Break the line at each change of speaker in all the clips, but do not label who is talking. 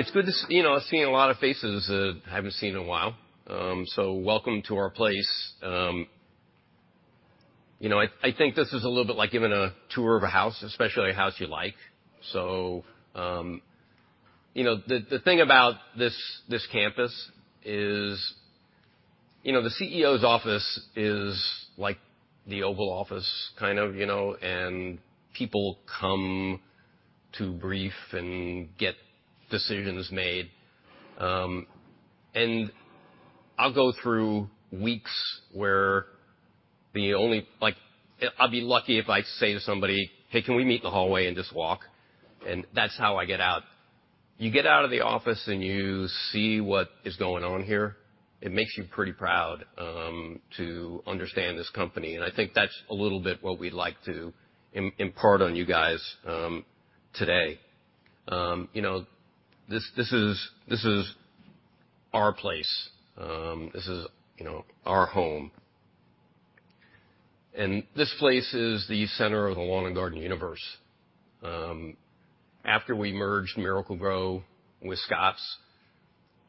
It's good to see, you know, seeing a lot of faces I haven't seen in a while. So welcome to our place. You know, I think this is a little bit like giving a tour of a house, especially a house you like. So, you know, the thing about this campus is, you know, the CEO's office is like the Oval Office, kind of, you know, and people come to brief and get decisions made. And I'll go through weeks where the only—like, I'll be lucky if I say to somebody: "Hey, can we meet in the hallway and just walk?" And that's how I get out. You get out of the office, and you see what is going on here, it makes you pretty proud to understand this company, and I think that's a little bit what we'd like to impart on you guys today. You know, this, this is, this is our place. This is, you know, our home. And this place is the center of the lawn and garden universe. After we merged Miracle-Gro with Scotts,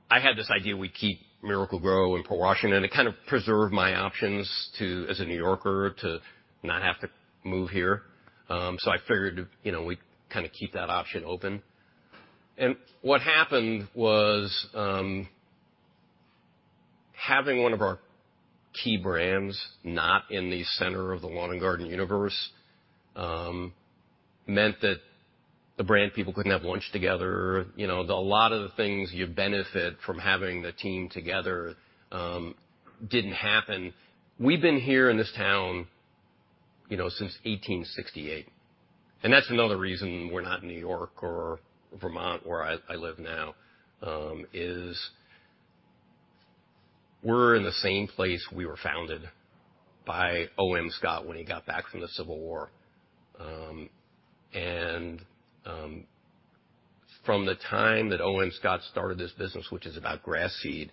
I had this idea we'd keep Miracle-Gro in Port Washington to kind of preserve my options to, as a New Yorker, to not have to move here. So I figured, you know, we'd kind of keep that option open. And what happened was, having one of our key brands not in the center of the lawn and garden universe meant that the brand people couldn't have lunch together. You know, a lot of the things you benefit from having the team together didn't happen. We've been here in this town, you know, since 1868, and that's another reason we're not in New York or Vermont, where I live now, is we're in the same place we were founded by O.M. Scott when he got back from the Civil War. And from the time that O.M. Scott started this business, which is about grass seed,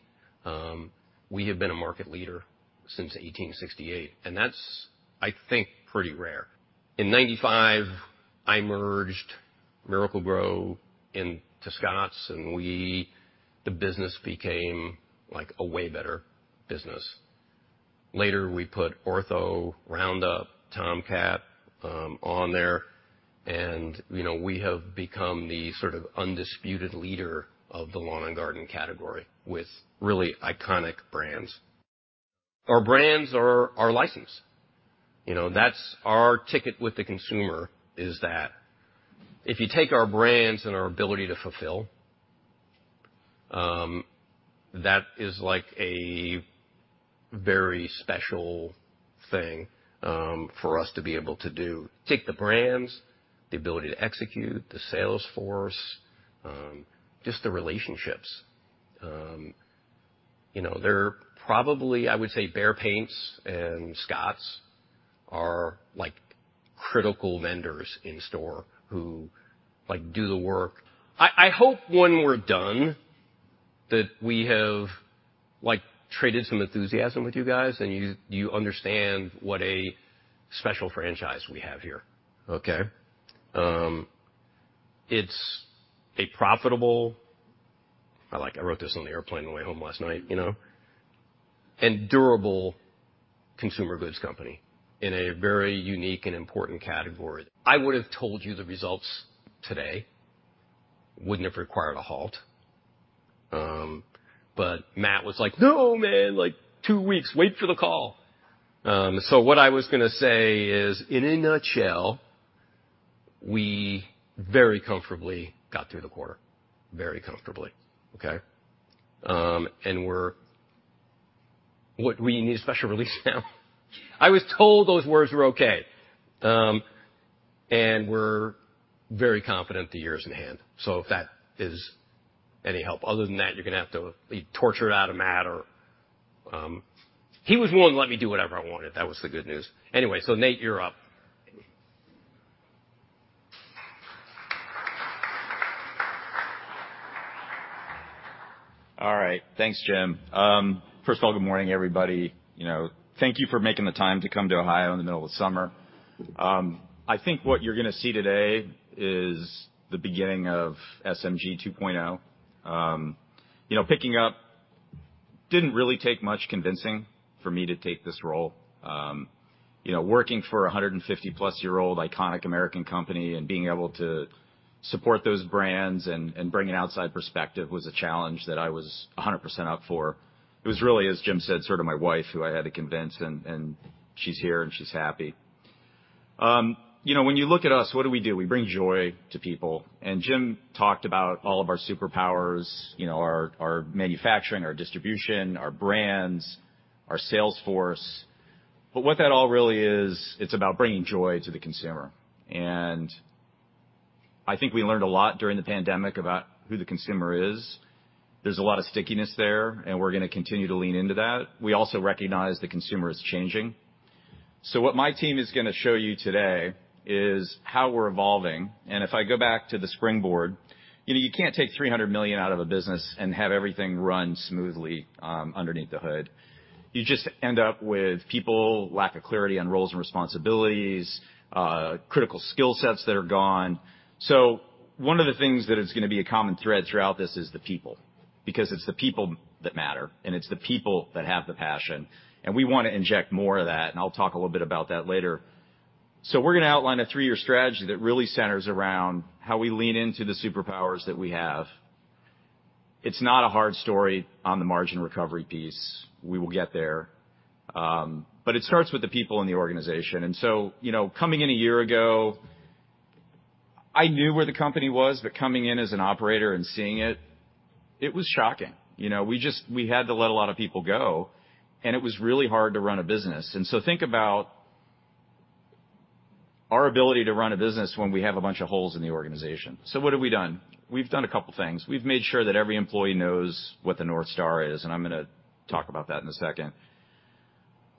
we have been a market leader since 1868, and that's, I think, pretty rare. In 1995, I merged Miracle-Gro into Scotts, and we, the business became, like, a way better business. Later, we put Ortho, Roundup, Tomcat on there, and, you know, we have become the sort of undisputed leader of the lawn and garden category with really iconic brands. Our brands are our license. You know, that's our ticket with the consumer, is that if you take our brands and our ability to fulfill, that is like a very special thing for us to be able to do. Take the brands, the ability to execute, the sales force, just the relationships. You know, they're probably, I would say, Behr Paints and Scotts are like critical vendors in store who, like, do the work. I, I hope when we're done, that we have, like, traded some enthusiasm with you guys, and you, you understand what a special franchise we have here, okay? It's a profitable... I, like, I wrote this on the airplane on the way home last night, you know, and durable consumer goods company in a very unique and important category. I would've told you the results today, wouldn't have required a halt, but Matt was like: "No, man, like, 2 weeks. Wait for the call." So what I was gonna say is, in a nutshell, we very comfortably got through the quarter, very comfortably, okay? And we're—what, we need a special release now? I was told those words were okay. And we're very confident the year is in hand, so if that is any help. Other than that, you're gonna have to torture it out of Matt or... He was the one who let me do whatever I wanted. That was the good news. Anyway, so Nate, you're up.
All right. Thanks, Jim. First of all, good morning, everybody. You know, thank you for making the time to come to Ohio in the middle of the summer. I think what you're gonna see today is the beginning of SMG 2.0. You know, picking up didn't really take much convincing for me to take this role. You know, working for a 150+ year-old iconic American company and being able to support those brands and, and bring an outside perspective was a challenge that I was 100% up for. It was really, as Jim said, sort of my wife, who I had to convince, and, and she's here, and she's happy. You know, when you look at us, what do we do? We bring joy to people, and Jim talked about all of our superpowers, you know, our, our manufacturing, our distribution, our brands, our sales force. But what that all really is, it's about bringing joy to the consumer. I think we learned a lot during the pandemic about who the consumer is. There's a lot of stickiness there, and we're gonna continue to lean into that. We also recognize the consumer is changing. So what my team is gonna show you today is how we're evolving, and if I go back to the springboard, you know, you can't take $300 million out of a business and have everything run smoothly underneath the hood. You just end up with people, lack of clarity on roles and responsibilities, critical skill sets that are gone. So one of the things that is gonna be a common thread throughout this is the people... because it's the people that matter, and it's the people that have the passion, and we wanna inject more of that, and I'll talk a little bit about that later. So we're gonna outline a three-year strategy that really centers around how we lean into the superpowers that we have. It's not a hard story on the margin recovery piece. We will get there, but it starts with the people in the organization. And so, you know, coming in a year ago, I knew where the company was, but coming in as an operator and seeing it, it was shocking. You know, we just had to let a lot of people go, and it was really hard to run a business. Think about our ability to run a business when we have a bunch of holes in the organization. What have we done? We've done a couple things. We've made sure that every employee knows what the North Star is, and I'm gonna talk about that in a second.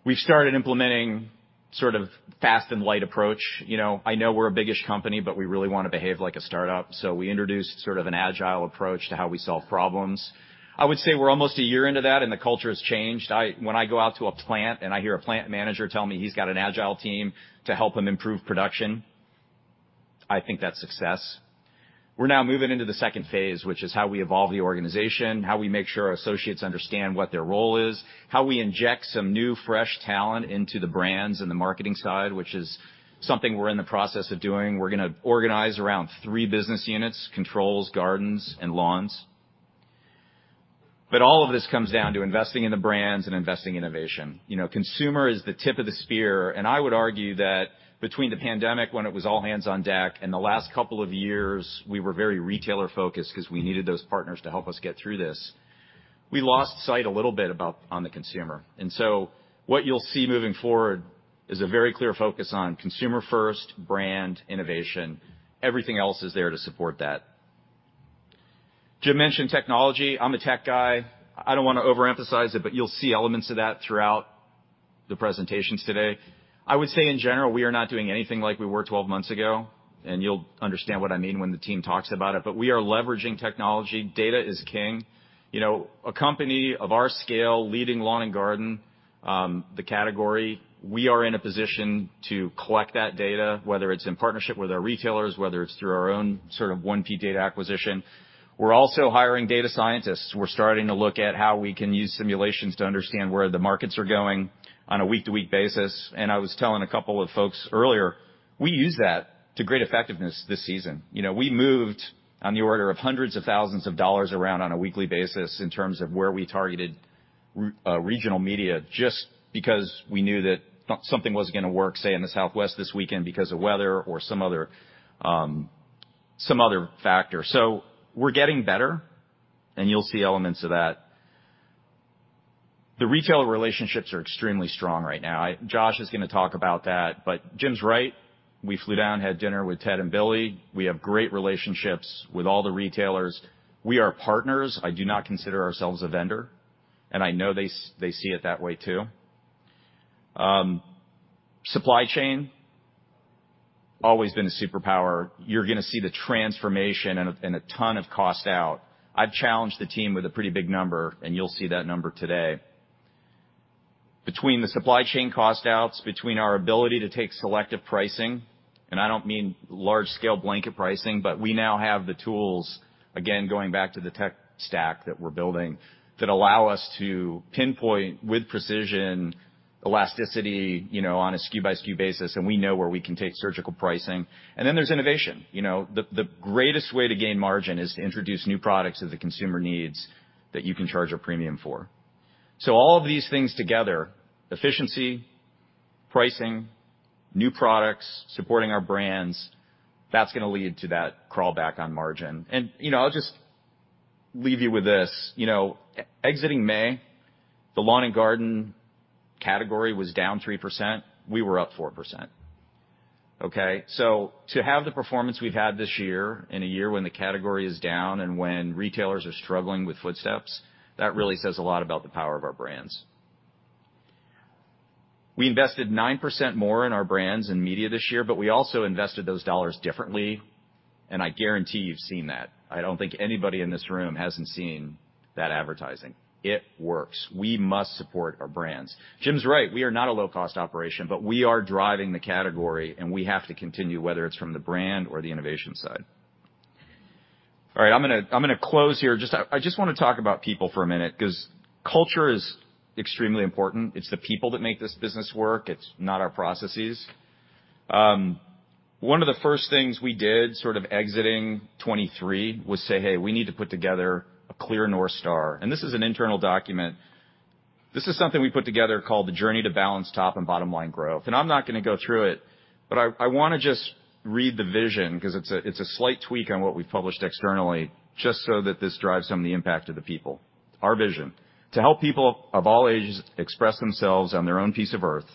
We've started implementing sort of fast and light approach. You know, I know we're a biggish company, but we really wanna behave like a startup, so we introduced sort of an agile approach to how we solve problems. I would say we're almost a year into that, and the culture has changed. I, when I go out to a plant, and I hear a plant manager tell me he's got an agile team to help him improve production, I think that's success. We're now moving into the second phase, which is how we evolve the organization, how we make sure our associates understand what their role is, how we inject some new, fresh talent into the brands and the marketing side, which is something we're in the process of doing. We're gonna organize around three business units: Controls, Gardens, and Lawns. But all of this comes down to investing in the brands and investing in innovation. You know, consumer is the tip of the spear, and I would argue that between the pandemic, when it was all hands on deck, and the last couple of years, we were very retailer-focused 'cause we needed those partners to help us get through this. We lost sight a little bit on the consumer. And so what you'll see moving forward is a very clear focus on consumer first, brand, innovation. Everything else is there to support that. Jim mentioned technology. I'm a tech guy. I don't wanna overemphasize it, but you'll see elements of that throughout the presentations today. I would say, in general, we are not doing anything like we were 12 months ago, and you'll understand what I mean when the team talks about it, but we are leveraging technology. Data is king. You know, a company of our scale, leading lawn and garden, the category, we are in a position to collect that data, whether it's in partnership with our retailers, whether it's through our own sort of 1P data acquisition. We're also hiring data scientists. We're starting to look at how we can use simulations to understand where the markets are going on a week-to-week basis. I was telling a couple of folks earlier, we used that to great effectiveness this season. You know, we moved on the order of hundreds of thousands of dollars around on a weekly basis in terms of where we targeted regional media, just because we knew that not something wasn't gonna work, say, in the Southwest this weekend because of weather or some other factor. So we're getting better, and you'll see elements of that. The retailer relationships are extremely strong right now. Josh is gonna talk about that, but Jim's right. We flew down, had dinner with Ted and Billy. We have great relationships with all the retailers. We are partners. I do not consider ourselves a vendor, and I know they see it that way, too. Supply chain, always been a superpower. You're gonna see the transformation and a ton of cost out. I've challenged the team with a pretty big number, and you'll see that number today. Between the supply chain cost outs, between our ability to take selective pricing, and I don't mean large-scale blanket pricing, but we now have the tools, again, going back to the tech stack that we're building, that allow us to pinpoint with precision, elasticity, you know, on a SKU-by-SKU basis, and we know where we can take surgical pricing. And then there's innovation. You know, the greatest way to gain margin is to introduce new products that the consumer needs that you can charge a premium for. So all of these things together, efficiency, pricing, new products, supporting our brands, that's gonna lead to that crawl back on margin. And, you know, I'll just leave you with this, you know, exiting May, the lawn and garden category was down 3%. We were up 4%, okay? So to have the performance we've had this year, in a year when the category is down and when retailers are struggling with footsteps, that really says a lot about the power of our brands. We invested 9% more in our brands and media this year, but we also invested those dollars differently, and I guarantee you've seen that. I don't think anybody in this room hasn't seen that advertising. It works. We must support our brands. Jim's right, we are not a low-cost operation, but we are driving the category, and we have to continue, whether it's from the brand or the innovation side. All right, I'm gonna, I'm gonna close here. Just... I, I just wanna talk about people for a minute 'cause culture is extremely important. It's the people that make this business work, it's not our processes. One of the first things we did sort of exiting 2023 was say, "Hey, we need to put together a clear North Star." This is an internal document. This is something we put together called the Journey to Balance Top and Bottom Line Growth. I'm not gonna go through it, but I, I wanna just read the vision 'cause it's a, it's a slight tweak on what we've published externally, just so that this drives some of the impact to the people. Our vision: To help people of all ages express themselves on their own piece of earth.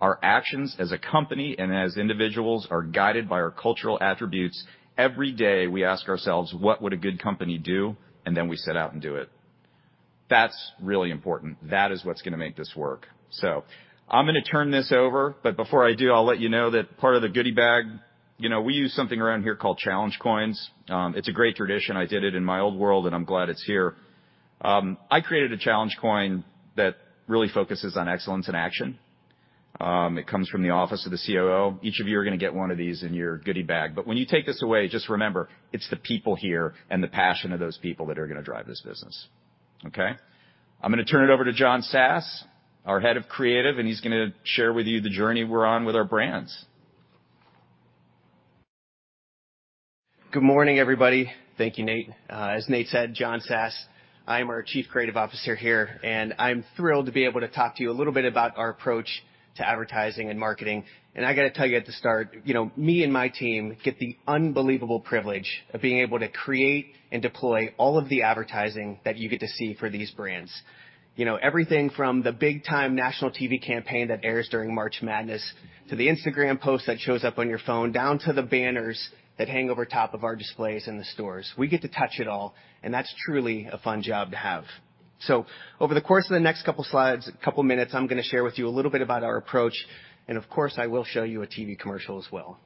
Our actions as a company and as individuals are guided by our cultural attributes. Every day, we ask ourselves, "What would a good company do?" Then we set out and do it. That's really important. That is what's gonna make this work. So I'm gonna turn this over, but before I do, I'll let you know that part of the goodie bag, you know, we use something around here called challenge coins. It's a great tradition. I did it in my old world, and I'm glad it's here. I created a challenge coin that really focuses on excellence in action. It comes from the Office of the COO. Each of you are going to get one of these in your goodie bag, but when you take this away, just remember, it's the people here and the passion of those people that are going to drive this business, okay? I'm going to turn it over to John Sass, our head of creative, and he's going to share with you the journey we're on with our brands.
Good morning, everybody. Thank you, Nate. As Nate said, John Sass, I am our Chief Creative Officer here, and I'm thrilled to be able to talk to you a little bit about our approach to advertising and marketing. And I got to tell you at the start, you know, me and my team get the unbelievable privilege of being able to create and deploy all of the advertising that you get to see for these brands. You know, everything from the big-time national TV campaign that airs during March Madness, to the Instagram post that shows up on your phone, down to the banners that hang over top of our displays in the stores. We get to touch it all, and that's truly a fun job to have. So over the course of the next couple slides, couple of minutes, I'm going to share with you a little bit about our approach. And of course, I will show you a TV commercial as well.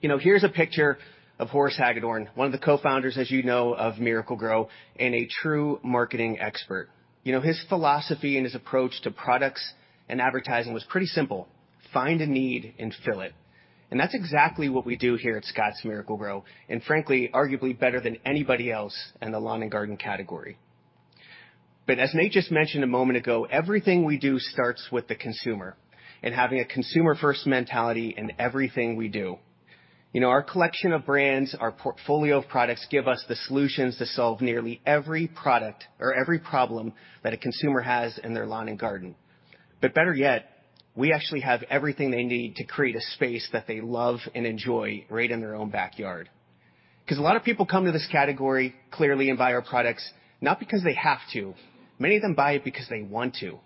You know, here's a picture of Horace Hagedorn, one of the co-founders, as you know, of Miracle-Gro, and a true marketing expert. You know, his philosophy and his approach to products and advertising was pretty simple: find a need and fill it. And that's exactly what we do here at Scotts Miracle-Gro, and frankly, arguably better than anybody else in the lawn and garden category. But as Nate just mentioned a moment ago, everything we do starts with the consumer and having a consumer-first mentality in everything we do. You know, our collection of brands, our portfolio of products, give us the solutions to solve nearly every product or every problem that a consumer has in their lawn and garden. But better yet, we actually have everything they need to create a space that they love and enjoy right in their own backyard. 'Cause a lot of people come to this category, clearly, and buy our products, not because they have to. Many of them buy it because they want to.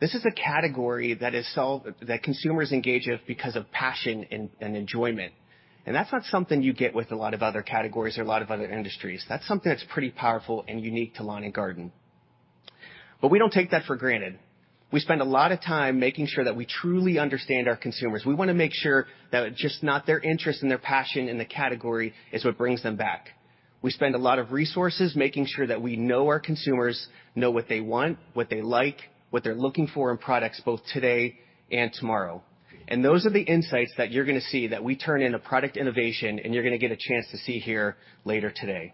This is a category that is solved, that consumers engage with because of passion and, and enjoyment. And that's not something you get with a lot of other categories or a lot of other industries. That's something that's pretty powerful and unique to lawn and garden. But we don't take that for granted. We spend a lot of time making sure that we truly understand our consumers. We want to make sure that it's just not their interest and their passion in the category is what brings them back. We spend a lot of resources making sure that we know our consumers, know what they want, what they like, what they're looking for in products both today and tomorrow. And those are the insights that you're going to see that we turn into product innovation, and you're going to get a chance to see here later today.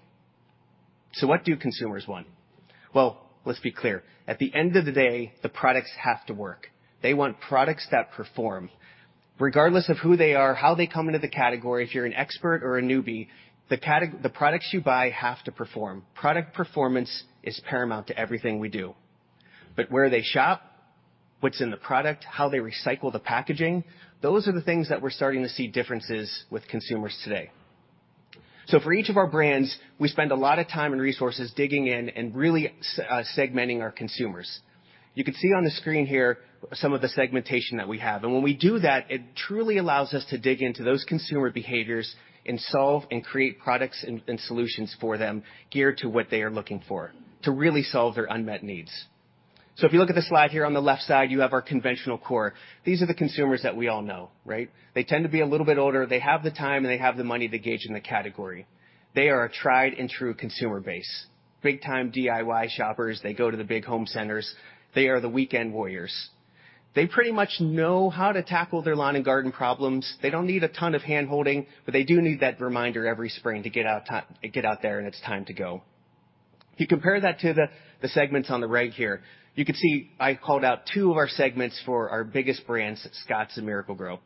So what do consumers want? Well, let's be clear. At the end of the day, the products have to work. They want products that perform. Regardless of who they are, how they come into the category, if you're an expert or a newbie, the products you buy have to perform. Product performance is paramount to everything we do. But where they shop, what's in the product, how they recycle the packaging, those are the things that we're starting to see differences with consumers today. So for each of our brands, we spend a lot of time and resources digging in and really segmenting our consumers. You can see on the screen here some of the segmentation that we have. And when we do that, it truly allows us to dig into those consumer behaviors and solve and create products and, and solutions for them, geared to what they are looking for, to really solve their unmet needs. So if you look at the slide here on the left side, you have our conventional core. These are the consumers that we all know, right? They tend to be a little bit older. They have the time, and they have the money to engage in the category. They are a tried-and-true consumer base, big-time DIY shoppers. They go to the big home centers. They are the weekend warriors. They pretty much know how to tackle their lawn and garden problems. They don't need a ton of handholding, but they do need that reminder every spring to get out there, and it's time to go. If you compare that to the segments on the right here, you can see I called out two of our segments for our biggest brands, Scotts and Miracle-Gro.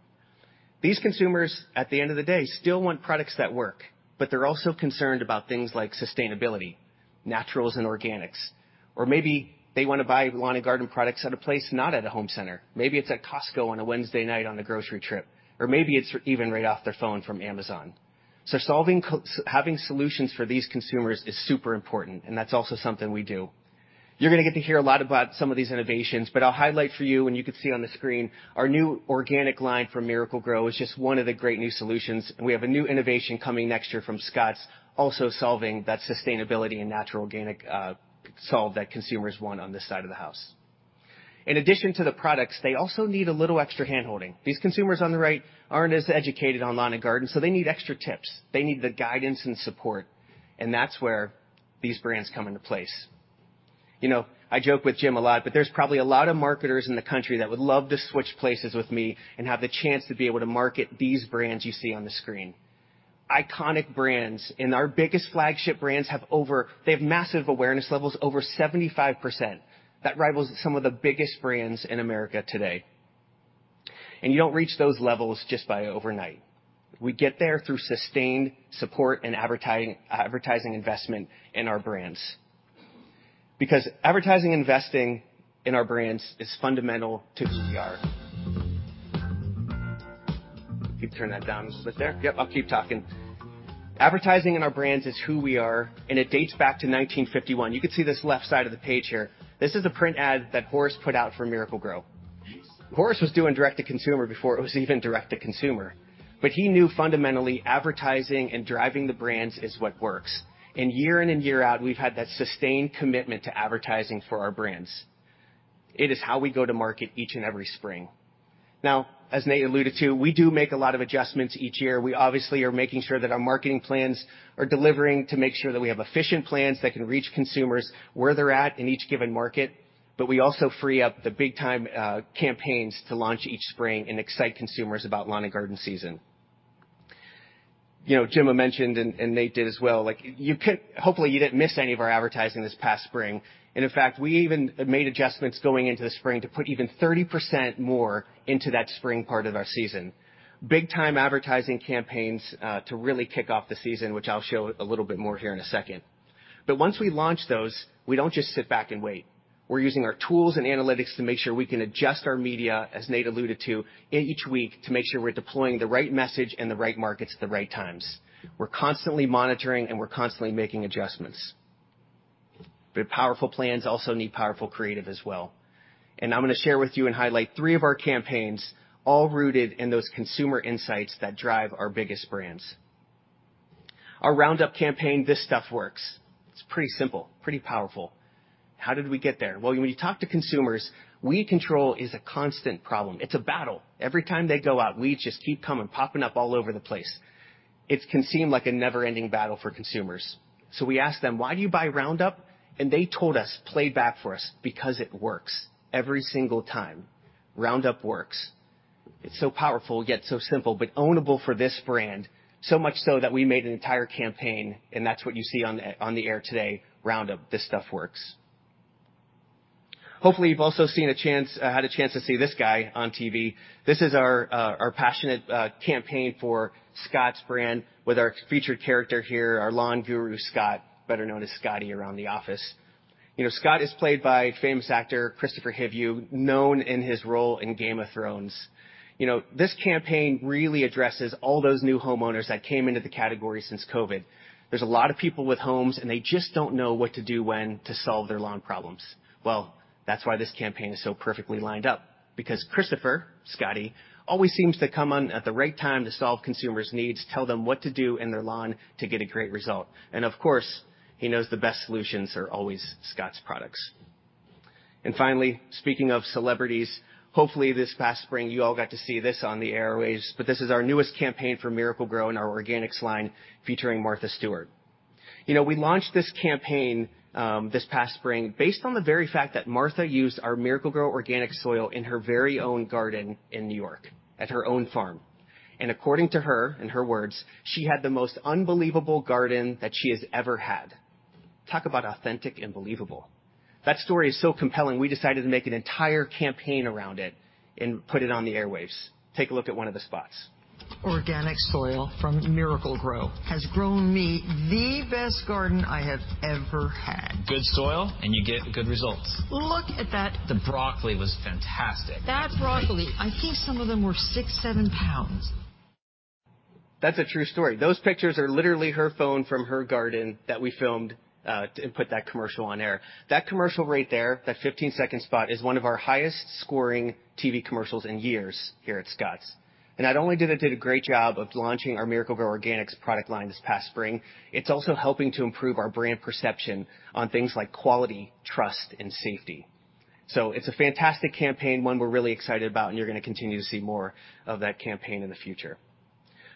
These consumers, at the end of the day, still want products that work, but they're also concerned about things like sustainability, naturals and organics. Or maybe they want to buy lawn and garden products at a place not at a home center. Maybe it's at Costco on a Wednesday night on a grocery trip, or maybe it's even right off their phone from Amazon. So solving having solutions for these consumers is super important, and that's also something we do. You're going to get to hear a lot about some of these innovations, but I'll highlight for you, and you can see on the screen, our new organic line from Miracle-Gro is just one of the great new solutions. We have a new innovation coming next year from Scotts, also solving that sustainability and natural organic, solve that consumers want on this side of the house. In addition to the products, they also need a little extra handholding. These consumers on the right aren't as educated on lawn and garden, so they need extra tips. They need the guidance and support, and that's where these brands come into place. You know, I joke with Jim a lot, but there's probably a lot of marketers in the country that would love to switch places with me and have the chance to be able to market these brands you see on the screen. Iconic brands, and our biggest flagship brands, have over... They have massive awareness levels, over 75%. That rivals some of the biggest brands in America today. And you don't reach those levels just overnight. We get there through sustained support and advertising investment in our brands. Because advertising investment in our brands is fundamental to who we are. You can turn that down just a bit there. Yep, I'll keep talking. Advertising our brands is who we are, and it dates back to 1951. You can see this left side of the page here. This is a print ad that Horace put out for Miracle-Gro. Horace was doing direct to consumer before it was even direct to consumer, but he knew fundamentally, advertising and driving the brands is what works. And year in and year out, we've had that sustained commitment to advertising for our brands. It is how we go to market each and every spring. Now, as Nate alluded to, we do make a lot of adjustments each year. We obviously are making sure that our marketing plans are delivering to make sure that we have efficient plans that can reach consumers where they're at in each given market, but we also free up the big time campaigns to launch each spring and excite consumers about lawn and garden season. You know, Jim mentioned, and Nate did as well, like, you could hopefully you didn't miss any of our advertising this past spring, and in fact, we even made adjustments going into the spring to put even 30% more into that spring part of our season. Big time advertising campaigns to really kick off the season, which I'll show a little bit more here in a second. But once we launch those, we don't just sit back and wait. We're using our tools and analytics to make sure we can adjust our media, as Nate alluded to, in each week, to make sure we're deploying the right message in the right markets at the right times. We're constantly monitoring, and we're constantly making adjustments. But powerful plans also need powerful creative as well, and I'm gonna share with you and highlight three of our campaigns, all rooted in those consumer insights that drive our biggest brands. Our Roundup campaign, This Stuff Works. It's pretty simple, pretty powerful. How did we get there? Well, when you talk to consumers, weed control is a constant problem. It's a battle. Every time they go out, weeds just keep coming, popping up all over the place. It can seem like a never-ending battle for consumers. So we ask them: Why do you buy Roundup? And they told us, played back for us, "Because it works every single time." Roundup works. It's so powerful, yet so simple, but ownable for this brand, so much so that we made an entire campaign, and that's what you see on the air today, Roundup: This Stuff Works. Hopefully, you've also had a chance to see this guy on TV. This is our passionate campaign for Scotts brand, with our featured character here, our lawn guru, Scott, better known as Scotty around the office. You know, Scott is played by famous actor, Kristofer Hivju, known in his role in Game of Thrones. You know, this campaign really addresses all those new homeowners that came into the category since COVID. There's a lot of people with homes, and they just don't know what to do when to solve their lawn problems. Well, that's why this campaign is so perfectly lined up, because Kristofer, Scotty, always seems to come on at the right time to solve consumers' needs, tell them what to do in their lawn to get a great result. And of course, he knows the best solutions are always Scotts products. Finally, speaking of celebrities, hopefully, this past spring, you all got to see this on the airwaves, but this is our newest campaign for Miracle-Gro in our organics line, featuring Martha Stewart. You know, we launched this campaign, this past spring, based on the very fact that Martha used our Miracle-Gro Organic Soil in her very own garden in New York, at her own farm. And according to her, in her words, she had the most unbelievable garden that she has ever had. Talk about authentic and believable. That story is so compelling, we decided to make an entire campaign around it and put it on the airwaves. Take a look at one of the spots.
Organic soil from Miracle-Gro has grown me the best garden I have ever had.
Good soil, and you get good results.
Look at that!
The broccoli was fantastic.
That broccoli, I think some of them were 6-7 pounds.
That's a true story. Those pictures are literally her phone from her garden that we filmed and put that commercial on air. That commercial right there, that 15-second spot, is one of our highest-scoring TV commercials in years here at Scotts. And not only did it do a great job of launching our Miracle-Gro Organics product line this past spring, it's also helping to improve our brand perception on things like quality, trust, and safety. So it's a fantastic campaign, one we're really excited about, and you're gonna continue to see more of that campaign in the future.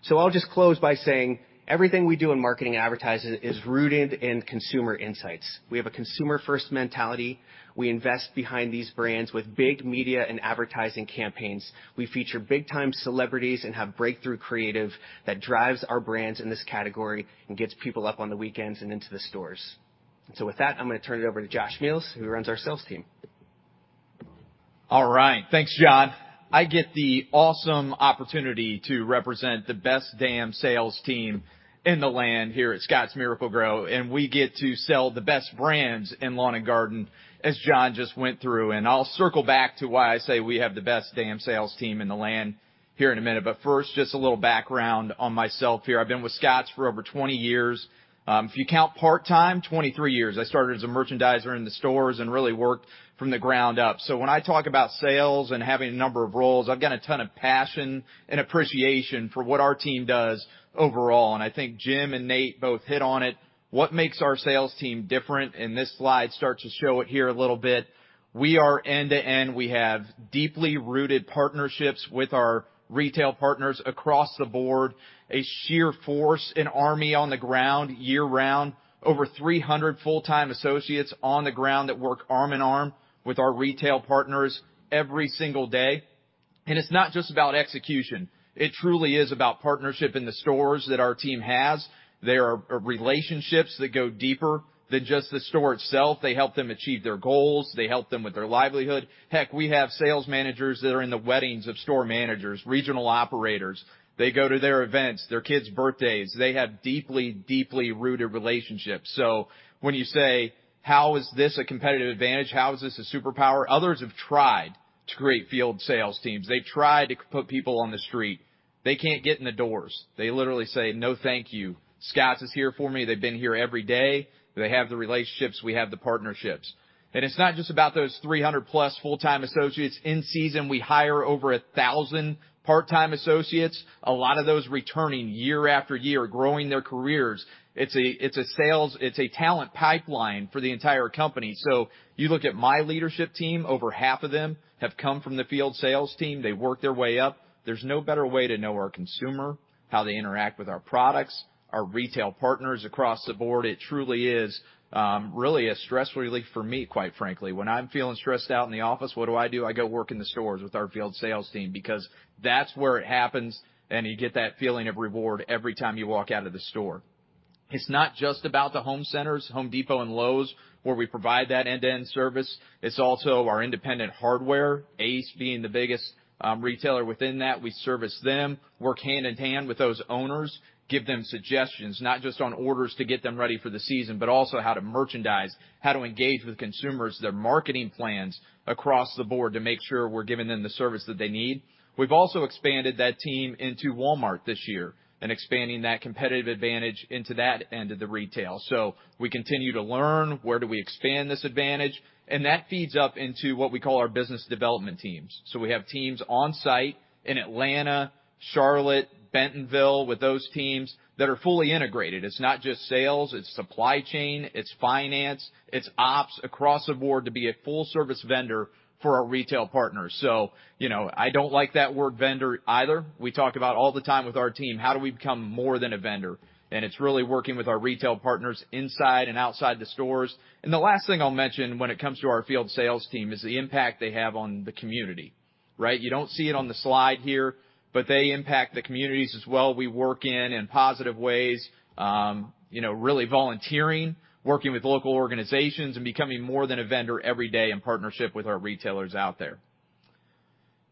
So I'll just close by saying, everything we do in marketing and advertising is rooted in consumer insights. We have a consumer-first mentality. We invest behind these brands with big media and advertising campaigns. We feature big-time celebrities and have breakthrough creative that drives our brands in this category and gets people up on the weekends and into the stores. So with that, I'm gonna turn it over to Josh Meihls, who runs our sales team.
All right, thanks, John. I get the awesome opportunity to represent the best damn sales team in the land here at Scotts Miracle-Gro, and we get to sell the best brands in lawn and garden, as John just went through, and I'll circle back to why I say we have the best damn sales team in the land here in a minute. But first, just a little background on myself here. I've been with Scotts for over 20 years. If you count part-time, 23 years. I started as a merchandiser in the stores and really worked from the ground up. So when I talk about sales and having a number of roles, I've got a ton of passion and appreciation for what our team does overall, and I think Jim and Nate both hit on it. What makes our sales team different, and this slide starts to show it here a little bit, we are end-to-end. We have deeply rooted partnerships with our retail partners across the board, a sheer force, an army on the ground, year-round, over 300 full-time associates on the ground that work arm in arm with our retail partners every single day. And it's not just about execution. It truly is about partnership in the stores that our team has. There are relationships that go deeper than just the store itself. They help them achieve their goals. They help them with their livelihood. Heck, we have sales managers that are in the weddings of store managers, regional operators. They go to their events, their kids' birthdays. They have deeply, deeply rooted relationships. So when you say: How is this a competitive advantage? How is this a superpower? Others have tried.... to great field sales teams. They try to put people on the street. They can't get in the doors. They literally say, "No, thank you. Scott is here for me. They've been here every day." They have the relationships; we have the partnerships. And it's not just about those 300+ full-time associates. In season, we hire over 1,000 part-time associates, a lot of those returning year after year, growing their careers. It's a sales talent pipeline for the entire company. So you look at my leadership team; over half of them have come from the field sales team. They worked their way up. There's no better way to know our consumer, how they interact with our products, our retail partners across the board. It truly is really a stress relief for me, quite frankly. When I'm feeling stressed out in the office, what do I do? I go work in the stores with our field sales team because that's where it happens, and you get that feeling of reward every time you walk out of the store. It's not just about the home centers, Home Depot and Lowe's, where we provide that end-to-end service. It's also our independent hardware, Ace being the biggest retailer within that. We service them, work hand in hand with those owners, give them suggestions, not just on orders to get them ready for the season, but also how to merchandise, how to engage with consumers, their marketing plans across the board to make sure we're giving them the service that they need. We've also expanded that team into Walmart this year and expanding that competitive advantage into that end of the retail. So we continue to learn where do we expand this advantage, and that feeds up into what we call our business development teams. So we have teams on site in Atlanta, Charlotte, Bentonville, with those teams that are fully integrated. It's not just sales, it's supply chain, it's finance, it's ops across the board to be a full service vendor for our retail partners. So, you know, I don't like that word, vendor, either. We talk about all the time with our team, how do we become more than a vendor? And it's really working with our retail partners inside and outside the stores. And the last thing I'll mention when it comes to our field sales team is the impact they have on the community, right? You don't see it on the slide here, but they impact the communities as well. We work in positive ways, you know, really volunteering, working with local organizations, and becoming more than a vendor every day in partnership with our retailers out there.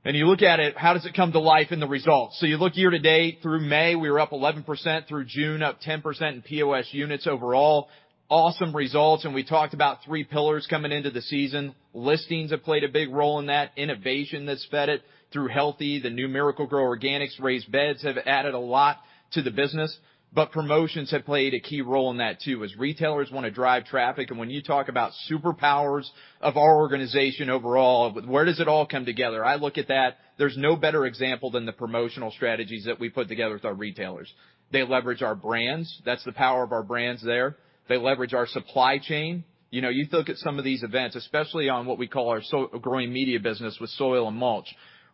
You look at it, how does it come to life in the results? You look year to date through May, we were up 11%, through June, up 10% in POS units overall. Awesome results, and we talked about three pillars coming into the season. Listings have played a big role in that. Innovation that's fed it through [Health], the new Miracle-Gro Organics Raised Beds have added a lot to the business, but promotions have played a key role in that, too, as retailers want to drive traffic. When you talk about superpowers of our organization overall, where does it all come together? I look at that. There's no better example than the promotional strategies that we put together with our retailers. They leverage our brands. That's the power of our brands there. They leverage our supply chain. You know, you look at some of these events, especially on what we call our so-called growing media business with soil and mulch.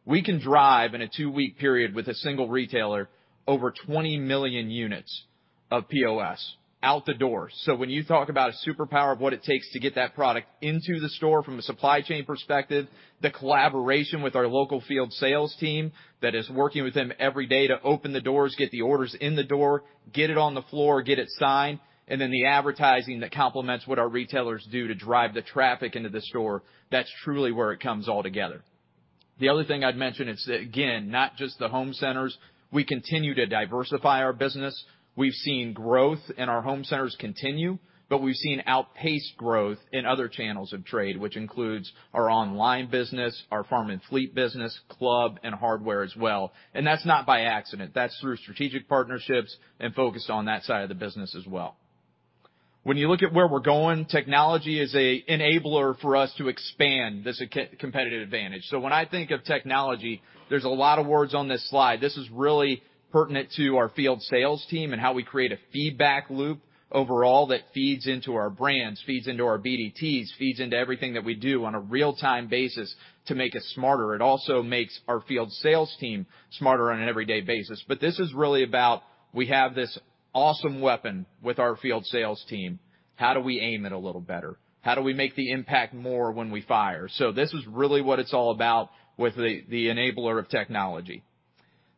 We can drive in a two-week period with a single retailer, over 20 million units of POS out the door. So when you talk about a superpower of what it takes to get that product into the store from a supply chain perspective, the collaboration with our local field sales team that is working with them every day to open the doors, get the orders in the door, get it on the floor, get it signed, and then the advertising that complements what our retailers do to drive the traffic into the store, that's truly where it comes all together. The other thing I'd mention is, again, not just the home centers. We continue to diversify our business. We've seen growth in our home centers continue, but we've seen outpaced growth in other channels of trade, which includes our online business, our farm and fleet business, club, and hardware as well. And that's not by accident. That's through strategic partnerships and focused on that side of the business as well. When you look at where we're going, technology is an enabler for us to expand this competitive advantage. So when I think of technology, there's a lot of words on this slide. This is really pertinent to our field sales team and how we create a feedback loop overall that feeds into our brands, feeds into our BDTs, feeds into everything that we do on a real-time basis to make us smarter. It also makes our field sales team smarter on an everyday basis. But this is really about, we have this awesome weapon with our field sales team. How do we aim it a little better? How do we make the impact more when we fire? So this is really what it's all about with the enabler of technology.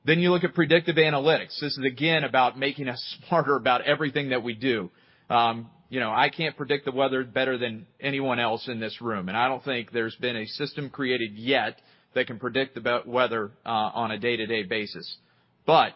Then you look at predictive analytics. This is, again, about making us smarter about everything that we do. You know, I can't predict the weather better than anyone else in this room, and I don't think there's been a system created yet that can predict the weather on a day-to-day basis. But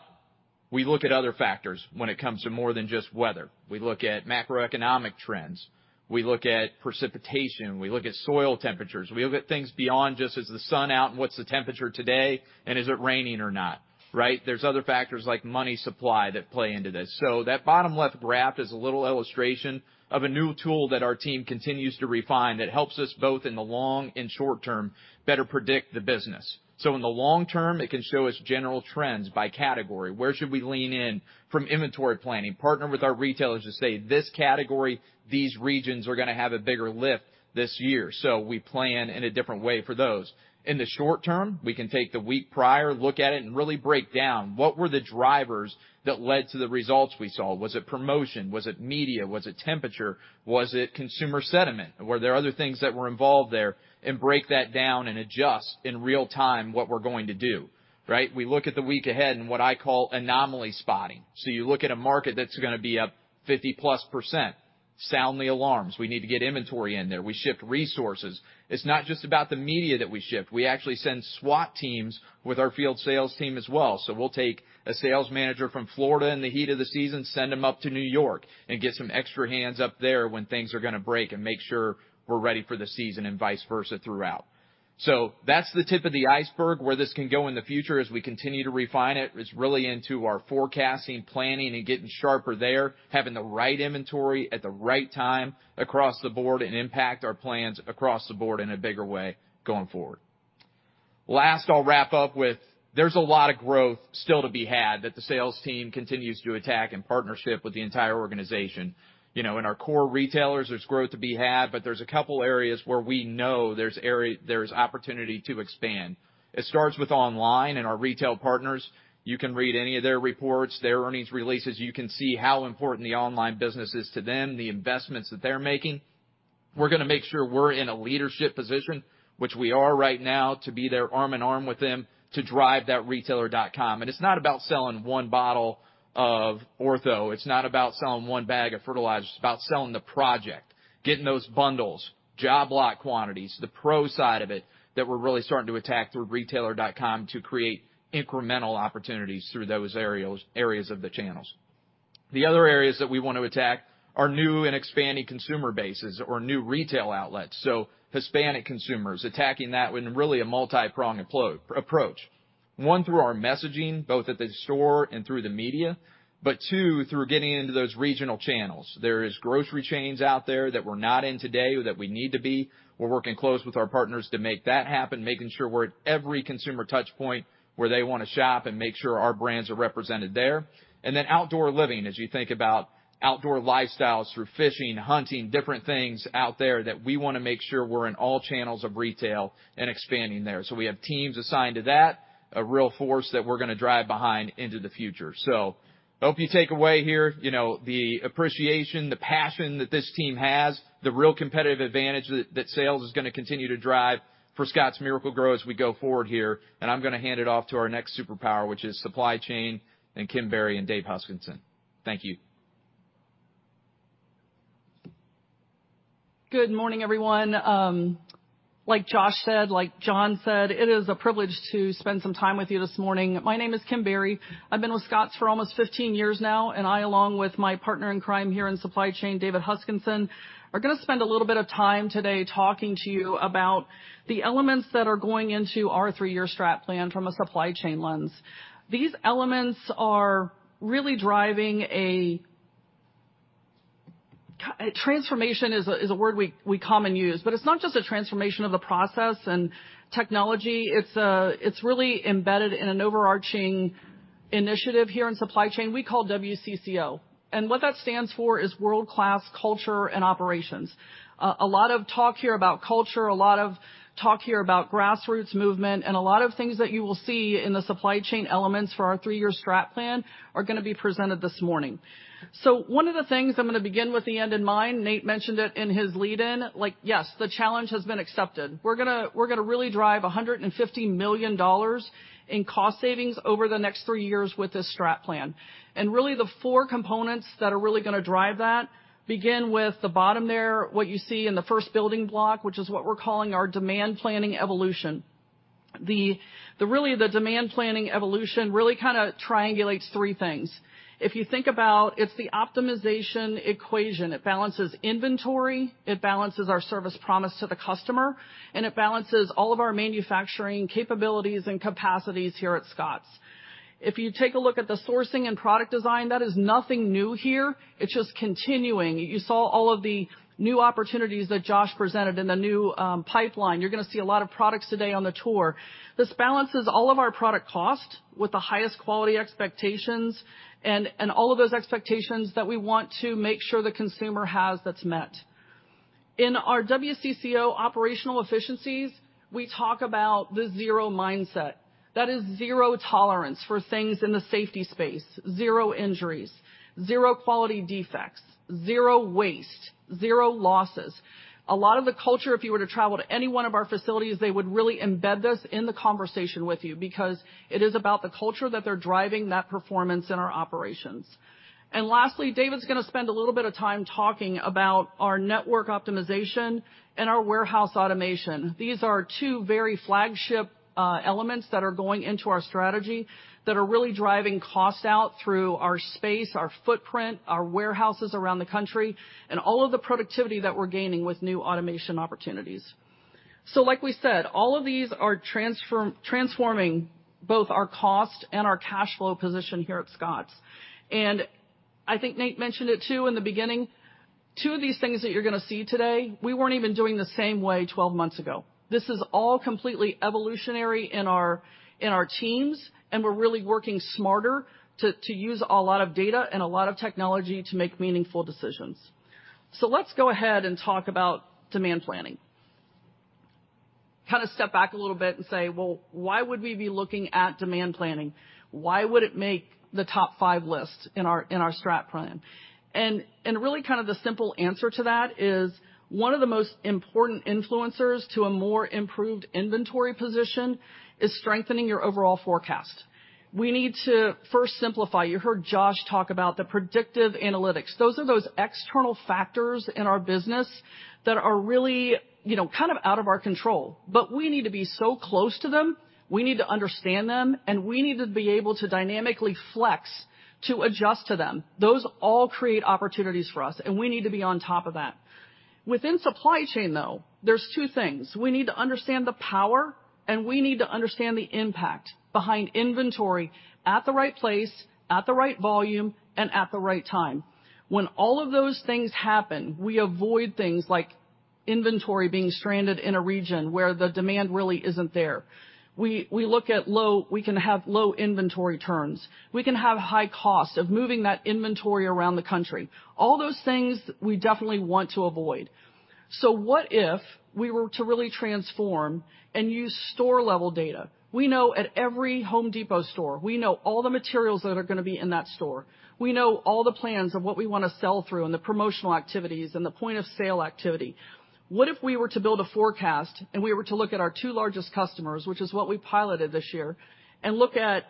we look at other factors when it comes to more than just weather. We look at macroeconomic trends, we look at precipitation, we look at soil temperatures, we look at things beyond just, is the sun out, and what's the temperature today, and is it raining or not, right? There's other factors like money supply that play into this. So that bottom left graph is a little illustration of a new tool that our team continues to refine that helps us, both in the long and short term, better predict the business. So in the long term, it can show us general trends by category. Where should we lean in from inventory planning, partner with our retailers to say, this category, these regions, are gonna have a bigger lift this year. So we plan in a different way for those. In the short term, we can take the week prior, look at it, and really break down what were the drivers that led to the results we saw. Was it promotion? Was it media? Was it temperature? Was it consumer sentiment? Were there other things that were involved there? And break that down and adjust in real time what we're going to do, right? We look at the week ahead and what I call anomaly spotting. So you look at a market that's gonna be up 50%+... sound the alarms. We need to get inventory in there. We shift resources. It's not just about the media that we shift. We actually send SWAT teams with our field sales team as well. So we'll take a sales manager from Florida in the heat of the season, send them up to New York, and get some extra hands up there when things are gonna break, and make sure we're ready for the season and vice versa throughout. So that's the tip of the iceberg, where this can go in the future as we continue to refine it, is really into our forecasting, planning, and getting sharper there, having the right inventory at the right time across the board, and impact our plans across the board in a bigger way going forward. Last, I'll wrap up with, there's a lot of growth still to be had that the sales team continues to attack in partnership with the entire organization. You know, in our core retailers, there's growth to be had, but there's a couple areas where we know there's opportunity to expand. It starts with online and our retail partners. You can read any of their reports, their earnings releases. You can see how important the online business is to them, the investments that they're making. We're gonna make sure we're in a leadership position, which we are right now, to be there arm in arm with them to drive that retailer.com. And it's not about selling one bottle of Ortho. It's not about selling one bag of fertilizer. It's about selling the project, getting those bundles, job lot quantities, the Pro side of it, that we're really starting to attack through retailer.com to create incremental opportunities through those areas of the channels. The other areas that we want to attack are new and expanding consumer bases or new retail outlets. So Hispanic consumers, attacking that with really a multiprong approach. One, through our messaging, both at the store and through the media, but two, through getting into those regional channels. There is grocery chains out there that we're not in today that we need to be. We're working close with our partners to make that happen, making sure we're at every consumer touch point where they wanna shop and make sure our brands are represented there. And then outdoor living, as you think about outdoor lifestyles through fishing, hunting, different things out there that we wanna make sure we're in all channels of retail and expanding there. So we have teams assigned to that, a real force that we're gonna drive behind into the future. So hope you take away here, you know, the appreciation, the passion that this team has, the real competitive advantage that, that sales is gonna continue to drive for Scotts Miracle-Gro as we go forward here. And I'm gonna hand it off to our next superpower, which is supply chain, and Kim Berry and Dave Huskinson. Thank you.
Good morning, everyone. Like Josh said, like John said, it is a privilege to spend some time with you this morning. My name is Kim Berry. I've been with Scotts for almost 15 years now, and I, along with my partner in crime here in supply chain, David Huskinson, are gonna spend a little bit of time today talking to you about the elements that are going into our 3-year strat plan from a supply chain lens. These elements are really driving a... Transformation is a, is a word we, we commonly use, but it's not just a transformation of the process and technology. It's, it's really embedded in an overarching initiative here in supply chain we call WCCO. And what that stands for is World-Class Culture and Operations. A lot of talk here about culture, a lot of talk here about grassroots movement, and a lot of things that you will see in the supply chain elements for our three-year strat plan are gonna be presented this morning. So one of the things I'm gonna begin with the end in mind, Nate mentioned it in his lead-in, like, yes, the challenge has been accepted. We're gonna really drive $150 million in cost savings over the next three years with this strat plan. And really, the four components that are really gonna drive that begin with the bottom there, what you see in the first building block, which is what we're calling our demand planning evolution. The demand planning evolution really kinda triangulates three things. If you think about, it's the optimization equation. It balances inventory, it balances our service promise to the customer, and it balances all of our manufacturing capabilities and capacities here at Scotts. If you take a look at the sourcing and product design, that is nothing new here. It's just continuing. You saw all of the new opportunities that Josh presented in the new pipeline. You're gonna see a lot of products today on the tour. This balances all of our product cost with the highest quality expectations and, and all of those expectations that we want to make sure the consumer has. That's met. In our WCCO operational efficiencies, we talk about the zero mindset. That is zero tolerance for things in the safety space, zero injuries, zero quality defects, zero waste, zero losses. A lot of the culture, if you were to travel to any one of our facilities, they would really embed this in the conversation with you because it is about the culture that they're driving that performance in our operations. And lastly, David's gonna spend a little bit of time talking about our network optimization and our warehouse automation. These are two very flagship elements that are going into our strategy, that are really driving costs out through our space, our footprint, our warehouses around the country, and all of the productivity that we're gaining with new automation opportunities. So like we said, all of these are transforming both our cost and our cash flow position here at Scotts. And I think Nate mentioned it, too, in the beginning, two of these things that you're gonna see today, we weren't even doing the same way 12 months ago. This is all completely evolutionary in our, in our teams, and we're really working smarter to, to use a lot of data and a lot of technology to make meaningful decisions. So let's go ahead and talk about demand planning... kind of step back a little bit and say, well, why would we be looking at demand planning? Why would it make the top five list in our, in our strat plan? And, and really kind of the simple answer to that is, one of the most important influencers to a more improved inventory position is strengthening your overall forecast. We need to first simplify. You heard Josh talk about the predictive analytics. Those are those external factors in our business that are really, you know, kind of out of our control. But we need to be so close to them, we need to understand them, and we need to be able to dynamically flex to adjust to them. Those all create opportunities for us, and we need to be on top of that. Within supply chain, though, there's two things. We need to understand the power, and we need to understand the impact behind inventory at the right place, at the right volume, and at the right time. When all of those things happen, we avoid things like inventory being stranded in a region where the demand really isn't there. We can have low inventory turns. We can have high cost of moving that inventory around the country. All those things we definitely want to avoid. So what if we were to really transform and use store-level data? We know at every Home Depot store, we know all the materials that are going to be in that store. We know all the plans of what we want to sell through and the promotional activities and the point of sale activity. What if we were to build a forecast and we were to look at our two largest customers, which is what we piloted this year, and look at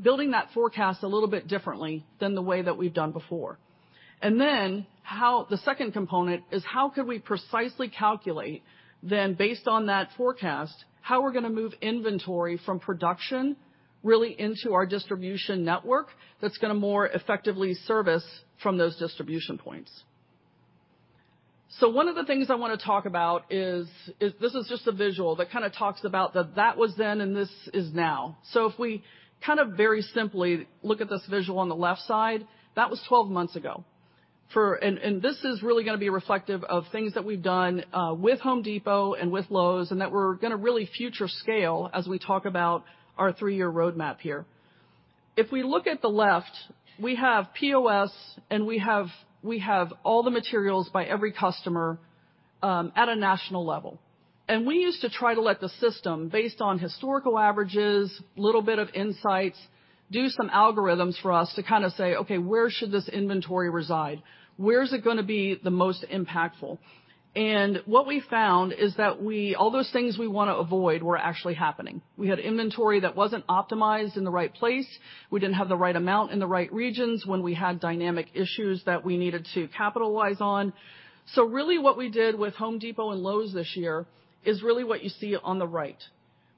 building that forecast a little bit differently than the way that we've done before? And then how, the second component is, how could we precisely calculate then, based on that forecast, how we're going to move inventory from production, really into our distribution network that's going to more effectively service from those distribution points. So one of the things I want to talk about is, this is just a visual that kind of talks about that was then, and this is now. So if we kind of very simply look at this visual on the left side, that was 12 months ago. And this is really going to be reflective of things that we've done with Home Depot and with Lowe's, and that we're going to really future scale as we talk about our 3-year roadmap here. If we look at the left, we have POS, and we have all the materials by every customer at a national level. And we used to try to let the system, based on historical averages, little bit of insights, do some algorithms for us to kind of say, okay, where should this inventory reside? Where is it going to be the most impactful? And what we found is that we all those things we want to avoid were actually happening. We had inventory that wasn't optimized in the right place. We didn't have the right amount in the right regions when we had dynamic issues that we needed to capitalize on. So really, what we did with Home Depot and Lowe's this year is really what you see on the right.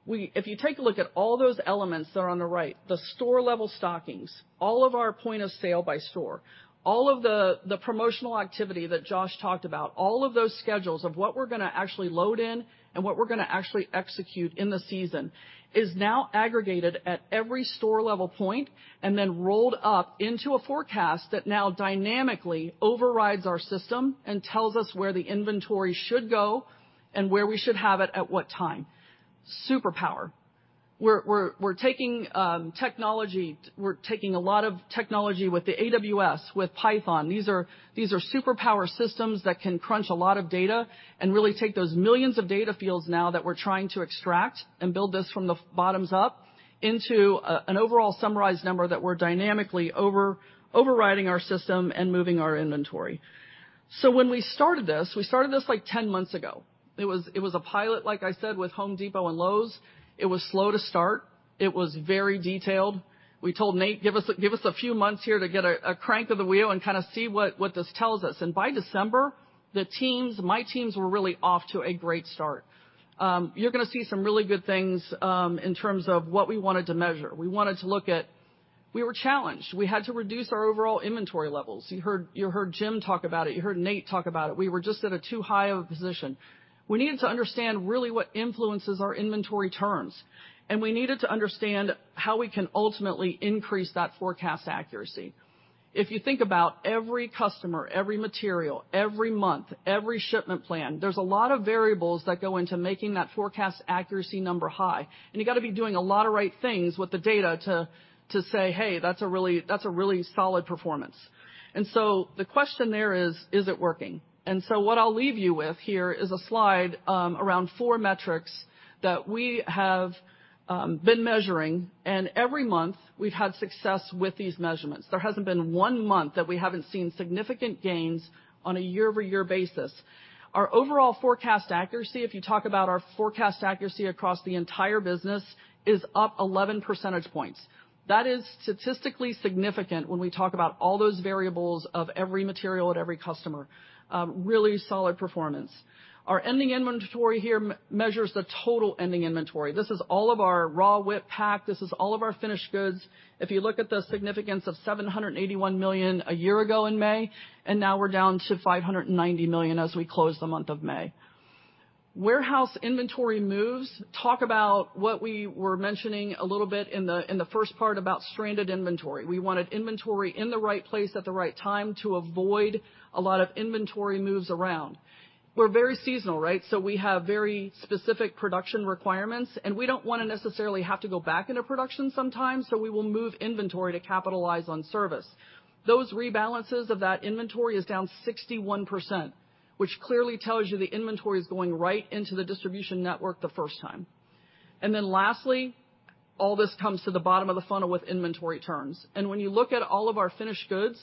If you take a look at all those elements that are on the right, the store-level stockings, all of our point of sale by store, all of the promotional activity that Josh talked about, all of those schedules of what we're going to actually load in and what we're going to actually execute in the season, is now aggregated at every store-level point and then rolled up into a forecast that now dynamically overrides our system and tells us where the inventory should go and where we should have it at what time. Superpower. We're taking a lot of technology with the AWS, with Python. These are superpower systems that can crunch a lot of data and really take those millions of data fields now that we're trying to extract and build this from the bottoms up into an overall summarized number that we're dynamically overriding our system and moving our inventory. So when we started this like 10 months ago. It was a pilot, like I said, with Home Depot and Lowe's. It was slow to start. It was very detailed. We told Nate, give us a few months here to get a crank of the wheel and kind of see what this tells us. By December, the teams, my teams were really off to a great start. You're going to see some really good things in terms of what we wanted to measure. We wanted to look at – we were challenged. We had to reduce our overall inventory levels. You heard, you heard Jim talk about it. You heard Nate talk about it. We were just at a too high of a position. We needed to understand really what influences our inventory turns, and we needed to understand how we can ultimately increase that forecast accuracy. If you think about every customer, every material, every month, every shipment plan, there's a lot of variables that go into making that forecast accuracy number high, and you got to be doing a lot of right things with the data to, to say, hey, that's a really, that's a really solid performance. So the question there is: Is it working? What I'll leave you with here is a slide around four metrics that we have been measuring, and every month, we've had success with these measurements. There hasn't been one month that we haven't seen significant gains on a year-over-year basis. Our overall forecast accuracy, if you talk about our forecast accuracy across the entire business, is up 11 percentage points. That is statistically significant when we talk about all those variables of every material at every customer. Really solid performance. Our ending inventory here measures the total ending inventory. This is all of our raw WIP pack. This is all of our finished goods. If you look at the significance of $781 million a year ago in May, and now we're down to $590 million as we close the month of May. Warehouse inventory moves. Talk about what we were mentioning a little bit in the first part about stranded inventory. We wanted inventory in the right place at the right time to avoid a lot of inventory moves around. We're very seasonal, right? So we have very specific production requirements, and we don't want to necessarily have to go back into production sometimes, so we will move inventory to capitalize on service. Those rebalances of that inventory is down 61%, which clearly tells you the inventory is going right into the distribution network the first time. And then lastly, all this comes to the bottom of the funnel with inventory terms. And when you look at all of our finished goods,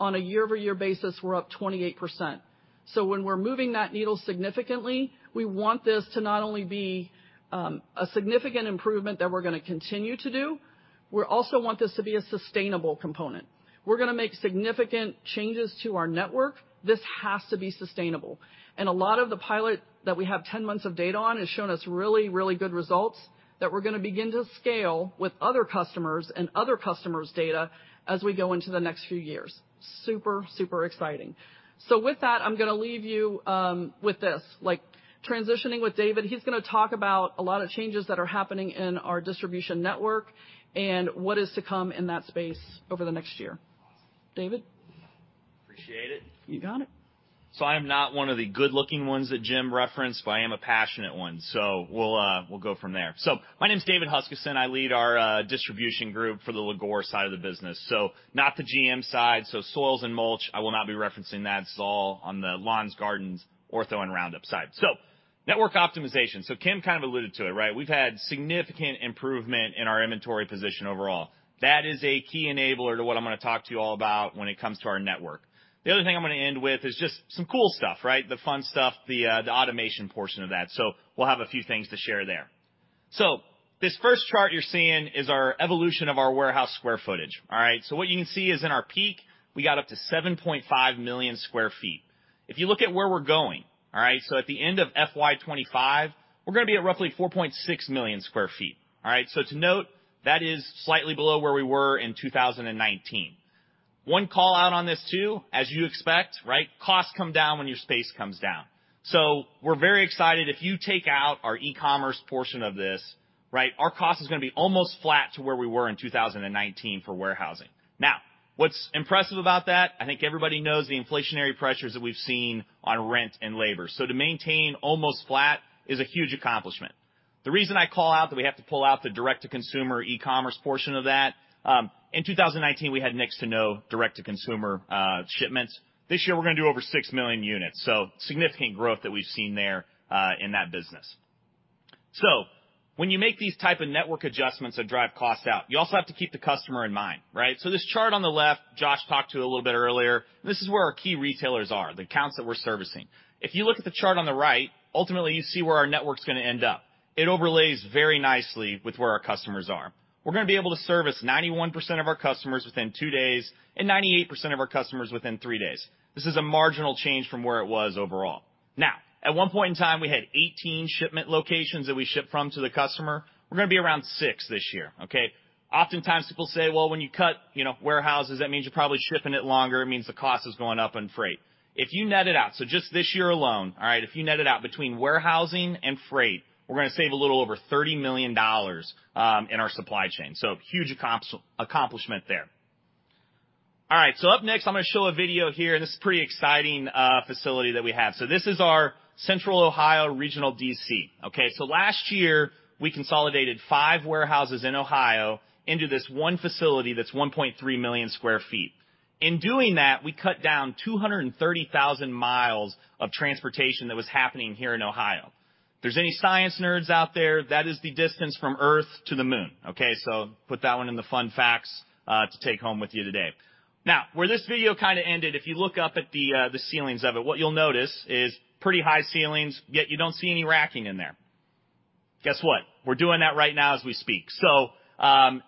on a year-over-year basis, we're up 28%. So when we're moving that needle significantly, we want this to not only be a significant improvement that we're gonna continue to do, we also want this to be a sustainable component. We're gonna make significant changes to our network. This has to be sustainable, and a lot of the pilot that we have 10 months of data on has shown us really, really good results that we're gonna begin to scale with other customers and other customers' data as we go into the next few years. Super, super exciting. So with that, I'm gonna leave you with this. Like, transitioning with David, he's gonna talk about a lot of changes that are happening in our distribution network and what is to come in that space over the next year. David?
Appreciate it.
You got it.
So I am not one of the good-looking ones that Jim referenced, but I am a passionate one, so we'll, we'll go from there. So my name's David Huskinson. I lead our distribution group for the LIGOR side of the business. So not the GM side, so soils and mulch, I will not be referencing that. This is all on the lawns, gardens, Ortho, and Roundup side. So network optimization. So Kim kind of alluded to it, right? We've had significant improvement in our inventory position overall. That is a key enabler to what I'm gonna talk to you all about when it comes to our network. The other thing I'm gonna end with is just some cool stuff, right? The fun stuff, the automation portion of that. So we'll have a few things to share there. So this first chart you're seeing is our evolution of our warehouse square footage. All right? So what you can see is in our peak, we got up to 7.5 million sq ft. If you look at where we're going, all right, so at the end of FY 2025, we're gonna be at roughly 4.6 million sq ft. All right? So to note, that is slightly below where we were in 2019. One call-out on this, too, as you expect, right, costs come down when your space comes down. So we're very excited. If you take out our e-commerce portion of this, right, our cost is gonna be almost flat to where we were in 2019 for warehousing. Now, what's impressive about that, I think everybody knows the inflationary pressures that we've seen on rent and labor, so to maintain almost flat is a huge accomplishment. The reason I call out that we have to pull out the Direct-to-Consumer e-commerce portion of that, in 2019, we had next to no Direct-to-Consumer shipments. This year, we're gonna do over 6 million units, so significant growth that we've seen there in that business. So when you make these type of network adjustments that drive cost out, you also have to keep the customer in mind, right? So this chart on the left, Josh talked to a little bit earlier, this is where our key retailers are, the accounts that we're servicing. If you look at the chart on the right, ultimately, you see where our network's gonna end up. It overlays very nicely with where our customers are. We're gonna be able to service 91% of our customers within two days and 98% of our customers within three days. This is a marginal change from where it was overall. Now, at one point in time, we had 18 shipment locations that we shipped from to the customer. We're gonna be around six this year, okay? Oftentimes, people say, "Well, when you cut, you know, warehouses, that means you're probably shipping it longer, it means the cost is going up on freight." If you net it out, so just this year alone, all right, if you net it out between warehousing and freight, we're gonna save a little over $30 million in our supply chain. So huge accomplishment there. All right, so up next, I'm gonna show a video here, and this is a pretty exciting facility that we have. So this is our Central Ohio Regional DC, okay? So last year, we consolidated five warehouses in Ohio into this one facility that's 1.3 million sq ft. In doing that, we cut down 230,000 mi of transportation that was happening here in Ohio. If there's any science nerds out there, that is the distance from Earth to the Moon, okay? So put that one in the fun facts to take home with you today. Now, where this video kind of ended, if you look up at the ceilings of it, what you'll notice is pretty high ceilings, yet you don't see any racking in there. Guess what? We're doing that right now as we speak. So,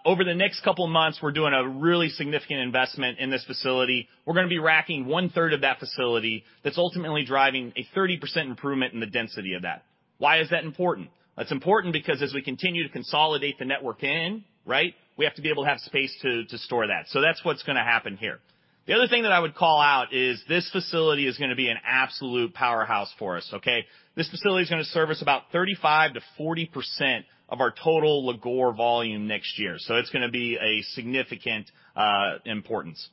over the next couple of months, we're doing a really significant investment in this facility. We're gonna be racking one third of that facility. That's ultimately driving a 30% improvement in the density of that. Why is that important? That's important because as we continue to consolidate the network in, right, we have to be able to have space to, to store that. So that's what's gonna happen here. The other thing that I would call out is this facility is gonna be an absolute powerhouse for us, okay? This facility is gonna serve us about 35%-40% of our total LIGOR volume next year, so it's gonna be a significant importance.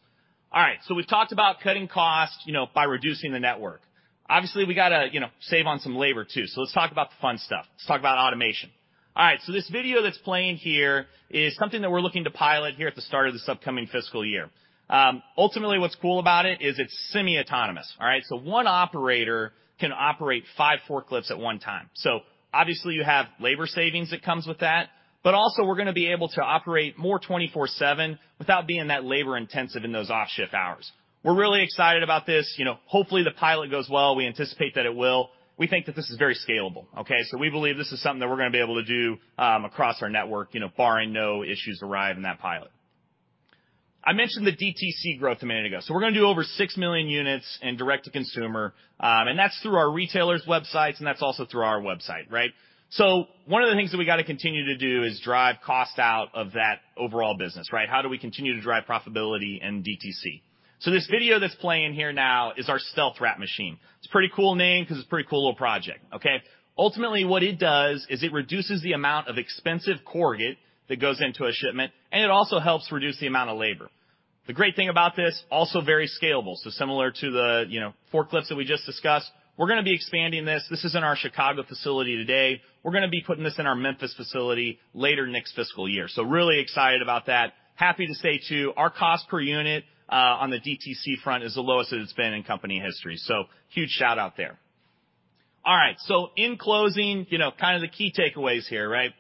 All right, so we've talked about cutting costs, you know, by reducing the network. Obviously, we got to, you know, save on some labor, too. So let's talk about the fun stuff. Let's talk about automation. All right, so this video that's playing here is something that we're looking to pilot here at the start of this upcoming fiscal year. Ultimately, what's cool about it is it's semi-autonomous, all right? So one operator can operate five forklifts at one time. So obviously, you have labor savings that comes with that, but also we're gonna be able to operate more 24/7 without being that labor intensive in those off-shift hours. We're really excited about this. You know, hopefully, the pilot goes well. We anticipate that it will. We think that this is very scalable, okay? So we believe this is something that we're gonna be able to do across our network, you know, barring no issues arrive in that pilot. I mentioned the DTC growth a minute ago. So we're gonna do over 6 million units in direct to consumer, and that's through our retailers' websites, and that's also through our website, right? So one of the things that we got to continue to do is drive cost out of that overall business, right? How do we continue to drive profitability in DTC? So this video that's playing here now is our StealthWrap machine. It's a pretty cool name because it's a pretty cool little project, okay? Ultimately, what it does is it reduces the amount of expensive corrugate that goes into a shipment, and it also helps reduce the amount of labor. The great thing about this, also very scalable. So similar to the, you know, forklifts that we just discussed, we're gonna be expanding this. This is in our Chicago facility today. We're gonna be putting this in our Memphis facility later next fiscal year. So really excited about that. Happy to say, too, our cost per unit on the DTC front is the lowest it's been in company history. So huge shout-out there. All right. So in closing, you know, kind of the key takeaways here, right?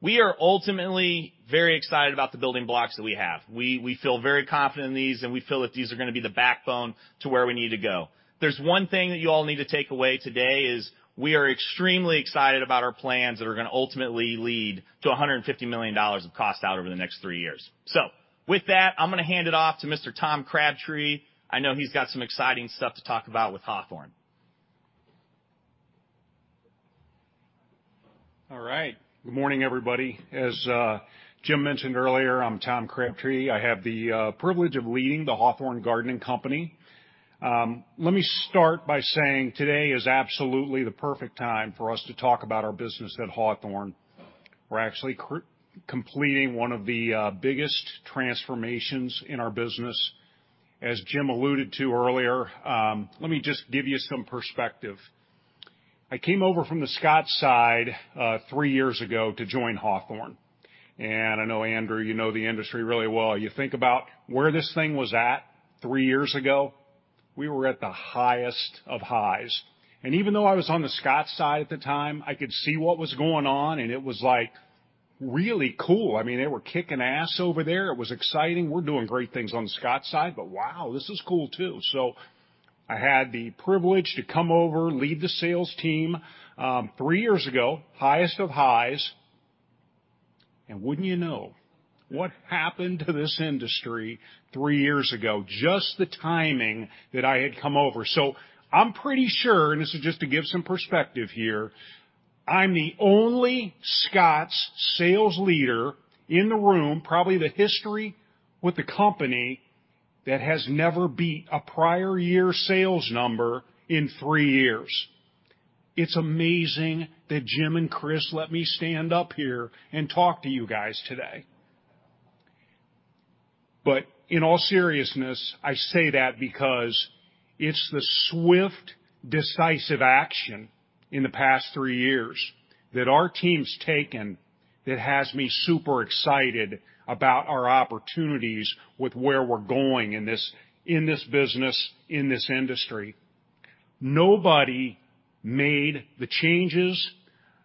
We are ultimately very excited about the building blocks that we have. We feel very confident in these, and we feel that these are going to be the backbone to where we need to go. There's one thing that you all need to take away today is we are extremely excited about our plans that are going to ultimately lead to $150 million of cost out over the next three years. So with that, I'm going to hand it off to Mr. Tom Crabtree. I know he's got some exciting stuff to talk about with Hawthorne.
All right. Good morning, everybody. As Jim mentioned earlier, I'm Tom Crabtree. I have the privilege of leading the Hawthorne Gardening Company. Let me start by saying today is absolutely the perfect time for us to talk about our business at Hawthorne. We're actually completing one of the biggest transformations in our business, as Jim alluded to earlier. Let me just give you some perspective. I came over from the Scotts side three years ago to join Hawthorne, and I know, Andrew, you know the industry really well. You think about where this thing was at three years ago, we were at the highest of highs. Even though I was on the Scotts side at the time, I could see what was going on, and it was like, really cool. I mean, they were kicking ass over there. It was exciting. We're doing great things on the Scotts side, but wow, this is cool, too. So I had the privilege to come over, lead the sales team, three years ago, highest of highs. And wouldn't you know? What happened to this industry three years ago? Just the timing that I had come over. So I'm pretty sure, and this is just to give some perspective here, I'm the only Scotts sales leader in the room, probably the history with the company, that has never beat a prior year sales number in 3 years. It's amazing that Jim and Chris let me stand up here and talk to you guys today. But in all seriousness, I say that because it's the swift, decisive action in the past three years that our team's taken that has me super excited about our opportunities with where we're going in this, in this business, in this industry. Nobody made the changes,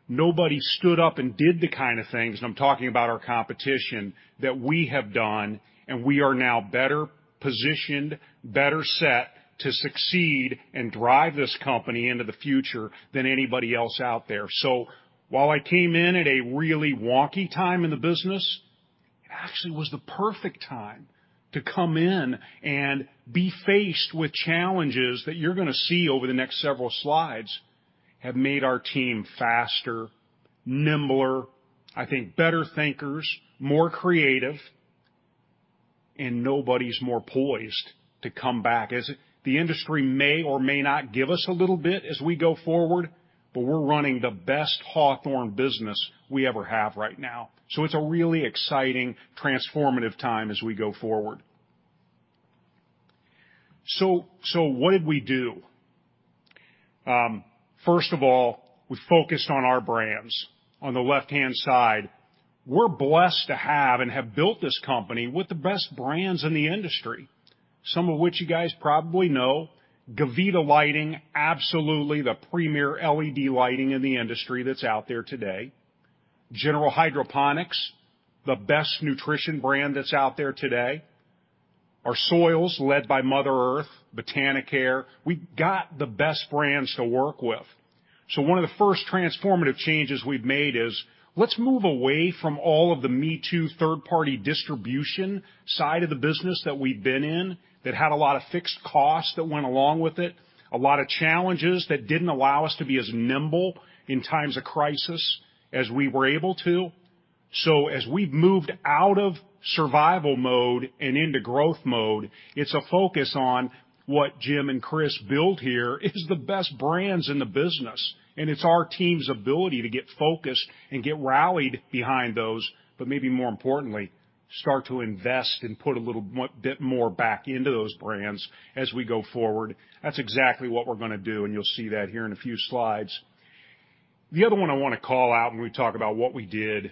nobody stood up and did the kind of things, and I'm talking about our competition, that we have done, and we are now better positioned, better set to succeed and drive this company into the future than anybody else out there. So while I came in at a really wonky time in the business, it actually was the perfect time to come in and be faced with challenges that you're going to see over the next several slides have made our team faster, nimbler, I think better thinkers, more creative, and nobody's more poised to come back. As the industry may or may not give us a little bit as we go forward, but we're running the best Hawthorne business we ever have right now. So it's a really exciting, transformative time as we go forward. So, what did we do? First of all, we focused on our brands. On the left-hand side, we're blessed to have and have built this company with the best brands in the industry, some of which you guys probably know. Gavita Lighting, absolutely the premier LED lighting in the industry that's out there today. General Hydroponics, the best nutrition brand that's out there today. Our soils, led by Mother Earth, Botanicare. We got the best brands to work with. So one of the first transformative changes we've made is, let's move away from all of the me-too, third-party distribution side of the business that we've been in, that had a lot of fixed costs that went along with it, a lot of challenges that didn't allow us to be as nimble in times of crisis as we were able to. So as we've moved out of survival mode and into growth mode, it's a focus on what Jim and Chris built here is the best brands in the business, and it's our team's ability to get focused and get rallied behind those, but maybe more importantly, start to invest and put a little bit more back into those brands as we go forward. That's exactly what we're gonna do, and you'll see that here in a few slides. The other one I want to call out when we talk about what we did,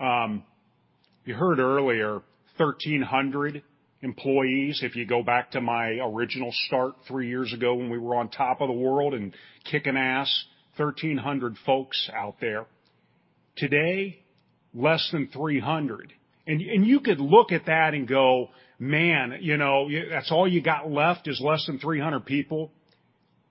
you heard earlier, 1,300 employees. If you go back to my original start three years ago, when we were on top of the world and kicking ass, 1,300 folks out there. Today, less than 300. And you, you could look at that and go, "Man, you know, that's all you got left is less than 300 people?"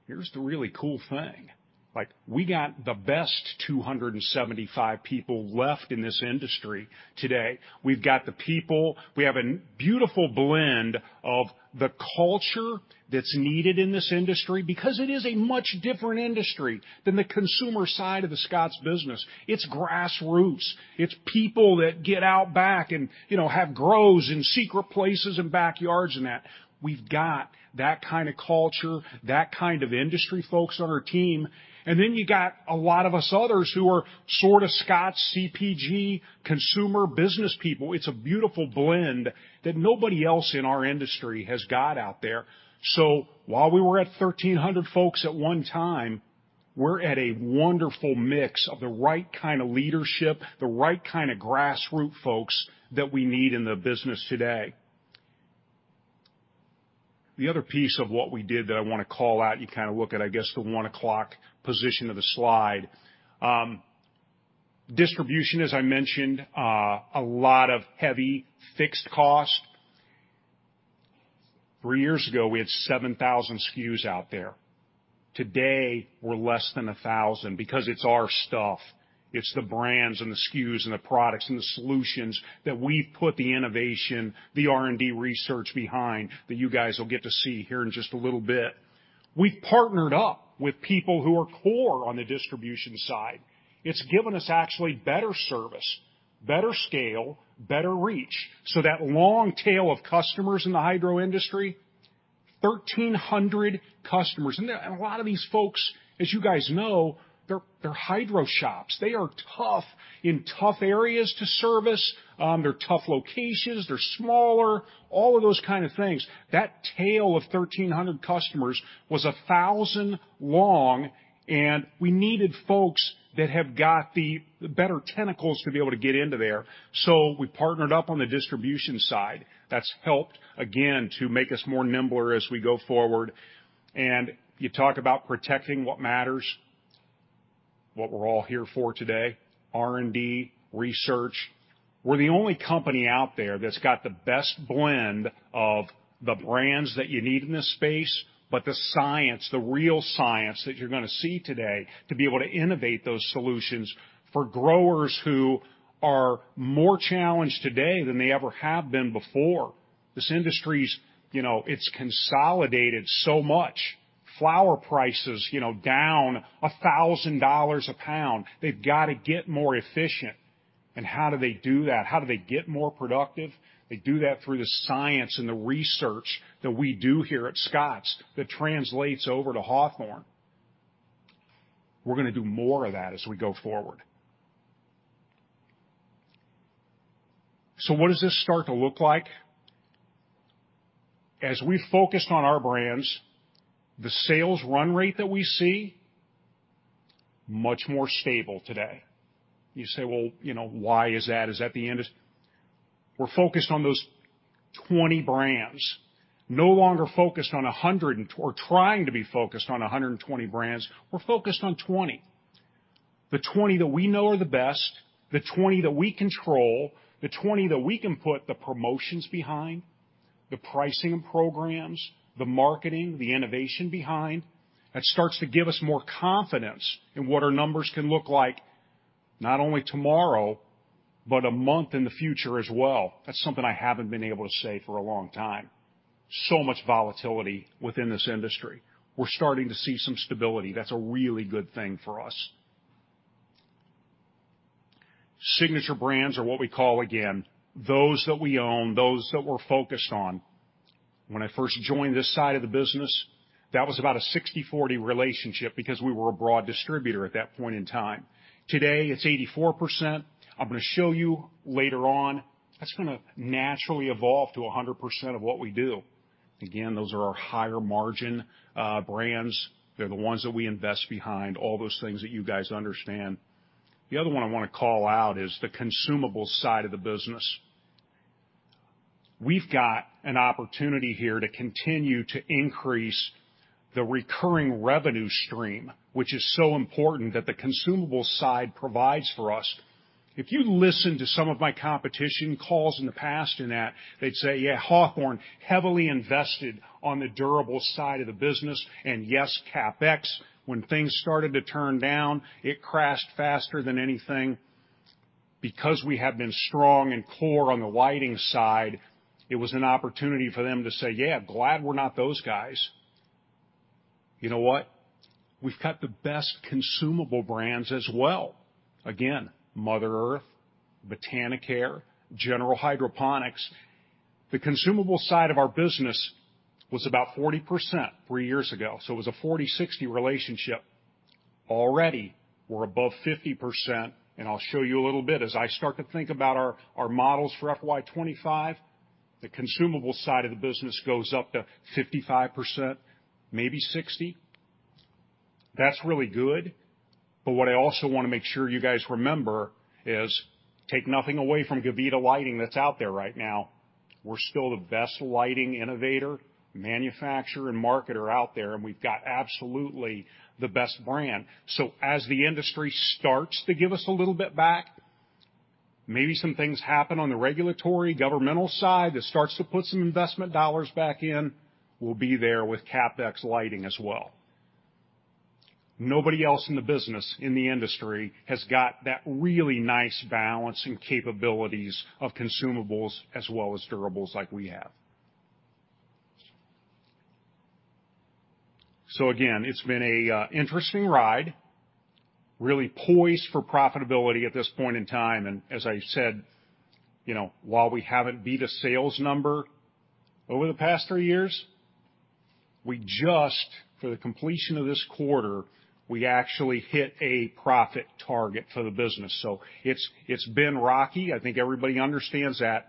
Here's the really cool thing: like, we got the best 275 people left in this industry today. We've got the people. We have a beautiful blend of the culture that's needed in this industry because it is a much different industry than the consumer side of the Scotts business. It's grassroots, it's people that get out back and, you know, have grows in secret places and backyards and that. We've got that kind of culture, that kind of industry folks on our team. And then you got a lot of us others who are sort of Scotts CPG, consumer business people. It's a beautiful blend that nobody else in our industry has got out there. So while we were at 1,300 folks at one time, we're at a wonderful mix of the right kind of leadership, the right kind of grassroots folks that we need in the business today. The other piece of what we did that I want to call out, you kind of look at, I guess, the one o'clock position of the slide. Distribution, as I mentioned, a lot of heavy fixed cost. Three years ago, we had 7,000 SKUs out there. Today, we're less than 1,000 because it's our stuff. It's the brands and the SKUs and the products and the solutions that we've put the innovation, the R&D research behind, that you guys will get to see here in just a little bit. We've partnered up with people who are core on the distribution side. It's given us actually better service, better scale, better reach. So that long tail of customers in the hydro industry, 1,300 customers. A lot of these folks, as you guys know, they're, they're hydro shops. They are tough in tough areas to service. They're tough locations, they're smaller, all of those kind of things. That tail of 1,300 customers was 1,000 long, and we needed folks that have got the better tentacles to be able to get into there. So we partnered up on the distribution side. That's helped, again, to make us more nimbler as we go forward. You talk about protecting what matters, what we're all here for today, R&D, research. We're the only company out there that's got the best blend of the brands that you need in this space, but the science, the real science that you're gonna see today, to be able to innovate those solutions for growers who are more challenged today than they ever have been before. This industry's, you know, it's consolidated so much. Flower prices, you know, down $1,000 a pound. They've got to get more efficient. How do they do that? How do they get more productive? They do that through the science and the research that we do here at Scotts, that translates over to Hawthorne. We're gonna do more of that as we go forward. So what does this start to look like? As we focused on our brands, the sales run rate that we see, much more stable today. You say, well, you know, why is that? Is that the end of... We're focused on those 20 brands. No longer focused on 100, or trying to be focused on 120 brands. We're focused on 20. The 20 that we know are the best, the 20 that we control, the 20 that we can put the promotions behind, the pricing and programs, the marketing, the innovation behind. That starts to give us more confidence in what our numbers can look like, not only tomorrow, but a month in the future as well. That's something I haven't been able to say for a long time. So much volatility within this industry. We're starting to see some stability. That's a really good thing for us. Signature brands are what we call, again, those that we own, those that we're focused on. When I first joined this side of the business, that was about a 60/40 relationship because we were a broad distributor at that point in time. Today, it's 84%. I'm gonna show you later on, that's gonna naturally evolve to a 100% of what we do. Again, those are our higher margin brands. They're the ones that we invest behind, all those things that you guys understand. The other one I wanna call out is the consumable side of the business. We've got an opportunity here to continue to increase the recurring revenue stream, which is so important that the consumable side provides for us. If you listen to some of my competition calls in the past in that, they'd say, "Yeah, Hawthorne, heavily invested on the durable side of the business." Yes, CapEx, when things started to turn down, it crashed faster than anything. Because we have been strong and core on the lighting side, it was an opportunity for them to say, "Yeah, glad we're not those guys." You know what? We've got the best consumable brands as well. Again, Mother Earth, Botanicare, General Hydroponics. The consumable side of our business was about 40% three years ago, so it was a 40-60 relationship. Already, we're above 50%, and I'll show you a little bit. As I start to think about our models for FY 2025, the consumable side of the business goes up to 55%, maybe 60%. That's really good, but what I also want to make sure you guys remember is take nothing away from Gavita Lighting that's out there right now. We're still the best lighting innovator, manufacturer, and marketer out there, and we've got absolutely the best brand. So as the industry starts to give us a little bit back, maybe some things happen on the regulatory, governmental side that starts to put some investment dollars back in, we'll be there with CapEx lighting as well. Nobody else in the business, in the industry, has got that really nice balance and capabilities of consumables as well as durables like we have. So again, it's been a interesting ride, really poised for profitability at this point in time. As I said, you know, while we haven't beat a sales number over the past three years, we just, for the completion of this quarter, we actually hit a profit target for the business. So it's, it's been rocky. I think everybody understands that.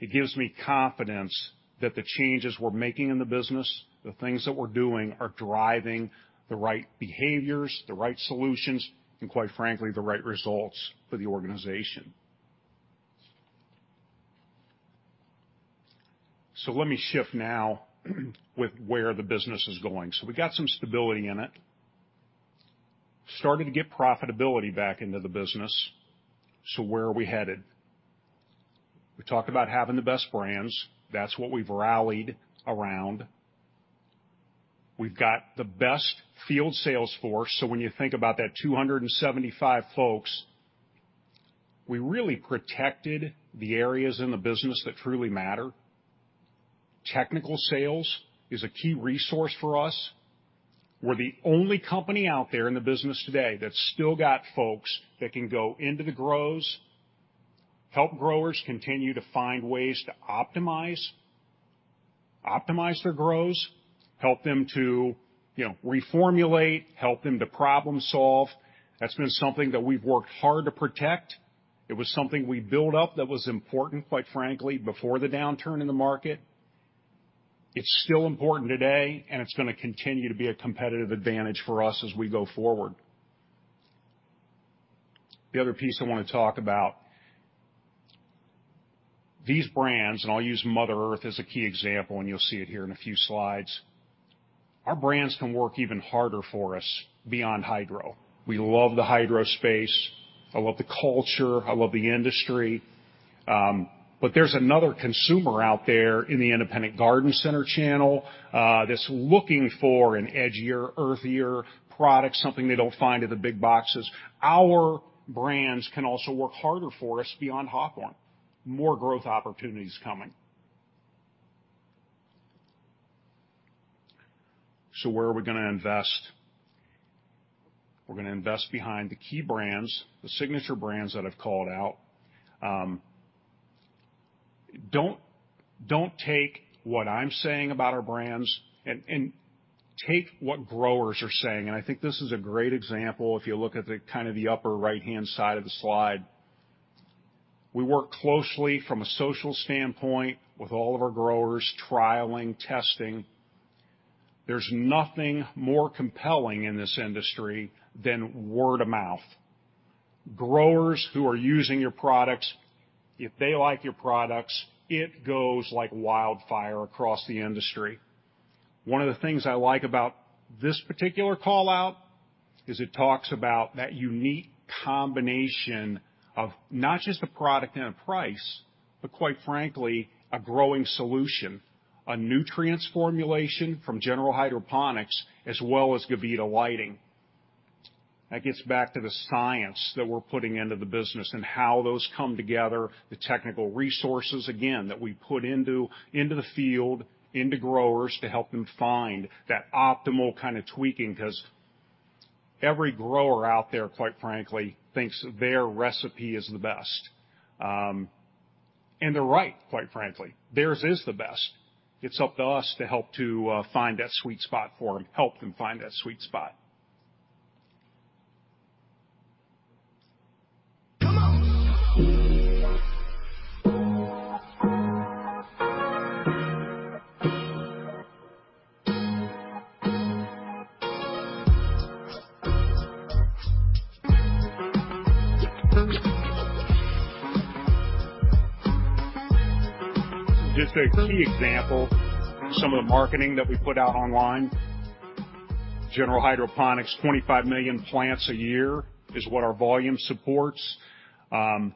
It gives me confidence that the changes we're making in the business, the things that we're doing, are driving the right behaviors, the right solutions, and quite frankly, the right results for the organization. So let me shift now with where the business is going. So we got some stability in it. Starting to get profitability back into the business. So where are we headed? We talked about having the best brands. That's what we've rallied around. We've got the best field sales force. So when you think about that 275 folks, we really protected the areas in the business that truly matter. Technical sales is a key resource for us. We're the only company out there in the business today that's still got folks that can go into the grows, help growers continue to find ways to optimize, optimize their grows, help them to, you know, reformulate, help them to problem solve. That's been something that we've worked hard to protect. It was something we built up that was important, quite frankly, before the downturn in the market. It's still important today, and it's gonna continue to be a competitive advantage for us as we go forward. The other piece I wanna talk about, these brands, and I'll use Mother Earth as a key example, and you'll see it here in a few slides. Our brands can work even harder for us beyond hydro. We love the hydro space. I love the culture, I love the industry, but there's another consumer out there in the independent garden center channel, that's looking for an edgier, earthier product, something they don't find in the big boxes. Our brands can also work harder for us beyond Hawthorne. More growth opportunities coming. So where are we gonna invest? We're gonna invest behind the key brands, the signature brands that I've called out. Don't, don't take what I'm saying about our brands and, and take what growers are saying. And I think this is a great example if you look at the kind of the upper right-hand side of the slide. We work closely from a social standpoint with all of our growers, trialing, testing. There's nothing more compelling in this industry than word of mouth. Growers who are using your products, if they like your products, it goes like wildfire across the industry. One of the things I like about this particular call-out is it talks about that unique combination of not just a product and a price, but quite frankly, a growing solution, a nutrients formulation from General Hydroponics, as well as Gavita Lighting. That gets back to the science that we're putting into the business and how those come together, the technical resources, again, that we put into the field, into growers to help them find that optimal kind of tweaking, 'cause every grower out there, quite frankly, thinks their recipe is the best. And they're right, quite frankly, theirs is the best. It's up to us to help to find that sweet spot for them, help them find that sweet spot. Just a key example, some of the marketing that we put out online. General Hydroponics, 25 million plants a year is what our volume supports. I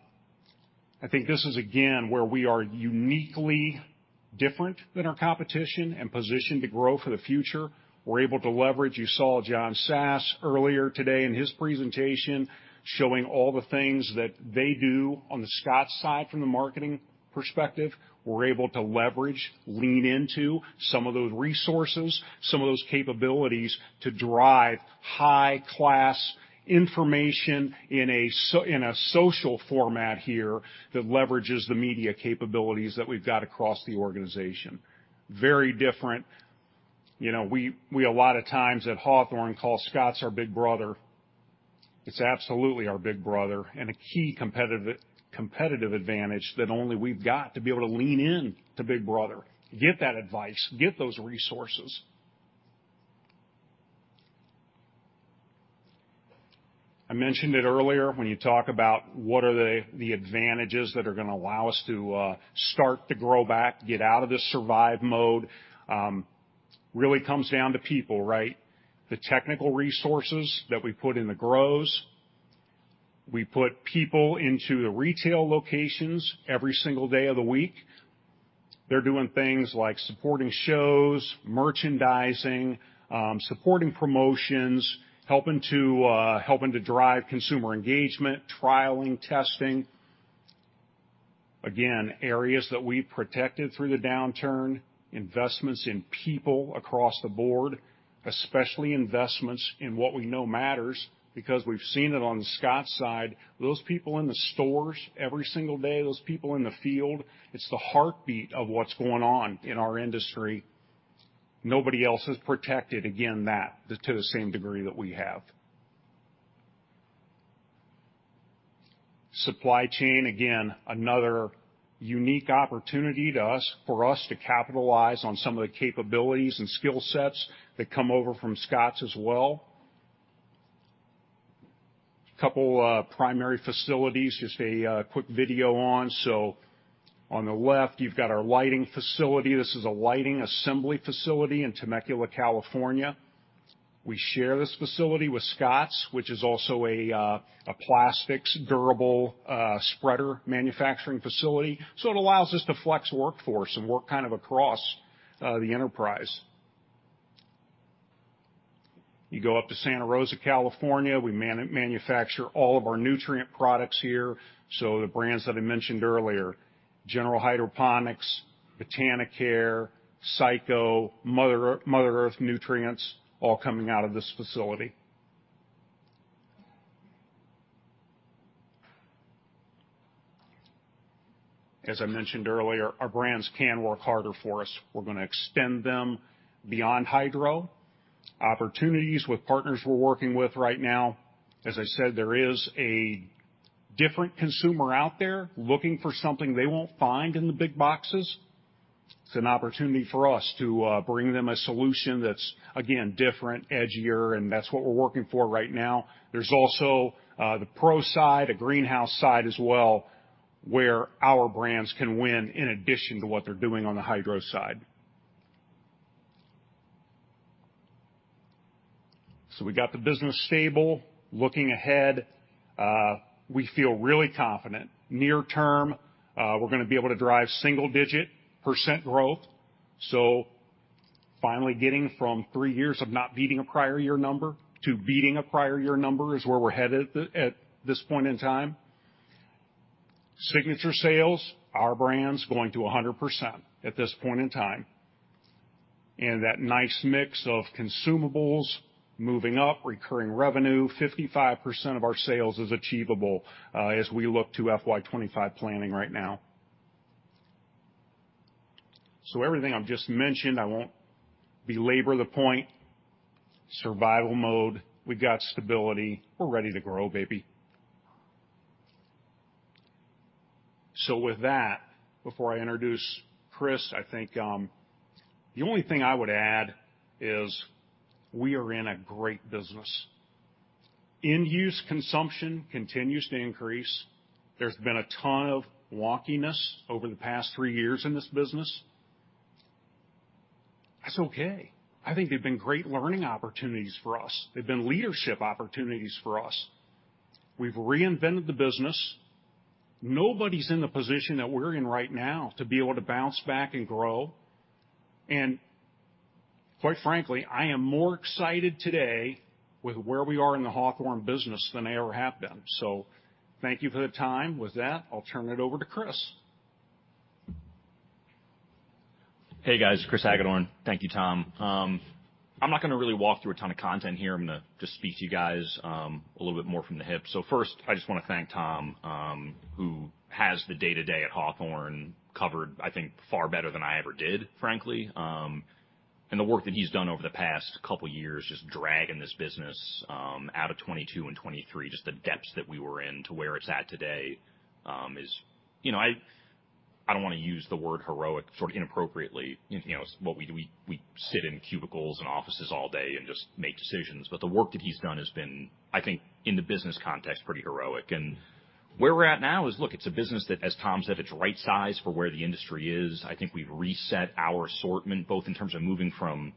think this is again, where we are uniquely different than our competition and positioned to grow for the future. We're able to leverage... You saw John Sass earlier today in his presentation, showing all the things that they do on the Scotts side from the marketing perspective. We're able to leverage, lean into some of those resources, some of those capabilities to drive high-class information in a social format here that leverages the media capabilities that we've got across the organization. Very different. You know, we a lot of times at Hawthorne, call Scotts our big brother. It's absolutely our big brother, and a key competitive, competitive advantage that only we've got to be able to lean in to big brother, get that advice, get those resources. I mentioned it earlier, when you talk about what are the advantages that are gonna allow us to start to grow back, get out of this survive mode, really comes down to people, right? The technical resources that we put in the grows. We put people into the retail locations every single day of the week. They're doing things like supporting shows, merchandising, supporting promotions, helping to, helping to drive consumer engagement, trialing, testing. Again, areas that we protected through the downturn, investments in people across the board, especially investments in what we know matters because we've seen it on the Scotts side, those people in the stores every single day, those people in the field, it's the heartbeat of what's going on in our industry. Nobody else has protected, again, that to the same degree that we have. Supply chain, again, another unique opportunity to us, for us to capitalize on some of the capabilities and skill sets that come over from Scotts as well. Couple of primary facilities, just a quick video on. So on the left, you've got our lighting facility. This is a lighting assembly facility in Temecula, California. We share this facility with Scotts, which is also a plastics durable spreader manufacturing facility. So it allows us to flex workforce and work kind of across the enterprise. You go up to Santa Rosa, California, we manufacture all of our nutrient products here, so the brands that I mentioned earlier, General Hydroponics, Botanicare, Cyco, Mother Earth Nutrients, all coming out of this facility. As I mentioned earlier, our brands can work harder for us. We're gonna extend them beyond hydro. Opportunities with partners we're working with right now, as I said, there is a different consumer out there looking for something they won't find in the big boxes. It's an opportunity for us to bring them a solution that's, again, different, edgier, and that's what we're working for right now. There's also the Pro side, a greenhouse side as well, where our brands can win in addition to what they're doing on the hydro side. So we got the business stable. Looking ahead, we feel really confident. Near term, we're gonna be able to drive single-digit % growth. So finally getting from three years of not beating a prior year number to beating a prior year number is where we're headed at this point in time. Signature sales, our brands going to 100% at this point in time. And that nice mix of consumables moving up, recurring revenue, 55% of our sales is achievable, as we look to FY 2025 planning right now. So everything I've just mentioned, I won't belabor the point. Survival mode, we've got stability. We're ready to grow, baby. So with that, before I introduce Chris, I think, the only thing I would add is we are in a great business. End-use consumption continues to increase. There's been a ton of wonkiness over the past three years in this business. That's okay. I think they've been great learning opportunities for us. They've been leadership opportunities for us. We've reinvented the business. Nobody's in the position that we're in right now to be able to bounce back and grow. And quite frankly, I am more excited today with where we are in the Hawthorne business than I ever have been. So thank you for the time. With that, I'll turn it over to Chris.
Hey, guys. Chris Hagedorn. Thank you, Tom. I'm not gonna really walk through a ton of content here. I'm gonna just speak to you guys, a little bit more from the hip. So first, I just wanna thank Tom, who has the day-to-day at Hawthorne covered, I think, far better than I ever did, frankly, and the work that he's done over the past couple of years, just dragging this business, out of 2022 and 2023, just the depths that we were in to where it's at today, is... You know, I don't wanna use the word heroic sort of inappropriately. You know, what we sit in cubicles and offices all day and just make decisions. But the work that he's done has been, I think, in the business context, pretty heroic. And where we're at now is, look, it's a business that, as Tom said, it's right-sized for where the industry is. I think we've reset our assortment, both in terms of moving from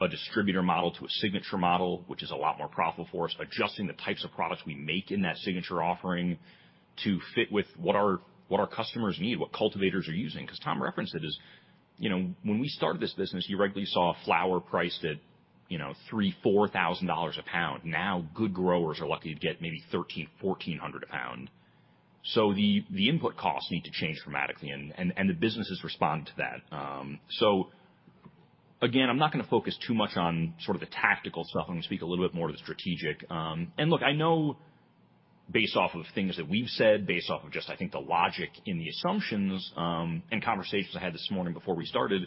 a distributor model to a signature model, which is a lot more profitable for us, adjusting the types of products we make in that signature offering to fit with what our customers need, what cultivators are using. Because Tom referenced it, you know, when we started this business, you regularly saw a flower priced at, you know, $3,000-$4,000 a pound. Now, good growers are lucky to get maybe $1,300-$1,400 a pound. So the input costs need to change dramatically, and the businesses respond to that. So again, I'm not gonna focus too much on sort of the tactical stuff. I'm gonna speak a little bit more to the strategic. And look, I know based off of things that we've said, based off of just, I think, the logic in the assumptions, and conversations I had this morning before we started,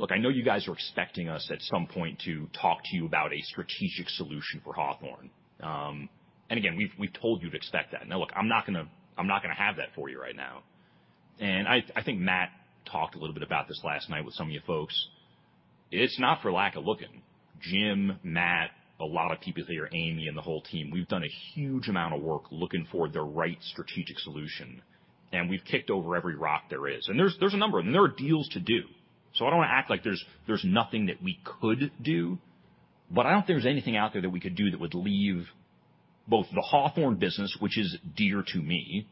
look, I know you guys are expecting us at some point to talk to you about a strategic solution for Hawthorne. And again, we've, we've told you to expect that. Now, look, I'm not gonna, I'm not gonna have that for you right now. And I, I think Matt talked a little bit about this last night with some of you folks. It's not for lack of looking. Jim, Matt, a lot of people here, Amy and the whole team, we've done a huge amount of work looking for the right strategic solution, and we've kicked over every rock there is. And there's a number of them. There are deals to do. So I don't wanna act like there's nothing that we could do, but I don't think there's anything out there that we could do that would leave both the Hawthorne business, which is dear to me,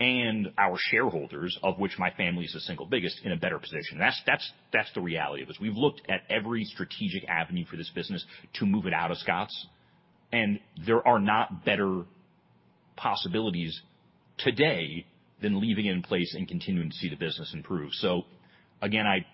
and our shareholders, of which my family is the single biggest, in a better position. That's the reality of this. We've looked at every strategic avenue for this business to move it out of Scotts, and there are not better possibilities today than leaving it in place and continuing to see the business improve. So again, I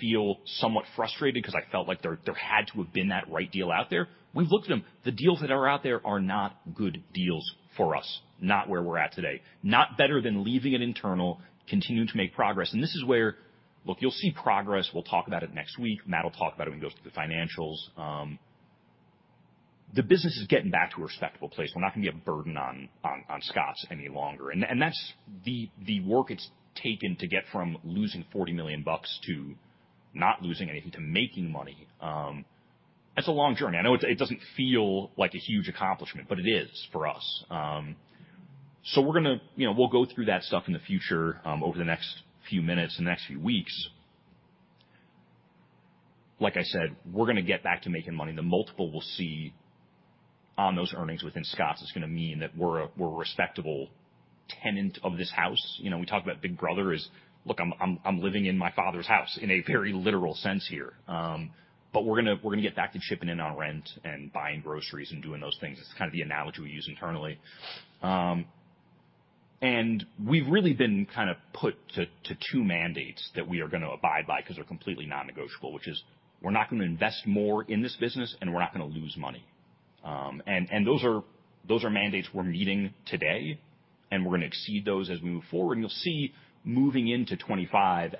feel somewhat frustrated because I felt like there had to have been that right deal out there. We've looked at them. The deals that are out there are not good deals for us, not where we're at today. Not better than leaving it internal, continuing to make progress. And this is where... Look, you'll see progress. We'll talk about it next week. Matt will talk about it when he goes through the financials. The business is getting back to a respectable place. We're not gonna be a burden on Scotts any longer. And that's the work it's taken to get from losing $40 million to not losing anything to making money. That's a long journey. I know it doesn't feel like a huge accomplishment, but it is for us. So we're gonna, you know, we'll go through that stuff in the future, over the next few minutes and the next few weeks. Like I said, we're gonna get back to making money. The multiple we'll see on those earnings within Scotts is gonna mean that we're a respectable tenant of this house. You know, we talk about big brother is... Look, I'm living in my father's house in a very literal sense here. But we're gonna get back to chipping in on rent and buying groceries and doing those things. It's kind of the analogy we use internally. And we've really been kind of put to two mandates that we are gonna abide by because they're completely non-negotiable, which is we're not gonna invest more in this business, and we're not gonna lose money. And those are mandates we're meeting today, and we're gonna exceed those as we move forward. You'll see, moving into 2025,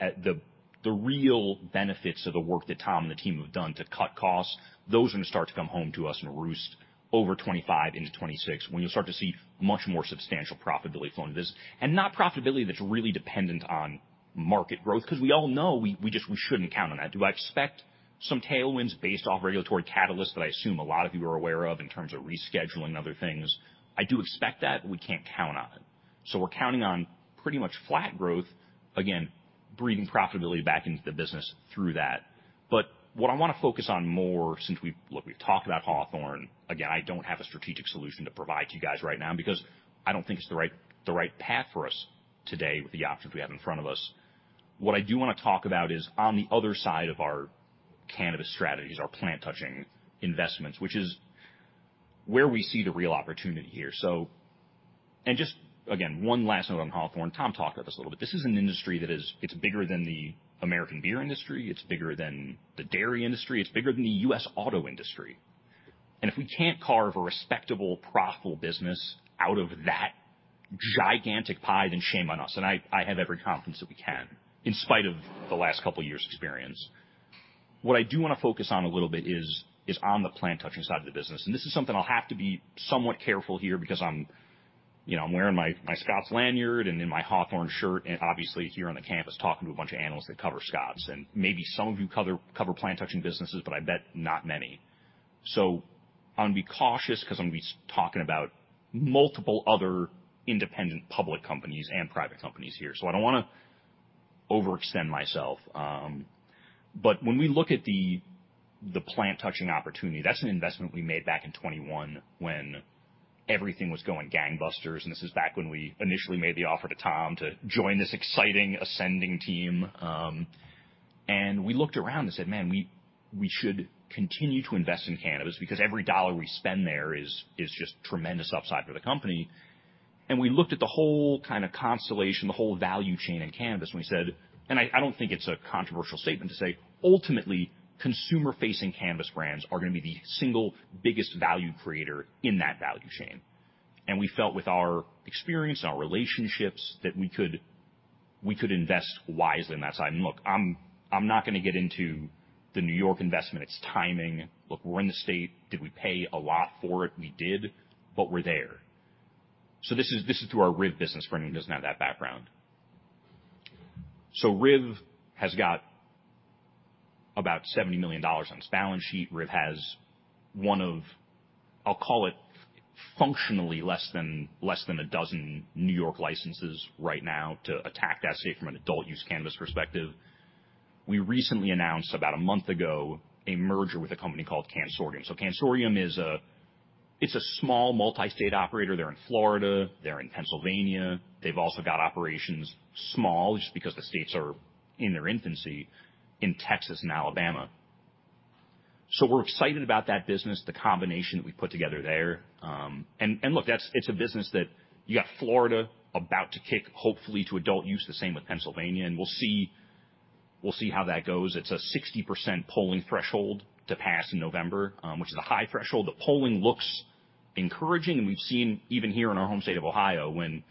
the real benefits of the work that Tom and the team have done to cut costs, those are gonna start to come home to us and roost over 2025 into 2026, when you'll start to see much more substantial profitability flow into the business. And not profitability that's really dependent on market growth, 'cause we all know we just shouldn't count on that. Do I expect some tailwinds based off regulatory catalysts that I assume a lot of you are aware of in terms of rescheduling other things? I do expect that, but we can't count on it. So we're counting on pretty much flat growth, again, breeding profitability back into the business through that. But what I wanna focus on more since we've... Look, we've talked about Hawthorne. Again, I don't have a strategic solution to provide to you guys right now because I don't think it's the right, the right path for us today with the options we have in front of us. What I do wanna talk about is on the other side of our cannabis strategies, our plant-touching investments, which is where we see the real opportunity here. So, and just, again, one last note on Hawthorne. Tom talked about this a little bit. This is an industry that is, it's bigger than the American beer industry, it's bigger than the dairy industry, it's bigger than the U.S. auto industry. And if we can't carve a respectable, profitable business out of that gigantic pie, then shame on us. And I, I have every confidence that we can, in spite of the last couple of years' experience. What I do wanna focus on a little bit is on the plant-touching side of the business, and this is something I'll have to be somewhat careful here because I'm, you know, I'm wearing my Scotts lanyard and in my Hawthorne shirt, and obviously, here on the campus, talking to a bunch of analysts that cover Scotts, and maybe some of you cover plant-touching businesses, but I bet not many. So I'm gonna be cautious because I'm gonna be talking about multiple other independent public companies and private companies here. So I don't wanna overextend myself, but when we look at the plant-touching opportunity, that's an investment we made back in 2021 when everything was going gangbusters, and this is back when we initially made the offer to Tom to join this exciting, ascending team. And we looked around and said, "Man, we should continue to invest in cannabis because every dollar we spend there is just tremendous upside for the company." And we looked at the whole kind of constellation, the whole value chain in cannabis, and we said... And I don't think it's a controversial statement to say, ultimately, consumer-facing cannabis brands are gonna be the single biggest value creator in that value chain. And we felt with our experience, our relationships, that we could invest wisely on that side. And look, I'm not gonna get into the New York investment. It's timing. Look, we're in the state. Did we pay a lot for it? We did, but we're there. So this is through our RIV business for anyone who doesn't have that background. So RIV has got about $70 million on its balance sheet. RIV has one of, I'll call it, functionally less than, less than a dozen New York licenses right now to attack that state from an adult use cannabis perspective. We recently announced, about a month ago, a merger with a company called Cansortium. So Cansortium is a... It's a small, multi-state operator. They're in Florida, they're in Pennsylvania. They've also got operations, small, just because the states are in their infancy, in Texas and Alabama. So we're excited about that business, the combination that we put together there. And look, that's—it's a business that you got Florida about to kick, hopefully, to adult use, the same with Pennsylvania, and we'll see, we'll see how that goes. It's a 60% polling threshold to pass in November, which is a high threshold. The polling looks encouraging, and we've seen even here in our home state of Ohio, when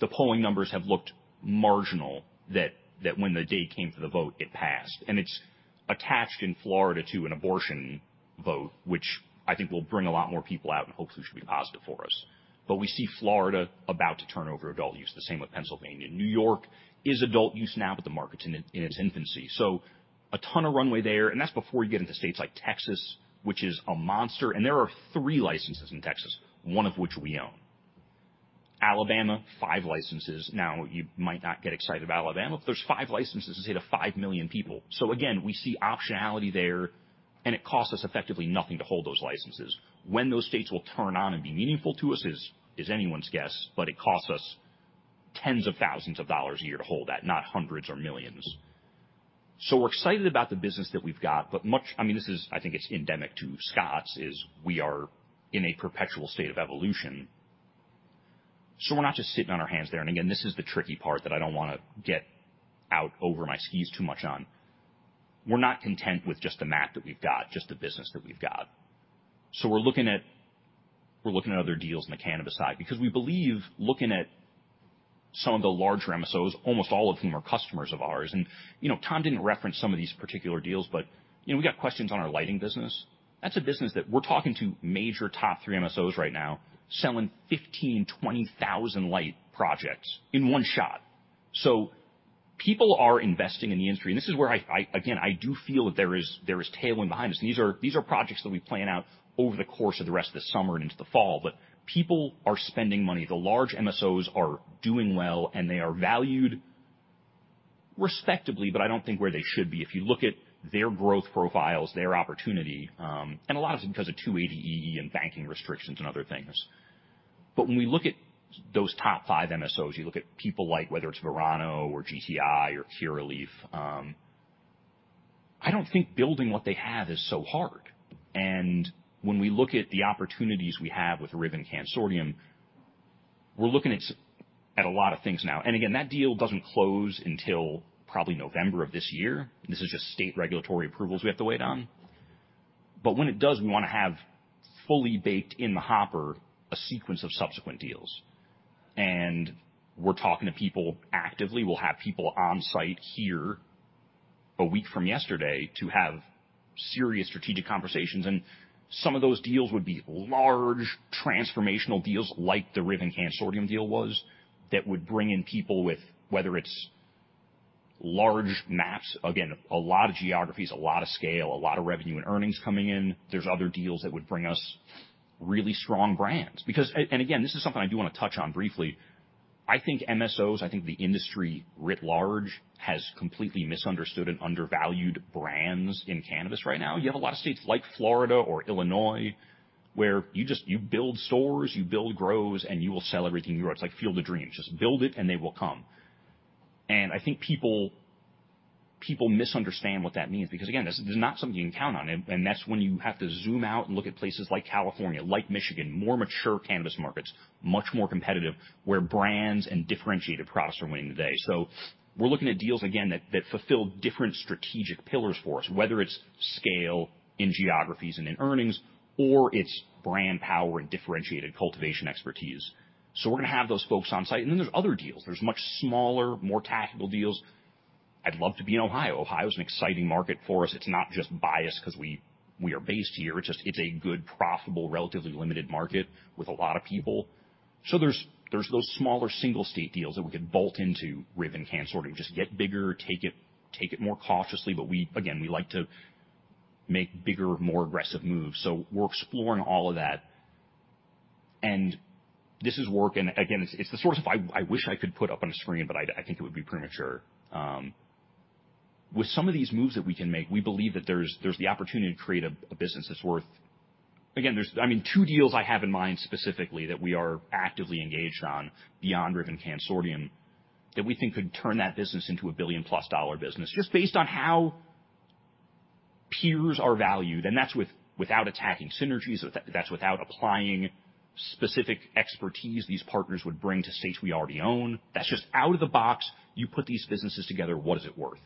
the polling numbers have looked marginal, that, that when the day came for the vote, it passed. And it's attached in Florida to an abortion vote, which I think will bring a lot more people out and hopefully should be positive for us. But we see Florida about to turn over adult use, the same with Pennsylvania. New York is adult use now, but the market's in its, in its infancy. So a ton of runway there, and that's before you get into states like Texas, which is a monster. And there are three licenses in Texas, one of which we own. Alabama, five licenses. Now, you might not get excited about Alabama, but there's five licenses to hit 5 million people. So again, we see optionality there, and it costs us effectively nothing to hold those licenses. When those states will turn on and be meaningful to us is, is anyone's guess, but it costs us tens of thousands of dollars a year to hold that, not hundreds or millions. So we're excited about the business that we've got, but much... I mean, this is, I think it's endemic to Scotts, is we are in a perpetual state of evolution, so we're not just sitting on our hands there. And again, this is the tricky part that I don't wanna get out over my skis too much on. We're not content with just the map that we've got, just the business that we've got. So we're looking at other deals on the cannabis side because we believe looking at some of the larger MSOs, almost all of whom are customers of ours, and, you know, Tom didn't reference some of these particular deals, but, you know, we got questions on our lighting business. That's a business that we're talking to major top three MSOs right now, selling 15-20,000 light projects in one shot. So people are investing in the industry, and this is where I, I, again, I do feel that there is, there is tailwind behind this. These are, these are projects that we plan out over the course of the rest of the summer and into the fall. But people are spending money. The large MSOs are doing well, and they are valued respectably, but I don't think where they should be. If you look at their growth profiles, their opportunity, and a lot of it's because of 280E and banking restrictions and other things. But when we look at those top five MSOs, you look at people like, whether it's Verano or GTI or Curaleaf, I don't think building what they have is so hard. And when we look at the opportunities we have with RIV and Cansortium, we're looking at a lot of things now. And again, that deal doesn't close until probably November of this year. This is just state regulatory approvals we have to wait on. But when it does, we want to have fully baked in the hopper, a sequence of subsequent deals. And we're talking to people actively. We'll have people on site here a week from yesterday to have serious strategic conversations, and some of those deals would be large, transformational deals like the RIV and Cansortium deal was, that would bring in people with... whether it's large MSOs. Again, a lot of geographies, a lot of scale, a lot of revenue and earnings coming in. There's other deals that would bring us really strong brands. Because, and, and again, this is something I do want to touch on briefly. I think MSOs, I think the industry, writ large, has completely misunderstood and undervalued brands in cannabis right now. You have a lot of states like Florida or Illinois, where you just... you build stores, you build grows, and you will sell everything you grow. It's like Field of Dreams. Just build it, and they will come. And I think people, people misunderstand what that means, because, again, this is not something you can count on, and, and that's when you have to zoom out and look at places like California, like Michigan, more mature cannabis markets, much more competitive, where brands and differentiated products are winning the day. So we're looking at deals again that, that fulfill different strategic pillars for us, whether it's scale in geographies and in earnings, or it's brand power and differentiated cultivation expertise. So we're going to have those folks on site. And then there's other deals. There's much smaller, more tactical deals. I'd love to be in Ohio. Ohio is an exciting market for us. It's not just biased because we, we are based here. It's just it's a good, profitable, relatively limited market with a lot of people. So there's those smaller single state deals that we could bolt into RIV and Cansortium. Just get bigger, take it more cautiously, but we, again, we like to make bigger, more aggressive moves. So we're exploring all of that. And this is work, and again, it's the source of I wish I could put up on a screen, but I think it would be premature. With some of these moves that we can make, we believe that there's the opportunity to create a business that's worth... Again, there's, I mean, two deals I have in mind specifically that we are actively engaged on beyond RIV and Cansortium, that we think could turn that business into a billion-plus dollar business, just based on how peers are valued. That's without attacking synergies, that's without applying specific expertise these partners would bring to states we already own. That's just out of the box. You put these businesses together, what is it worth?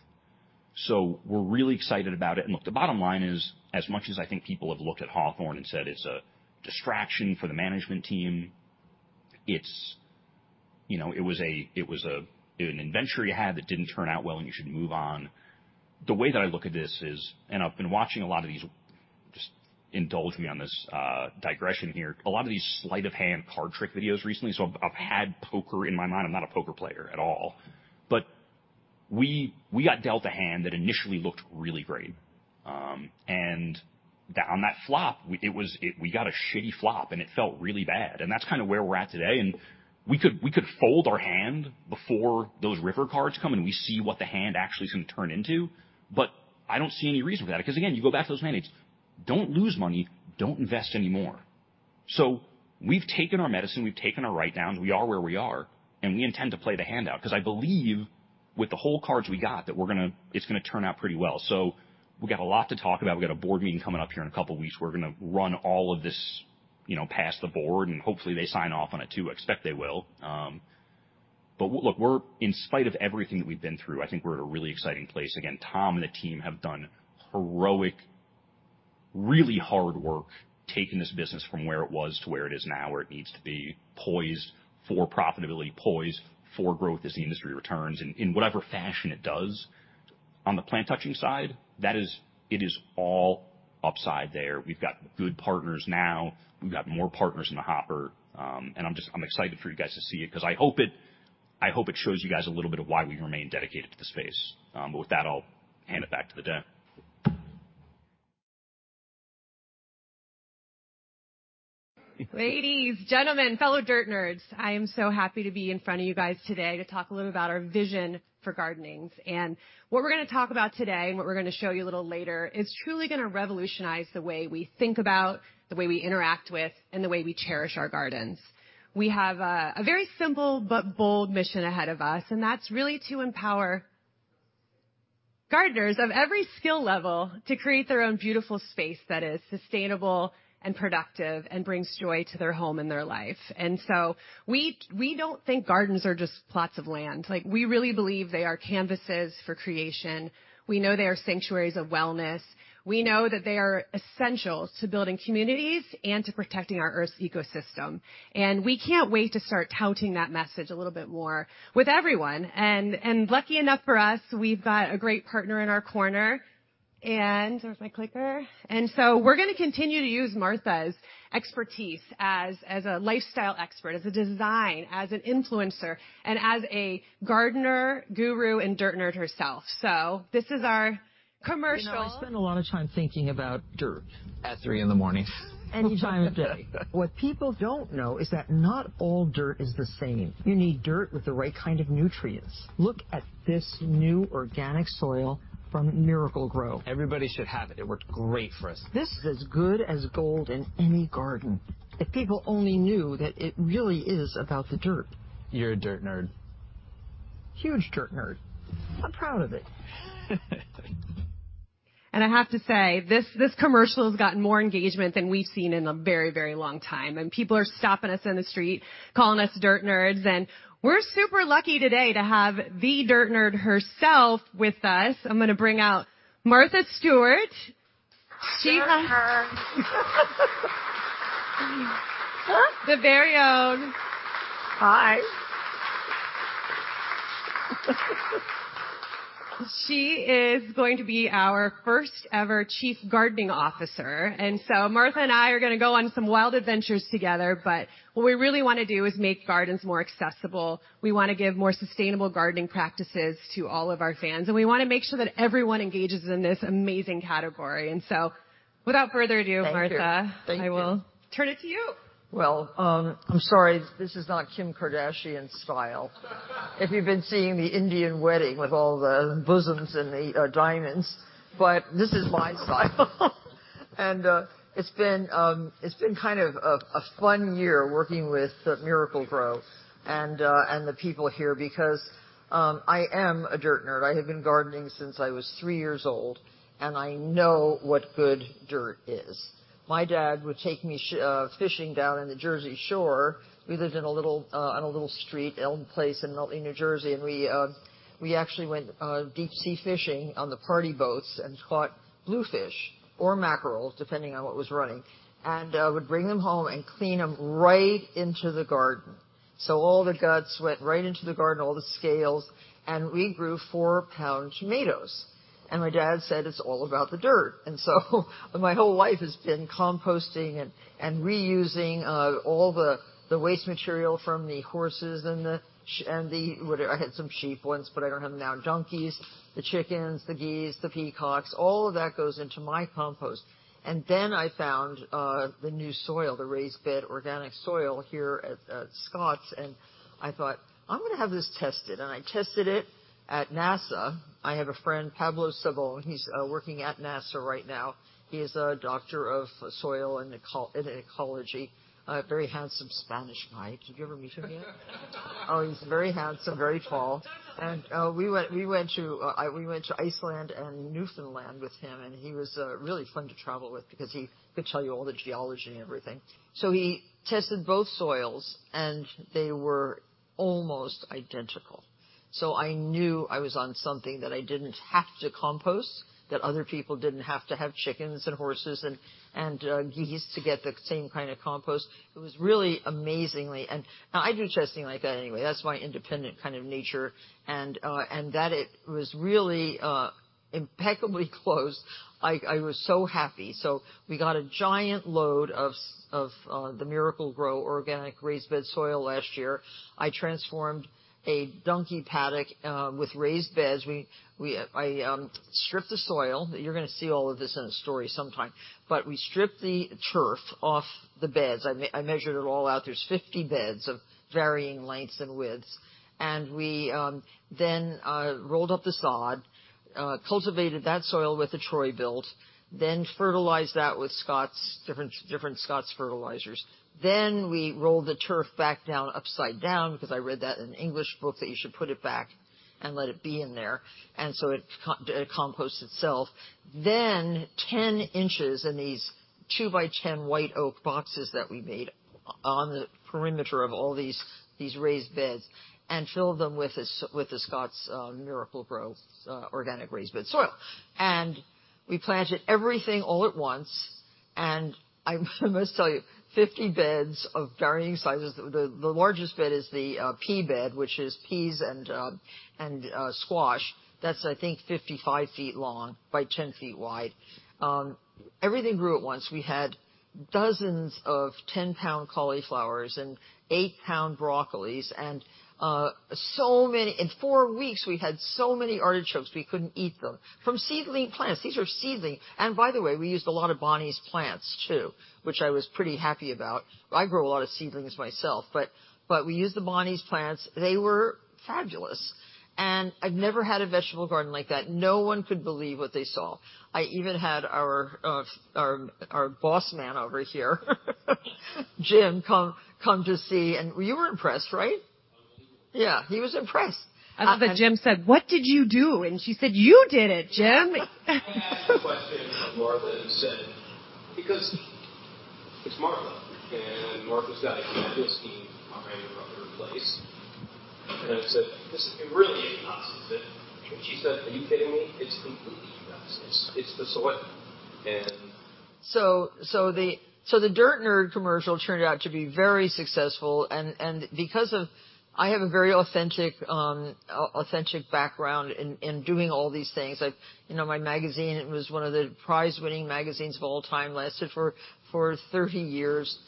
So we're really excited about it. And look, the bottom line is, as much as I think people have looked at Hawthorne and said it's a distraction for the management team, it's, you know, an inventory you had that didn't turn out well, and you should move on. The way that I look at this is, and I've been watching a lot of these, just indulge me on this digression here. A lot of these sleight of hand card trick videos recently, so I've had poker in my mind. I'm not a poker player at all, but we, we got dealt a hand that initially looked really great. And on that flop, we got a shitty flop, and it felt really bad, and that's kind of where we're at today, and we could, we could fold our hand before those river cards come, and we see what the hand actually is going to turn into. But I don't see any reason for that, because again, you go back to those mandates. Don't lose money, don't invest anymore. So we've taken our medicine, we've taken our write-down, we are where we are, and we intend to play the hand out, because I believe with the whole cards we got, that we're gonna—it's gonna turn out pretty well. So we've got a lot to talk about. We've got a board meeting coming up here in a couple of weeks. We're gonna run all of this, you know, past the board, and hopefully, they sign off on it too. I expect they will. But look, we're in spite of everything that we've been through, I think we're at a really exciting place. Again, Tom and the team have done heroic, really hard work taking this business from where it was to where it is now, where it needs to be poised for profitability, poised for growth as the industry returns in whatever fashion it does. On the plant touching side, that is, it is all upside there. We've got good partners now. We've got more partners in the hopper, and I'm excited for you guys to see it, because I hope it, I hope it shows you guys a little bit of why we remain dedicated to the space. But with that, I'll hand it back to the deck.
Ladies, gentlemen, fellow dirt nerds, I am so happy to be in front of you guys today to talk a little about our vision for gardening. What we're gonna talk about today, and what we're gonna show you a little later, is truly gonna revolutionize the way we think about, the way we interact with, and the way we cherish our gardens. We have a very simple but bold mission ahead of us, and that's really to empower gardeners of every skill level to create their own beautiful space that is sustainable and productive and brings joy to their home and their life. So we don't think gardens are just plots of land. Like, we really believe they are canvases for creation. We know they are sanctuaries of wellness. We know that they are essential to building communities and to protecting our Earth's ecosystem, and we can't wait to start touting that message a little bit more with everyone. And lucky enough for us, we've got a great partner in our corner. And where's my clicker? And so we're gonna continue to use Martha's expertise as a lifestyle expert, as a designer, as an influencer, and as a gardener guru and dirt nerd herself. So this is our commercial.
You know, I spend a lot of time thinking about dirt. At 3:00 A.M. Any time of day. What people don't know is that not all dirt is the same. You need dirt with the right kind of nutrients. Look at this new organic soil from Miracle-Gro. Everybody should have it. It worked great for us. This is as good as gold in any garden. If people only knew that it really is about the dirt. You're a dirt nerd. Huge dirt nerd. I'm proud of it.
I have to say, this, this commercial has gotten more engagement than we've seen in a very, very long time. People are stopping us in the street, calling us dirt nerds, and we're super lucky today to have the dirt nerd herself with us. I'm gonna bring out Martha Stewart. She has- Look at her. Our very own.
Hi.
She is going to be our first ever Chief Gardening Officer, and so Martha and I are gonna go on some wild adventures together. But what we really wanna do is make gardens more accessible. We wanna give more sustainable gardening practices to all of our fans, and we wanna make sure that everyone engages in this amazing category. And so, without further ado-
Thank you.
Martha-
Thank you.
I will turn it to you.
Well, I'm sorry, this is not Kim Kardashian style. If you've been seeing the Indian wedding with all the bosoms and the diamonds, but this is my style. It's been kind of a fun year working with Miracle-Gro and the people here because I am a dirt nerd. I have been gardening since I was three years old, and I know what good dirt is. My dad would take me fishing down in the Jersey Shore. We lived in a little on a little street, Elm Place, in Milton, New Jersey, and we actually went deep-sea fishing on the party boats and caught bluefish or mackerel, depending on what was running, and would bring them home and clean them right into the garden. So all the guts went right into the garden, all the scales, and we grew four-pound tomatoes. And my dad said, "It's all about the dirt." And so my whole life has been composting and, and reusing, all the, the waste material from the horses and the shit and the, whatever. I had some sheep once, but I don't have them now. Donkeys, the chickens, the geese, the peacocks, all of that goes into my compost. And then I found, the new soil, the Raised Bed Organic Soil here at, at Scotts, and I thought, "I'm gonna have this tested." And I tested it at NASA. I have a friend, Pablo Sobron, he's, working at NASA right now. He is a doctor of soil and ecol-- and ecology, a very handsome Spanish guy. Did you ever meet him yet? Oh, he's very handsome, very tall.... We went to Iceland and New Zealand with him, and he was really fun to travel with because he could tell you all the geology and everything. So he tested both soils, and they were almost identical. So I knew I was on something that I didn't have to compost, that other people didn't have to have chickens and horses and geese to get the same kind of compost. It was really amazingly... And now I do testing like that anyway. That's my independent kind of nature. And that it was really impeccably close, I was so happy. So we got a giant load of the Miracle-Gro Organic Raised Bed Soil last year. I transformed a donkey paddock with raised beds. I stripped the soil. You're gonna see all of this in a story sometime. But we stripped the turf off the beds. I measured it all out. There's 50 beds of varying lengths and widths, and we then rolled up the sod, cultivated that soil with the Troy-Bilt, then fertilized that with Scotts, different, different Scotts fertilizers. Then we rolled the turf back down, upside down, because I read that in an English book, that you should put it back and let it be in there, and so it composts itself. Then 10 in in these 2x10 white oak boxes that we made on the perimeter of all these, these raised beds, and filled them with the Scotts Miracle-Gro Organic Raised Bed Soil. We planted everything all at once, and I must tell you, 50 beds of varying sizes, the largest bed is the pea bed, which is peas and squash. That's, I think, 55 fet long by 10 ft wide. Everything grew at once. We had dozens of 10 lbs cauliflowers and 8 lbs broccolis, and so many. In 4 weeks, we had so many artichokes, we couldn't eat them. From seedling plants! These are seedling. And by the way, we used a lot of Bonnie Plants, too, which I was pretty happy about. I grow a lot of seedlings myself, but we used the Bonnie Plants. They were fabulous, and I've never had a vegetable garden like that. No one could believe what they saw. I even had our boss man over here, Jim, come to see, and you were impressed, right?
I was impressed.
Yeah, he was impressed. I love that Jim said, "What did you do?" And she said, "You did it, Jim!
I asked the question of Martha and said, "Because it's Martha, and Martha's got a fabulous scheme on her end of her place." I said, "This, it really is not, is it?" She said, "Are you kidding me? It's completely us. It's, it's the soil." And-
...So the Dirt Nerd commercial turned out to be very successful, and because of—I have a very authentic background in doing all these things. Like, you know, my magazine, it was one of the prize-winning magazines of all time, lasted for 30 years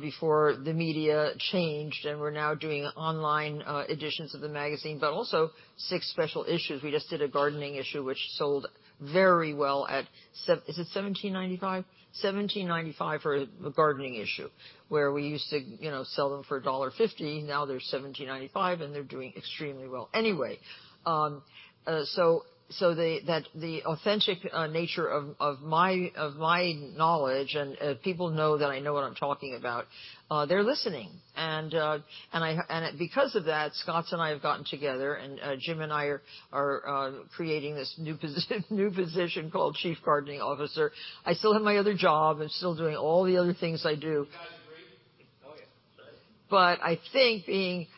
before the media changed, and we're now doing online editions of the magazine, but also six special issues. We just did a gardening issue, which sold very well at—Is it $17.95? $17.95 for the gardening issue, where we used to, you know, sell them for $1.50, now they're $17.95, and they're doing extremely well. Anyway, so the authentic nature of my knowledge, and people know that I know what I'm talking about, they're listening. And because of that, Scotts and I have gotten together, and Jim and I are creating this new position called Chief Gardening Officer. I still have my other job and still doing all the other things I do. You guys agree? Oh, yeah. But I think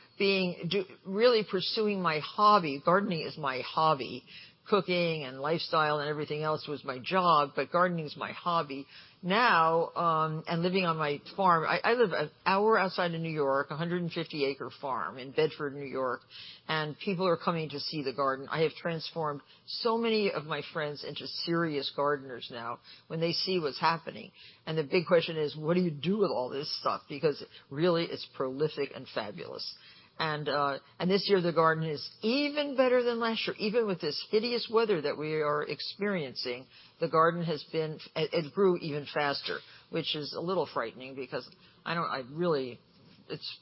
really pursuing my hobby, gardening is my hobby. Cooking and lifestyle and everything else was my job, but gardening is my hobby. Now, and living on my farm, I live an hour outside of New York, a 150-acre farm in Bedford, New York, and people are coming to see the garden. I have transformed so many of my friends into serious gardeners now when they see what's happening. And the big question is: What do you do with all this stuff? Because really, it's prolific and fabulous. And this year, the garden is even better than last year. Even with this hideous weather that we are experiencing, the garden has been... It grew even faster, which is a little frightening because I don't-- I really...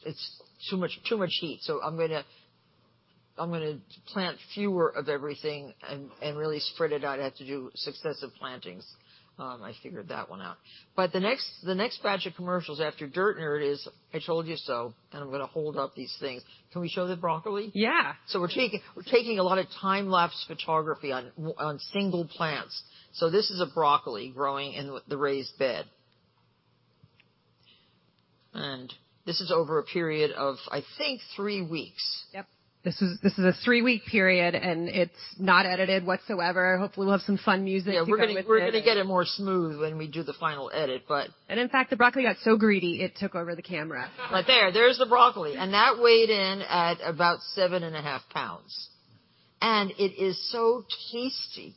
It's too much, too much heat. So I'm gonna, I'm gonna plant fewer of everything and, and really spread it out. I have to do successive plantings. I figured that one out. But the next, the next batch of commercials after Dirt Nerd is, I Told You So, and I'm gonna hold up these things. Can we show the broccoli?
Yeah. So we're taking a lot of time-lapse photography on single plants. So this is a broccoli growing in the raised bed. And this is over a period of, I think, three weeks. Yep. This is, this is a three-week period, and it's not edited whatsoever. Hopefully, we'll have some fun music to go with it.
Yeah, we're gonna, we're gonna get it more smooth when we do the final edit, but-
In fact, the broccoli got so greedy, it took over the camera.
But there, there's the broccoli, and that weighed in at about 7.5 lbs. And it is so tasty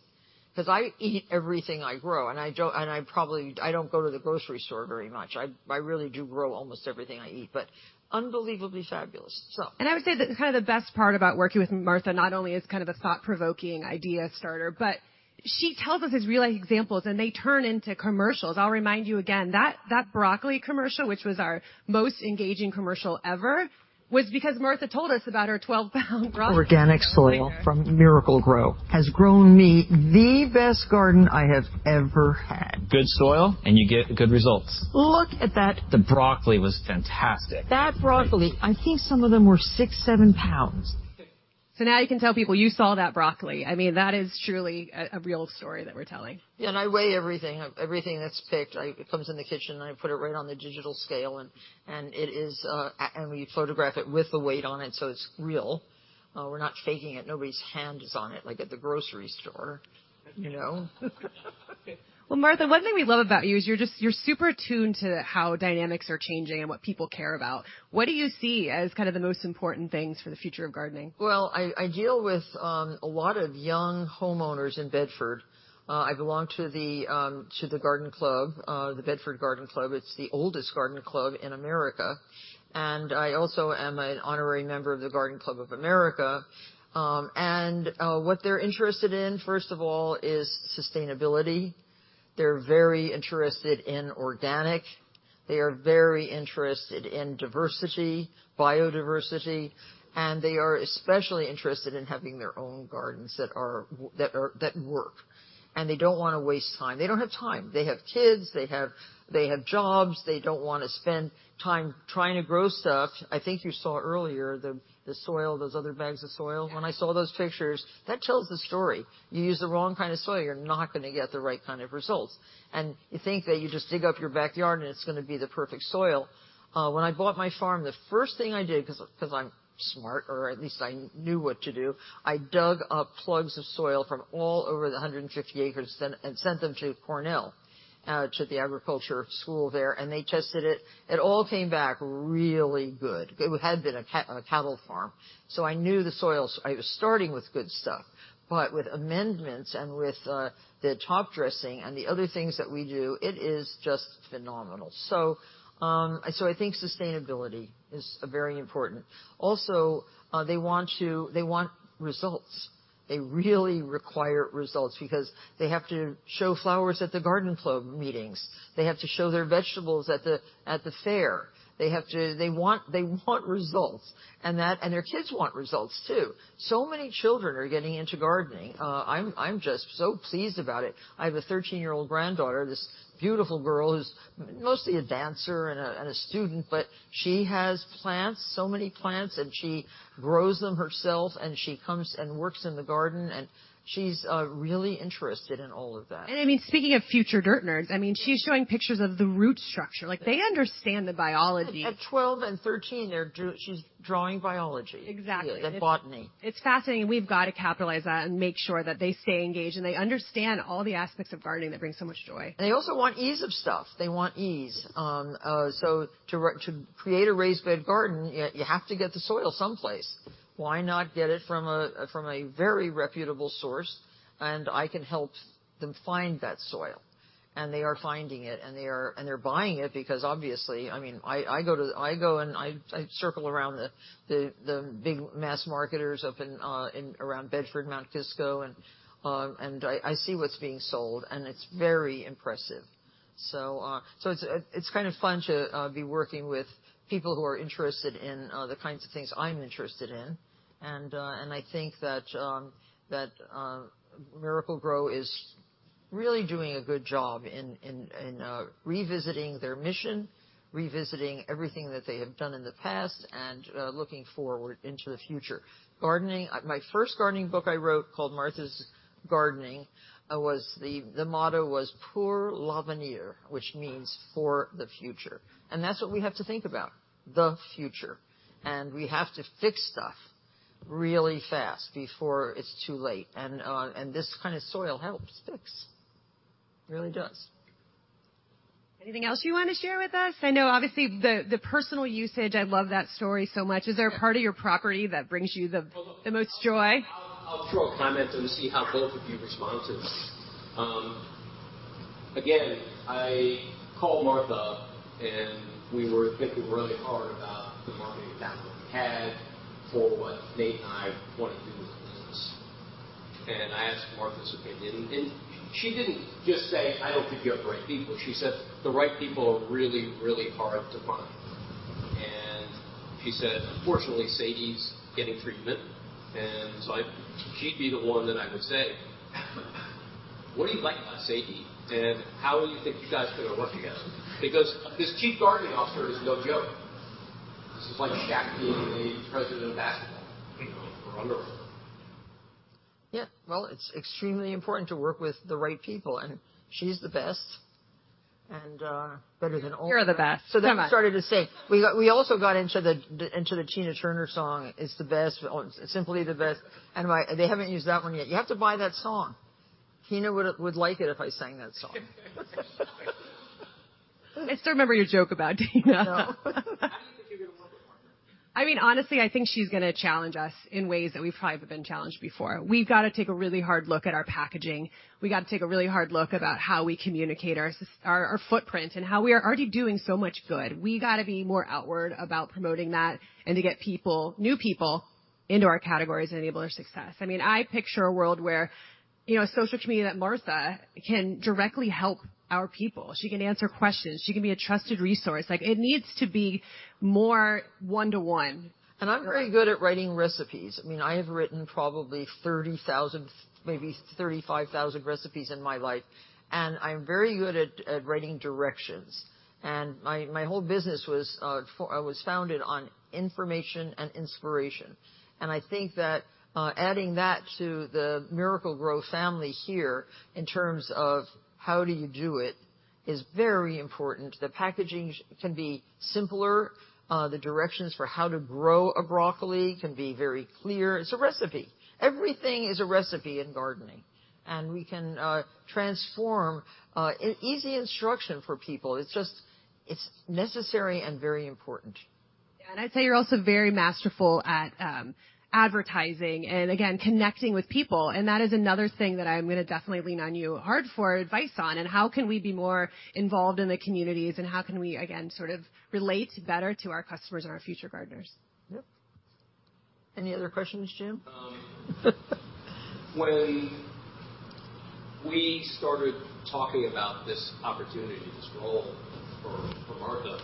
because I eat everything I grow, and I probably don't go to the grocery store very much. I really do grow almost everything I eat, but unbelievably fabulous, so.
I would say that kind of the best part about working with Martha, not only is kind of a thought-provoking idea starter, but she tells us these real-life examples, and they turn into commercials. I'll remind you again, that broccoli commercial, which was our most engaging commercial ever, was because Martha told us about her 12-pound broccoli.
Organic soil from Miracle-Gro has grown me the best garden I have ever had.
Good soil, and you get good results.
Look at that!
The broccoli was fantastic.
That broccoli, I think some of them were 6-7 lbs.
Now you can tell people, "You saw that broccoli." I mean, that is truly a real story that we're telling.
Yeah, and I weigh everything. Everything that's picked, I, it comes in the kitchen, and I put it right on the digital scale, and it is. And we photograph it with the weight on it, so it's real. We're not faking it. Nobody's hand is on it, like at the grocery store, you know? Well, Martha, one thing we love about you is you're just, you're super attuned to how dynamics are changing and what people care about. What do you see as kind of the most important things for the future of gardening? Well, I deal with a lot of young homeowners in Bedford. I belong to the garden club, the Bedford Garden Club. It's the oldest garden club in America, and I also am an honorary member of the Garden Club of America. And what they're interested in, first of all, is sustainability. They're very interested in organic. They are very interested in diversity, biodiversity, and they are especially interested in having their own gardens that work. And they don't want to waste time. They don't have time. They have kids, they have jobs, they don't want to spend time trying to grow stuff. I think you saw earlier the soil, those other bags of soil. Yeah. When I saw those pictures, that tells the story. You use the wrong kind of soil, you're not gonna get the right kind of results. And you think that you just dig up your backyard, and it's gonna be the perfect soil. When I bought my farm, the first thing I did, 'cause I'm smart, or at least I knew what to do, I dug up plugs of soil from all over the 150 acres and sent them to Cornell, to the agriculture school there, and they tested it. It all came back really good. It had been a cattle farm, so I knew the soil... I was starting with good stuff, but with amendments and with the top dressing and the other things that we do, it is just phenomenal. So, so I think sustainability is very important. Also, they want results. They really require results because they have to show flowers at the garden club meetings. They have to show their vegetables at the fair. They want results, and their kids want results, too. So many children are getting into gardening. I'm just so pleased about it. I have a 13-year-old granddaughter, this beautiful girl who's mostly a dancer and a student, but she has plants, so many plants, and she grows them herself, and she comes and works in the garden, and she's really interested in all of that.
I mean, speaking of future Dirt Nerds, I mean, she's showing pictures of the root structure. Like, they understand the biology.
At 12 and 13, she's drawing biology-
Exactly.
-and botany.
It's fascinating. We've got to capitalize that and make sure that they stay engaged, and they understand all the aspects of gardening that bring so much joy.
They also want ease of stuff. They want ease. So to create a raised bed garden, you have to get the soil someplace. Why not get it from a, from a very reputable source? And I can help them find that soil, and they are finding it, and they're buying it because, obviously, I mean, I go and circle around the big mass marketers up in around Bedford, Mount Kisco, and I see what's being sold, and it's very impressive. So it's kind of fun to be working with people who are interested in the kinds of things I'm interested in. I think that Miracle-Gro is really doing a good job in revisiting their mission, revisiting everything that they have done in the past, and looking forward into the future. Gardening—My first gardening book I wrote, called Martha's Gardening, was the motto was Pour l'avenir, which means for the future. And that's what we have to think about, the future, and we have to fix stuff really fast before it's too late. And this kind of soil helps fix. It really does.
Anything else you want to share with us? I know, obviously, the personal usage, I love that story so much.
Yeah.
Is there a part of your property that brings you the most joy?
I'll throw a comment and see how both of you respond to this. Again, I called Martha, and we were thinking really hard about the marketing talent that we had for what Nate and I want to do with the business. And I asked Martha's opinion, and she didn't just say, "I don't think you have the right people." She said, "The right people are really, really hard to find." And she said, "Fortunately, Sadie's getting treatment, and so I—she'd be the one that I would say, 'What do you like about Sadie, and how do you think you guys are going to work together?'" Because this Chief Gardening Officer is no joke. This is like Shaq being the president of basketball, you know? Or honorable.
Yeah, well, it's extremely important to work with the right people, and she's the best, and better than all-
You're the best. Come on.
So then I started to say, we got, we also got into the, into the Tina Turner song, It's the Best, Simply the Best, and my... They haven't used that one yet. You have to buy that song. Tina would, would like it if I sang that song.
I still remember your joke about Tina.
I know.
How do you think it will work?
I mean, honestly, I think she's gonna challenge us in ways that we've probably been challenged before. We've got to take a really hard look at our packaging. We've got to take a really hard look about how we communicate our system, our footprint and how we are already doing so much good. We got to be more outward about promoting that and to get people, new people, into our categories and enable our success. I mean, I picture a world where, you know, social media, that Martha can directly help our people. She can answer questions. She can be a trusted resource. Like, it needs to be more one-to-one.
And I'm very good at writing recipes. I mean, I have written probably 30,000, maybe 35,000 recipes in my life, and I'm very good at writing directions. And my whole business was founded on information and inspiration. And I think that adding that to the Miracle-Gro family here, in terms of how do you do it, is very important. The packaging can be simpler. The directions for how to grow a broccoli can be very clear. It's a recipe. Everything is a recipe in gardening, and we can transform an easy instruction for people. It's just, it's necessary and very important.
Yeah, and I'd say you're also very masterful at, advertising and again, connecting with people. And that is another thing that I'm going to definitely lean on you hard for advice on, and how can we be more involved in the communities, and how can we again, sort of relate better to our customers and our future gardeners?
Yep. Any other questions, Jim?
When we started talking about this opportunity, this role for, for Martha,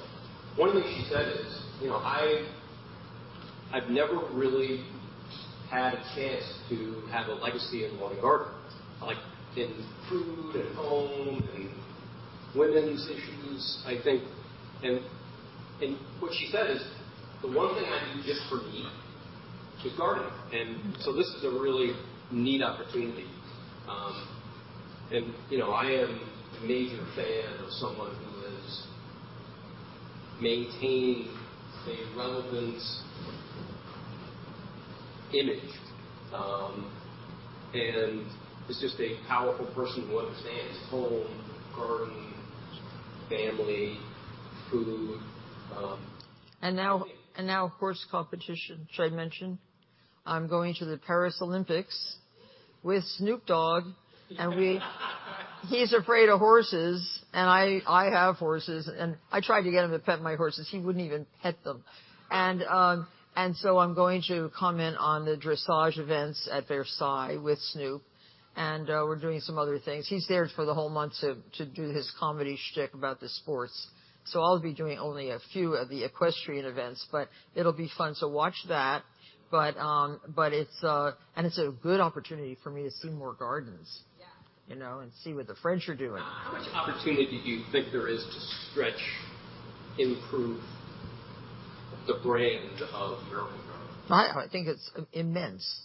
one of the things she said is, "You know, I, I've never really had a chance to have a legacy in one garden. Like, in food and home and women's issues," I think. And what she said is, "The one thing I do just for me is gardening.
Mm-hmm.
This is a really neat opportunity. You know, I am a major fan of someone who has maintained a relevance image, and is just a powerful person who understands home, garden, family, food.
And now horse competition. Should I mention? I'm going to the Paris Olympics with Snoop Dogg. He's afraid of horses, and I, I have horses, and I tried to get him to pet my horses. He wouldn't even pet them. And so I'm going to comment on the dressage events at Versailles with Snoop, and we're doing some other things. He's there for the whole month to do his comedy shtick about the sports. So I'll be doing only a few of the equestrian events, but it'll be fun, so watch that. But it's... And it's a good opportunity for me to see more gardens-
Yeah.
You know, and see what the French are doing.
How much opportunity do you think there is to stretch, improve the brand of Miracle-Gro?
I think it's immense.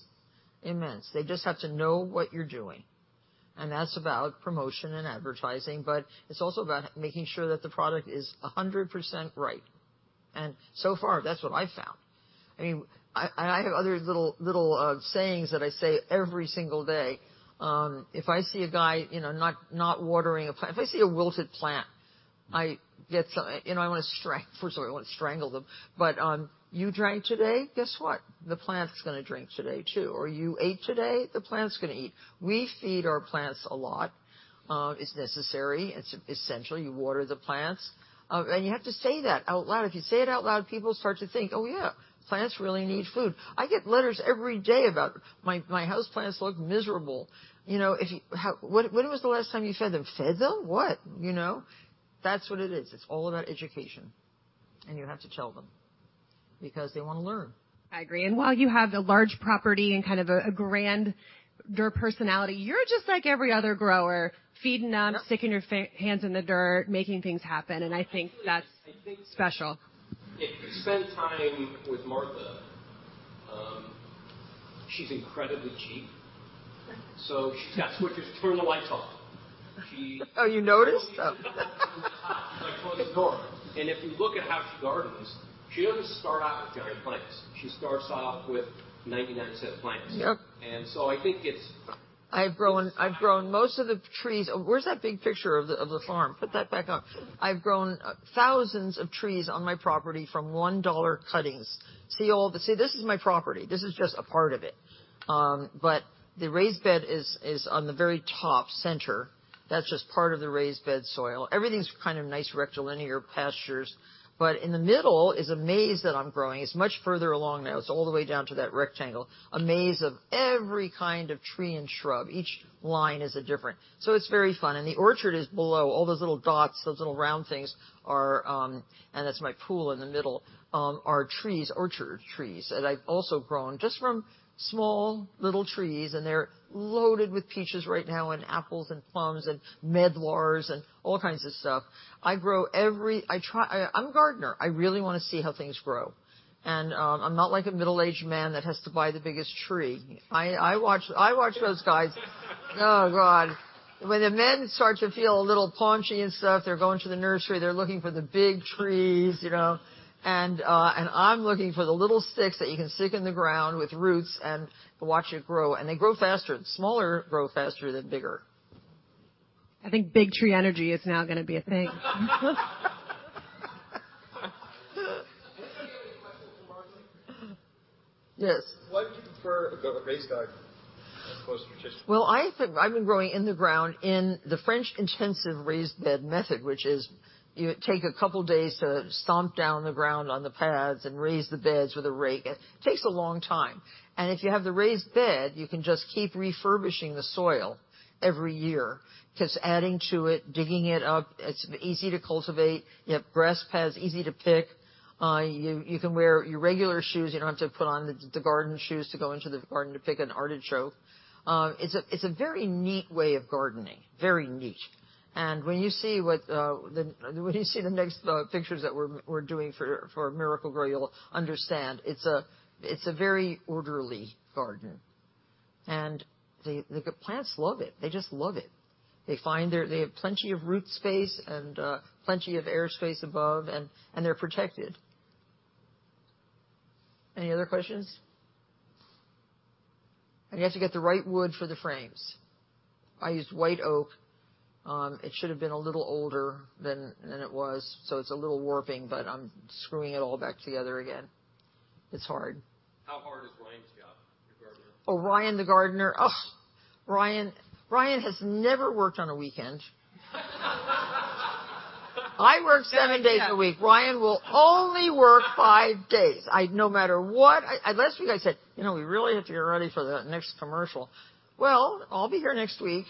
Immense. They just have to know what you're doing, and that's about promotion and advertising, but it's also about making sure that the product is 100% right. And so far, that's what I found. I mean, I have other little, little, sayings that I say every single day. If I see a guy, you know, not watering a plant. If I see a wilted plant, I get so... You know, I want to strangle, first of all, I want to strangle them. But, you drank today? Guess what? The plant's gonna drink today, too. Or you ate today? The plant's gonna eat. We feed our plants a lot. It's necessary, it's essential. You water the plants. And you have to say that out loud. If you say it out loud, people start to think, "Oh, yeah, plants really need food." I get letters every day about, "My, my house plants look miserable." You know, if you... How, "When, when was the last time you fed them?" "Fed them? What?" You know? That's what it is. It's all about education, and you have to tell them... because they want to learn. I agree. And while you have a large property and kind of a grander personality, you're just like every other grower, feeding them, sticking your hands in the dirt, making things happen, and I think that's special.
If you spend time with Martha, she's incredibly cheap.
Right.
So she, "Guess we'll just turn the lights off." She-
Oh, you noticed?
If you look at how she gardens, she doesn't start out with tiny plants. She starts off with $0.99 plants.
Yep.
I think it's-
I've grown, I've grown most of the trees. Where's that big picture of the farm? Put that back up. I've grown thousands of trees on my property from $1 cuttings. See, this is my property. This is just a part of it. But the raised bed is on the very top center. That's just part of the raised bed soil. Everything's kind of nice rectilinear pastures, but in the middle is a maze that I'm growing. It's much further along now. It's all the way down to that rectangle, a maze of every kind of tree and shrub. Each line is a different. So it's very fun, and the orchard is below. All those little dots, those little round things are... That's my pool in the middle. There are trees, orchard trees, that I've also grown just from small, little trees, and they're loaded with peaches right now, and apples, and plums, and medlars, and all kinds of stuff. I grow everything. I try. I'm a gardener. I really want to see how things grow. I'm not like a middle-aged man that has to buy the biggest tree. I watch those guys. Oh, God! When the men start to feel a little paunchy and stuff, they're going to the nursery. They're looking for the big trees, you know? And I'm looking for the little sticks that you can stick in the ground with roots and watch it grow, and they grow faster. The smaller grow faster than bigger.
I think big tree energy is now gonna be a thing.
Does anybody have any questions for Martha?
Yes.
Why do you prefer the raised bed, as opposed to traditional?
Well, I think I've been growing in the ground in the French intensive raised bed method, which is you take a couple days to stomp down the ground on the pads and raise the beds with a rake. It takes a long time, and if you have the raised bed, you can just keep refurbishing the soil every year, 'cause adding to it, digging it up, it's easy to cultivate. You have grass pads, easy to pick. You can wear your regular shoes. You don't have to put on the garden shoes to go into the garden to pick an artichoke. It's a very neat way of gardening. Very neat. When you see the next pictures that we're doing for Miracle-Gro, you'll understand it's a very orderly garden, and the plants love it. They just love it. They have plenty of root space and plenty of air space above, and they're protected. Any other questions? You have to get the right wood for the frames. I used white oak. It should have been a little older than it was, so it's a little warping, but I'm screwing it all back together again. It's hard.
How hard is Ryan's job, your gardener?
Oh, Ryan, the gardener? Oh, Ryan. Ryan has never worked on a weekend. I work seven days a week. Ryan will only work five days. I, no matter what, I... Last week, I said, "You know, we really have to get ready for the next commercial." "Well, I'll be here next week."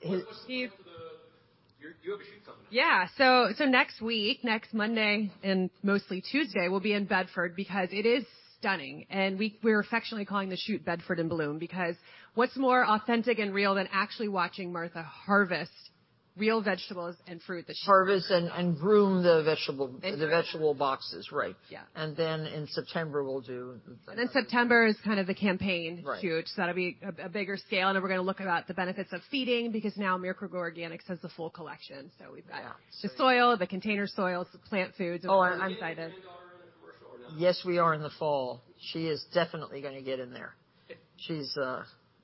His-
Steve- You have a shoot coming up. Yeah. So, so next week, next Monday and mostly Tuesday, we'll be in Bedford because it is stunning, and we, we're affectionately calling the shoot Bedford in Bloom, because what's more authentic and real than actually watching Martha harvest real vegetables and fruit that she-
Harvest and groom the vegetable- Vegetable. the vegetable boxes, right.
Yeah.
And then, in September, we'll do-
In September is kind of the campaign-
Right
So that'll be a bigger scale, and then we're gonna look about the benefits of seeding, because now Miracle-Gro Organics has the full collection.
Yeah.
We've got the soil, the container soils, the plant foods. Oh, and- I'm excited. Is your granddaughter in the commercial or no?
Yes, we are in the fall. She is definitely gonna get in there. She's,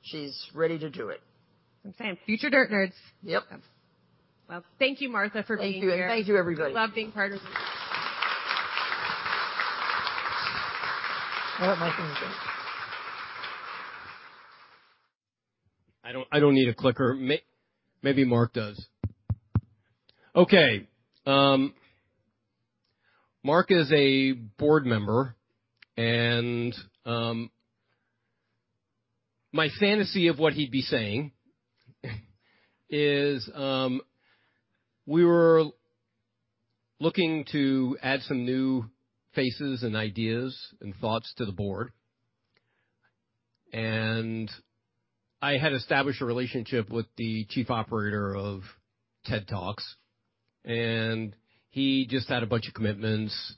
she's ready to do it.
Okay. Future dirt nerds.
Yep.
Well, thank you, Martha, for being here.
Thank you, and thank you, everybody.
We love being part of it.
I don't know anything.
I don't, I don't need a clicker. Maybe Mark does. Okay, Mark is a board member, and my fantasy of what he'd be saying is, we were looking to add some new faces and ideas and thoughts to the board. And I had established a relationship with the chief operator of TED Talks, and he just had a bunch of commitments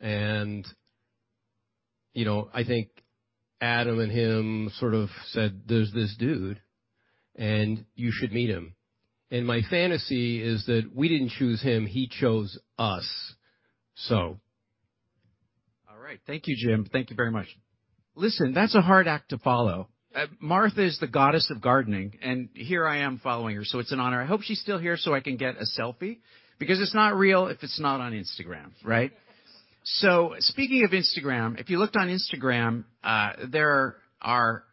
and, you know, I think Adam and him sort of said, "There's this dude, and you should meet him." And my fantasy is that we didn't choose him, he chose us. So...
All right. Thank you, Jim. Thank you very much. Listen, that's a hard act to follow. Martha is the goddess of gardening, and here I am following her, so it's an honor. I hope she's still here so I can get a selfie, because it's not real if it's not on Instagram, right? So speaking of Instagram, if you looked on Instagram, there are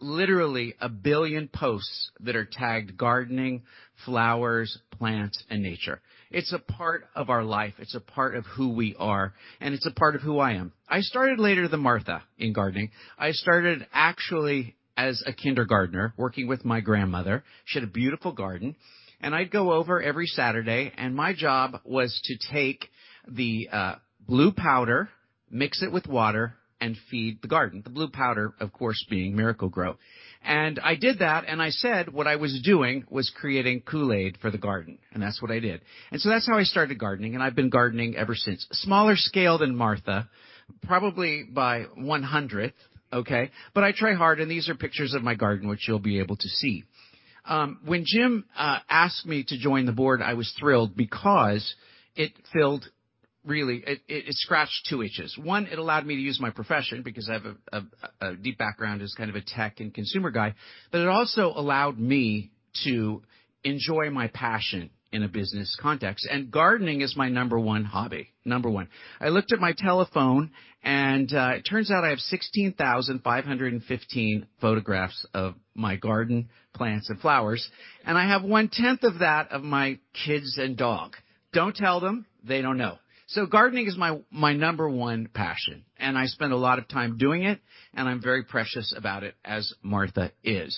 literally 1 billion posts that are tagged gardening, flowers, plants, and nature. It's a part of our life, it's a part of who we are, and it's a part of who I am. I started later than Martha in gardening. I started actually as a kindergartner, working with my grandmother. She had a beautiful garden, and I'd go over every Saturday, and my job was to take the blue powder, mix it with water and feed the garden. The blue powder, of course, being Miracle-Gro. And I did that, and I said what I was doing was creating Kool-Aid for the garden, and that's what I did. And so that's how I started gardening, and I've been gardening ever since. Smaller scale than Martha, probably by 1/100th, okay? But I try hard, and these are pictures of my garden, which you'll be able to see. When Jim asked me to join the board, I was thrilled because it filled really. It scratched two itches. One, it allowed me to use my profession because I have a deep background as kind of a tech and consumer guy, but it also allowed me to enjoy my passion in a business context. And gardening is my number one hobby. Number one. I looked at my telephone, and it turns out I have 16,515 photographs of my garden, plants, and flowers, and I have one-tenth of that of my kids and dog. Don't tell them. They don't know. So gardening is my, my number 1 passion, and I spend a lot of time doing it, and I'm very precious about it, as Martha is.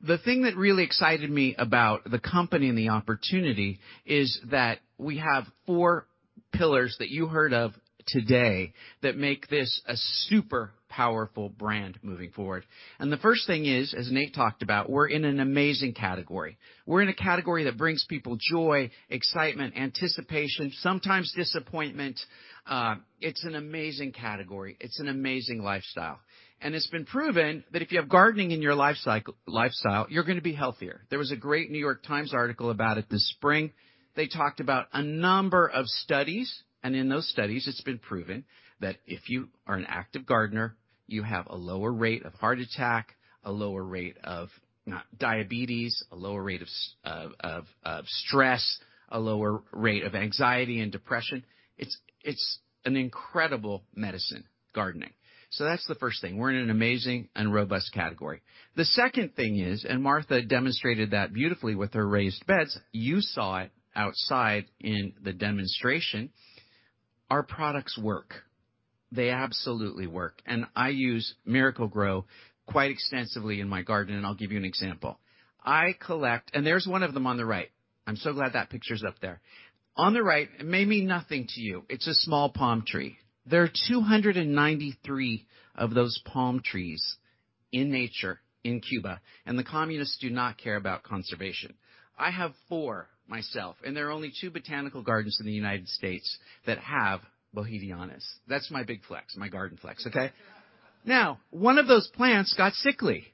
The thing that really excited me about the company and the opportunity is that we have 4 pillars that you heard of today that make this a super powerful brand moving forward. And the first thing is, as Nate talked about, we're in an amazing category. We're in a category that brings people joy, excitement, anticipation, sometimes disappointment. It's an amazing category. It's an amazing lifestyle. It's been proven that if you have gardening in your lifestyle, you're gonna be healthier. There was a great New York Times article about it this spring. They talked about a number of studies, and in those studies, it's been proven that if you are an active gardener, you have a lower rate of heart attack, a lower rate of diabetes, a lower rate of stress, a lower rate of anxiety and depression. It's an incredible medicine, gardening. So that's the first thing. We're in an amazing and robust category. The second thing is, and Martha demonstrated that beautifully with her raised beds. You saw it outside in the demonstration. Our products work. They absolutely work. And I use Miracle-Gro quite extensively in my garden, and I'll give you an example. I collect... And there's one of them on the right. I'm so glad that picture's up there. On the right, it may mean nothing to you. It's a small palm tree. There are 293 of those palm trees in nature in Cuba, and the communists do not care about conservation. I have four myself, and there are only two botanical gardens in the United States that have borhidiana. That's my big flex, my garden flex, okay? Now, one of those plants got sickly.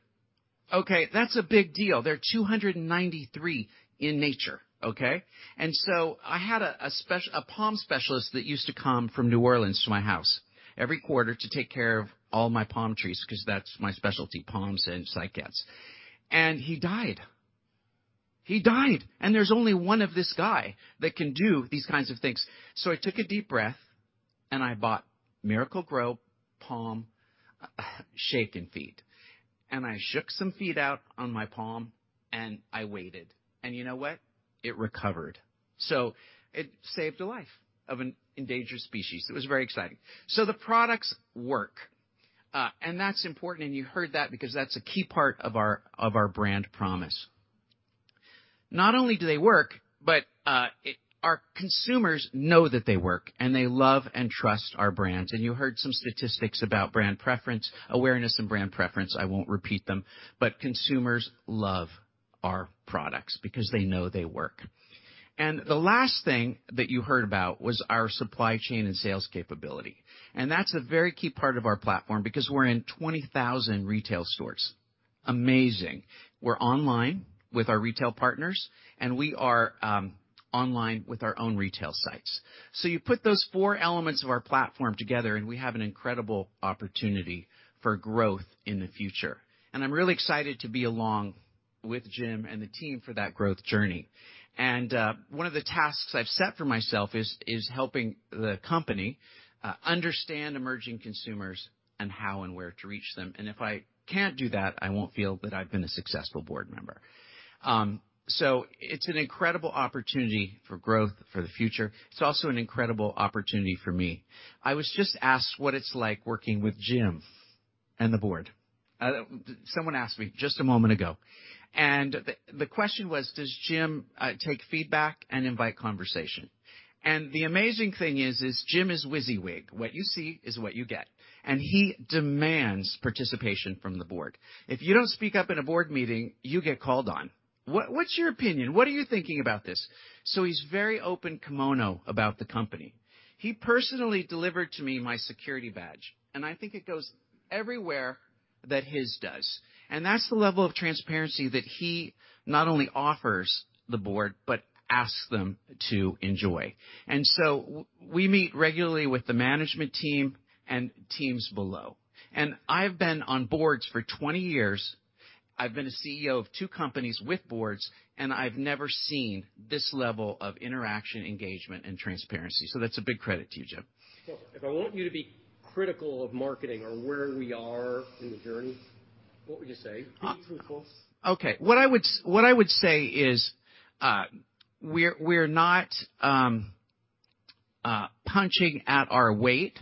Okay, that's a big deal. There are 293 in nature, okay? And so I had a palm specialist that used to come from New Orleans to my house every quarter to take care of all my palm trees, 'cause that's my specialty, palms and cycads. And he died. He died! There's only one of this guy that can do these kinds of things. So I took a deep breath, and I bought Miracle-Gro Shake 'n Feed Palm, and I shook some feed out on my palm, and I waited. And you know what? It recovered. So it saved a life of an endangered species. It was very exciting. So the products work, and that's important, and you heard that because that's a key part of our brand promise. Not only do they work, but our consumers know that they work, and they love and trust our brands. And you heard some statistics about brand preference, awareness, and brand preference. I won't repeat them, but consumers love our products because they know they work. The last thing that you heard about was our supply chain and sales capability, and that's a very key part of our platform because we're in 20,000 retail stores. Amazing. We're online with our retail partners, and we are online with our own retail sites. So you put those four elements of our platform together, and we have an incredible opportunity for growth in the future. And I'm really excited to be along with Jim and the team for that growth journey. And one of the tasks I've set for myself is helping the company understand emerging consumers and how and where to reach them. And if I can't do that, I won't feel that I've been a successful board member. So it's an incredible opportunity for growth for the future. It's also an incredible opportunity for me. I was just asked what it's like working with Jim and the board. Someone asked me just a moment ago, and the question was: Does Jim take feedback and invite conversation? And the amazing thing is, is Jim is WYSIWYG. What you see is what you get, and he demands participation from the board. If you don't speak up in a board meeting, you get called on. "What, what's your opinion? What are you thinking about this?" So he's very open kimono about the company. He personally delivered to me my security badge, and I think it goes everywhere that his does. And that's the level of transparency that he not only offers the board but asks them to enjoy. And so we meet regularly with the management team and teams below. And I've been on boards for 20 years. I've been a CEO of two companies with boards, and I've never seen this level of interaction, engagement, and transparency. That's a big credit to you, Jim.
If I want you to be critical of marketing or where we are in the journey, what would you say? Be truthful.
Okay. What I would say is, we're not punching at our weight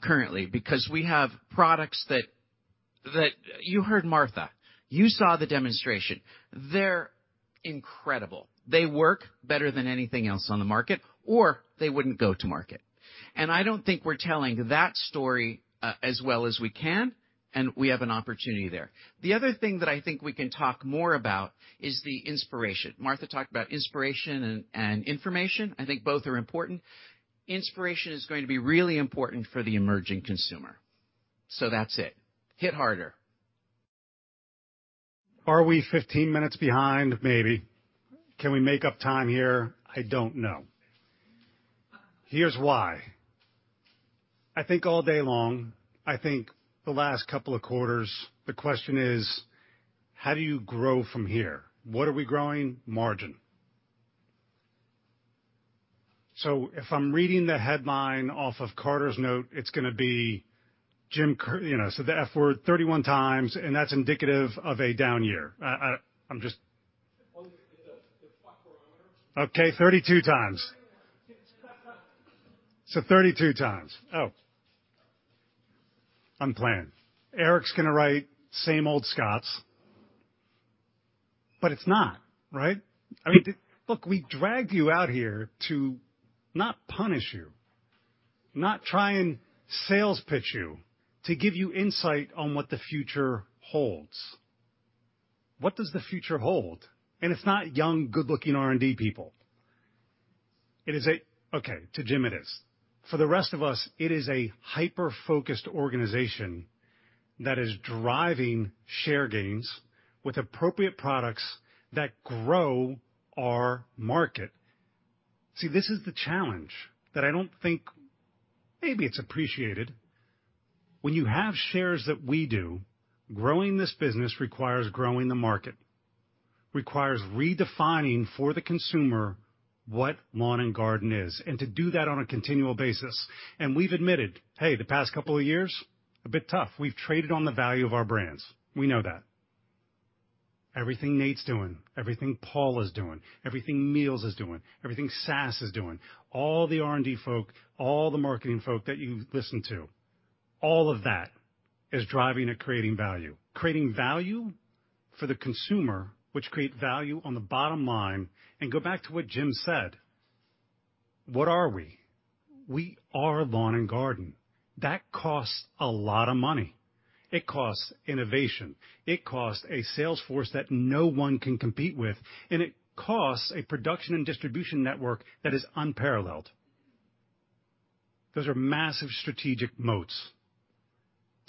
currently, because we have products that. That, you heard Martha, you saw the demonstration. They're incredible. They work better than anything else on the market, or they wouldn't go to market. And I don't think we're telling that story as well as we can, and we have an opportunity there. The other thing that I think we can talk more about is the inspiration. Martha talked about inspiration and information. I think both are important. Inspiration is going to be really important for the emerging consumer, so that's it. Hit harder.
Are we 15 minutes behind? Maybe. Can we make up time here? I don't know. Here's why. I think all day long, I think the last couple of quarters, the question is, how do you grow from here? What are we growing? Margin. So if I'm reading the headline off of Carter's note, it's gonna be Jim, you know, said the F word 31 times, and that's indicative of a down year. I, I'm just- It's the fuck barometer. Okay, 32x. So 32x. Oh, unplanned. Eric's gonna write, "Same old Scotts." But it's not, right? I mean, look, we dragged you out here to not punish you, not try and sales pitch you, to give you insight on what the future holds. What does the future holds? And it's not young, good-looking R&D people. It is a... Okay, to Jim, it is. For the rest of us, it is a hyper-focused organization that is driving share gains with appropriate products that grow our market. See, this is the challenge that I don't think maybe it's appreciated. When you have shares that we do, growing this business requires growing the market, requires redefining for the consumer what lawn and garden is, and to do that on a continual basis. And we've admitted, hey, the past couple of years, a bit tough. We've traded on the value of our brands. We know that. Everything Nate's doing, everything Paul is doing, everything Niels is doing, everything Sass is doing, all the R&D folk, all the marketing folk that you've listened to, all of that is driving and creating value. Creating value for the consumer, which create value on the bottom line, and go back to what Jim said, what are we? We are lawn and garden. That costs a lot of money. It costs innovation, it costs a sales force that no one can compete with, and it costs a production and distribution network that is unparalleled. Those are massive strategic moats.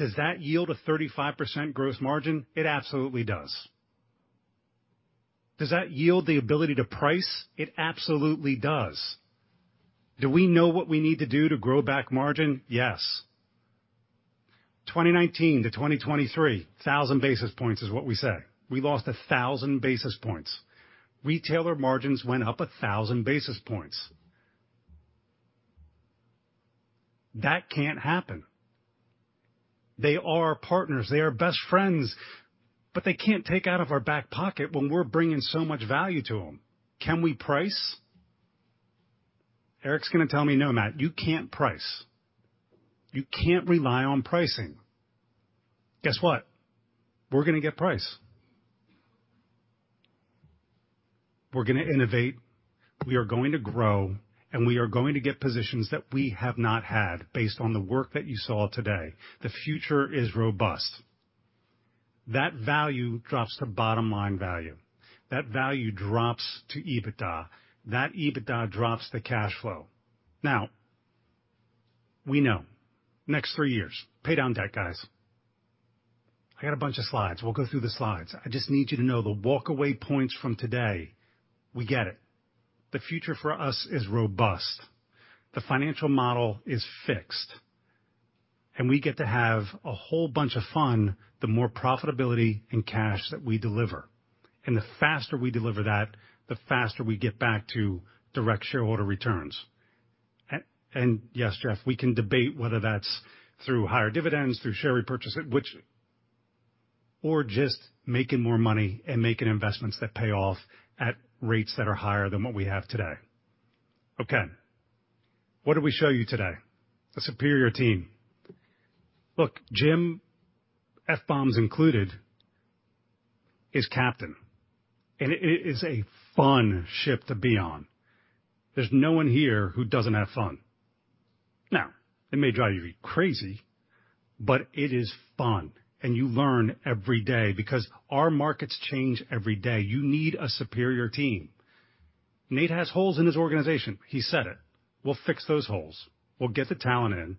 Does that yield a 35% gross margin? It absolutely does. Does that yield the ability to price? It absolutely does. Do we know what we need to do to grow back margin? Yes. 2019 to 2023, 1,000 basis points is what we say. We lost 1,000 basis points. Retailer margins went up 1,000 basis points. That can't happen. They are our partners, they are best friends, but they can't take out of our back pocket when we're bringing so much value to them. Can we price? Eric's gonna tell me, "No, Matt, you can't price. You can't rely on pricing." Guess what? We're gonna get price. We're gonna innovate, we are going to grow, and we are going to get positions that we have not had based on the work that you saw today. The future is robust. That value drops to bottom line value. That value drops to EBITDA. That EBITDA drops to cash flow. Now, we know, next 3 years, pay down debt, guys. I got a bunch of slides. We'll go through the slides. I just need you to know the takeaway points from today. We get it. The future for us is robust. The financial model is fixed, and we get to have a whole bunch of fun, the more profitability and cash that we deliver. The faster we deliver that, the faster we get back to direct shareholder returns. and yes, Jeff, we can debate whether that's through higher dividends, through share repurchase, which... or just making more money and making investments that pay off at rates that are higher than what we have today. Okay, what did we show you today? A superior team. Look, Jim, F-bombs included, is captain, and it, it is a fun ship to be on. There's no one here who doesn't have fun. Now, it may drive you crazy, but it is fun, and you learn every day because our markets change every day. You need a superior team. Nate has holes in his organization. He said it. We'll fix those holes. We'll get the talent in.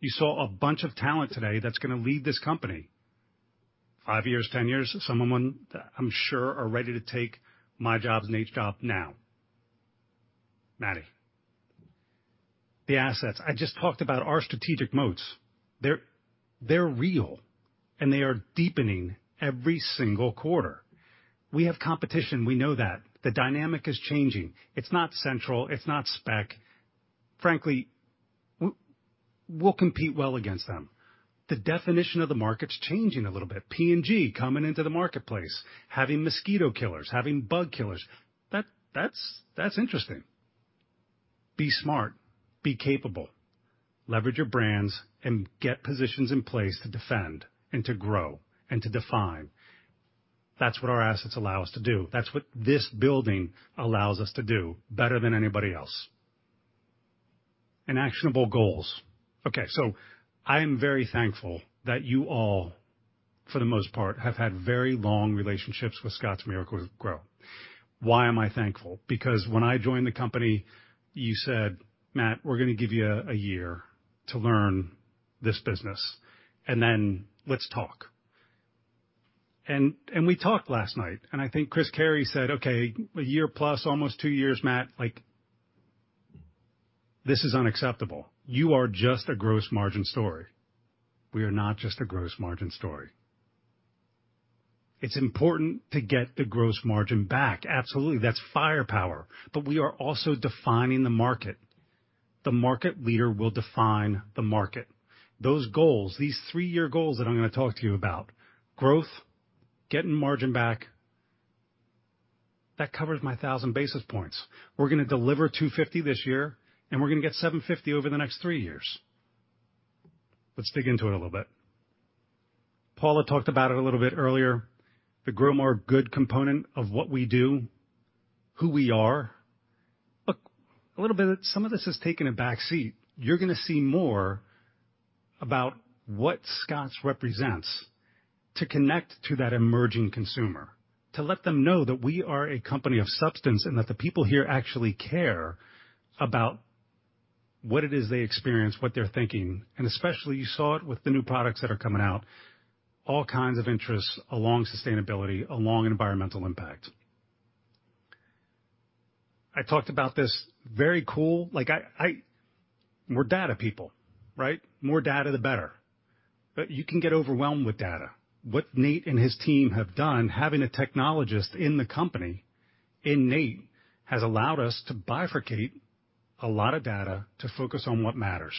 You saw a bunch of talent today that's gonna lead this company. 5 years, 10 years, someone, I'm sure, are ready to take my job, Nate's job now. Matty. The assets. I just talked about our strategic moats. They're, they're real, and they are deepening every single quarter. We have competition, we know that. The dynamic is changing. It's not central, it's not spec. Frankly, we'll compete well against them. The definition of the market's changing a little bit. P&G coming into the marketplace, having mosquito killers, having bug killers. That, that's, that's interesting.... Be smart, be capable, leverage your brands, and get positions in place to defend and to grow and to define. That's what our assets allow us to do. That's what this building allows us to do better than anybody else. And actionable goals. Okay, so I am very thankful that you all, for the most part, have had very long relationships with Scotts Miracle-Gro. Why am I thankful? Because when I joined the company, you said, "Matt, we're gonna give you a, a year to learn this business, and then let's talk." And, and we talked last night, and I think Chris Carey said, "Okay, a year plus, almost two years, Matt, like, this is unacceptable. You are just a gross margin story." We are not just a gross margin story. It's important to get the gross margin back. Absolutely, that's firepower. But we are also defining the market. The market leader will define the market. Those goals, these three-year goals that I'm gonna talk to you about, growth, getting margin back, that covers my thousand basis points. We're gonna deliver $250 this year, and we're gonna get $750 over the next 3 years. Let's dig into it a little bit. Paula talked about it a little bit earlier, the GrowMoreGood component of what we do, who we are. Look, a little bit of some of this has taken a backseat. You're gonna see more about what Scotts represents to connect to that emerging consumer, to let them know that we are a company of substance, and that the people here actually care about what it is they experience, what they're thinking, and especially, you saw it with the new products that are coming out, all kinds of interests along sustainability, along environmental impact. I talked about this, very cool. Like I, I... We're data people, right? More data, the better. But you can get overwhelmed with data. What Nate and his team have done, having a technologist in the company, in Nate, has allowed us to bifurcate a lot of data to focus on what matters.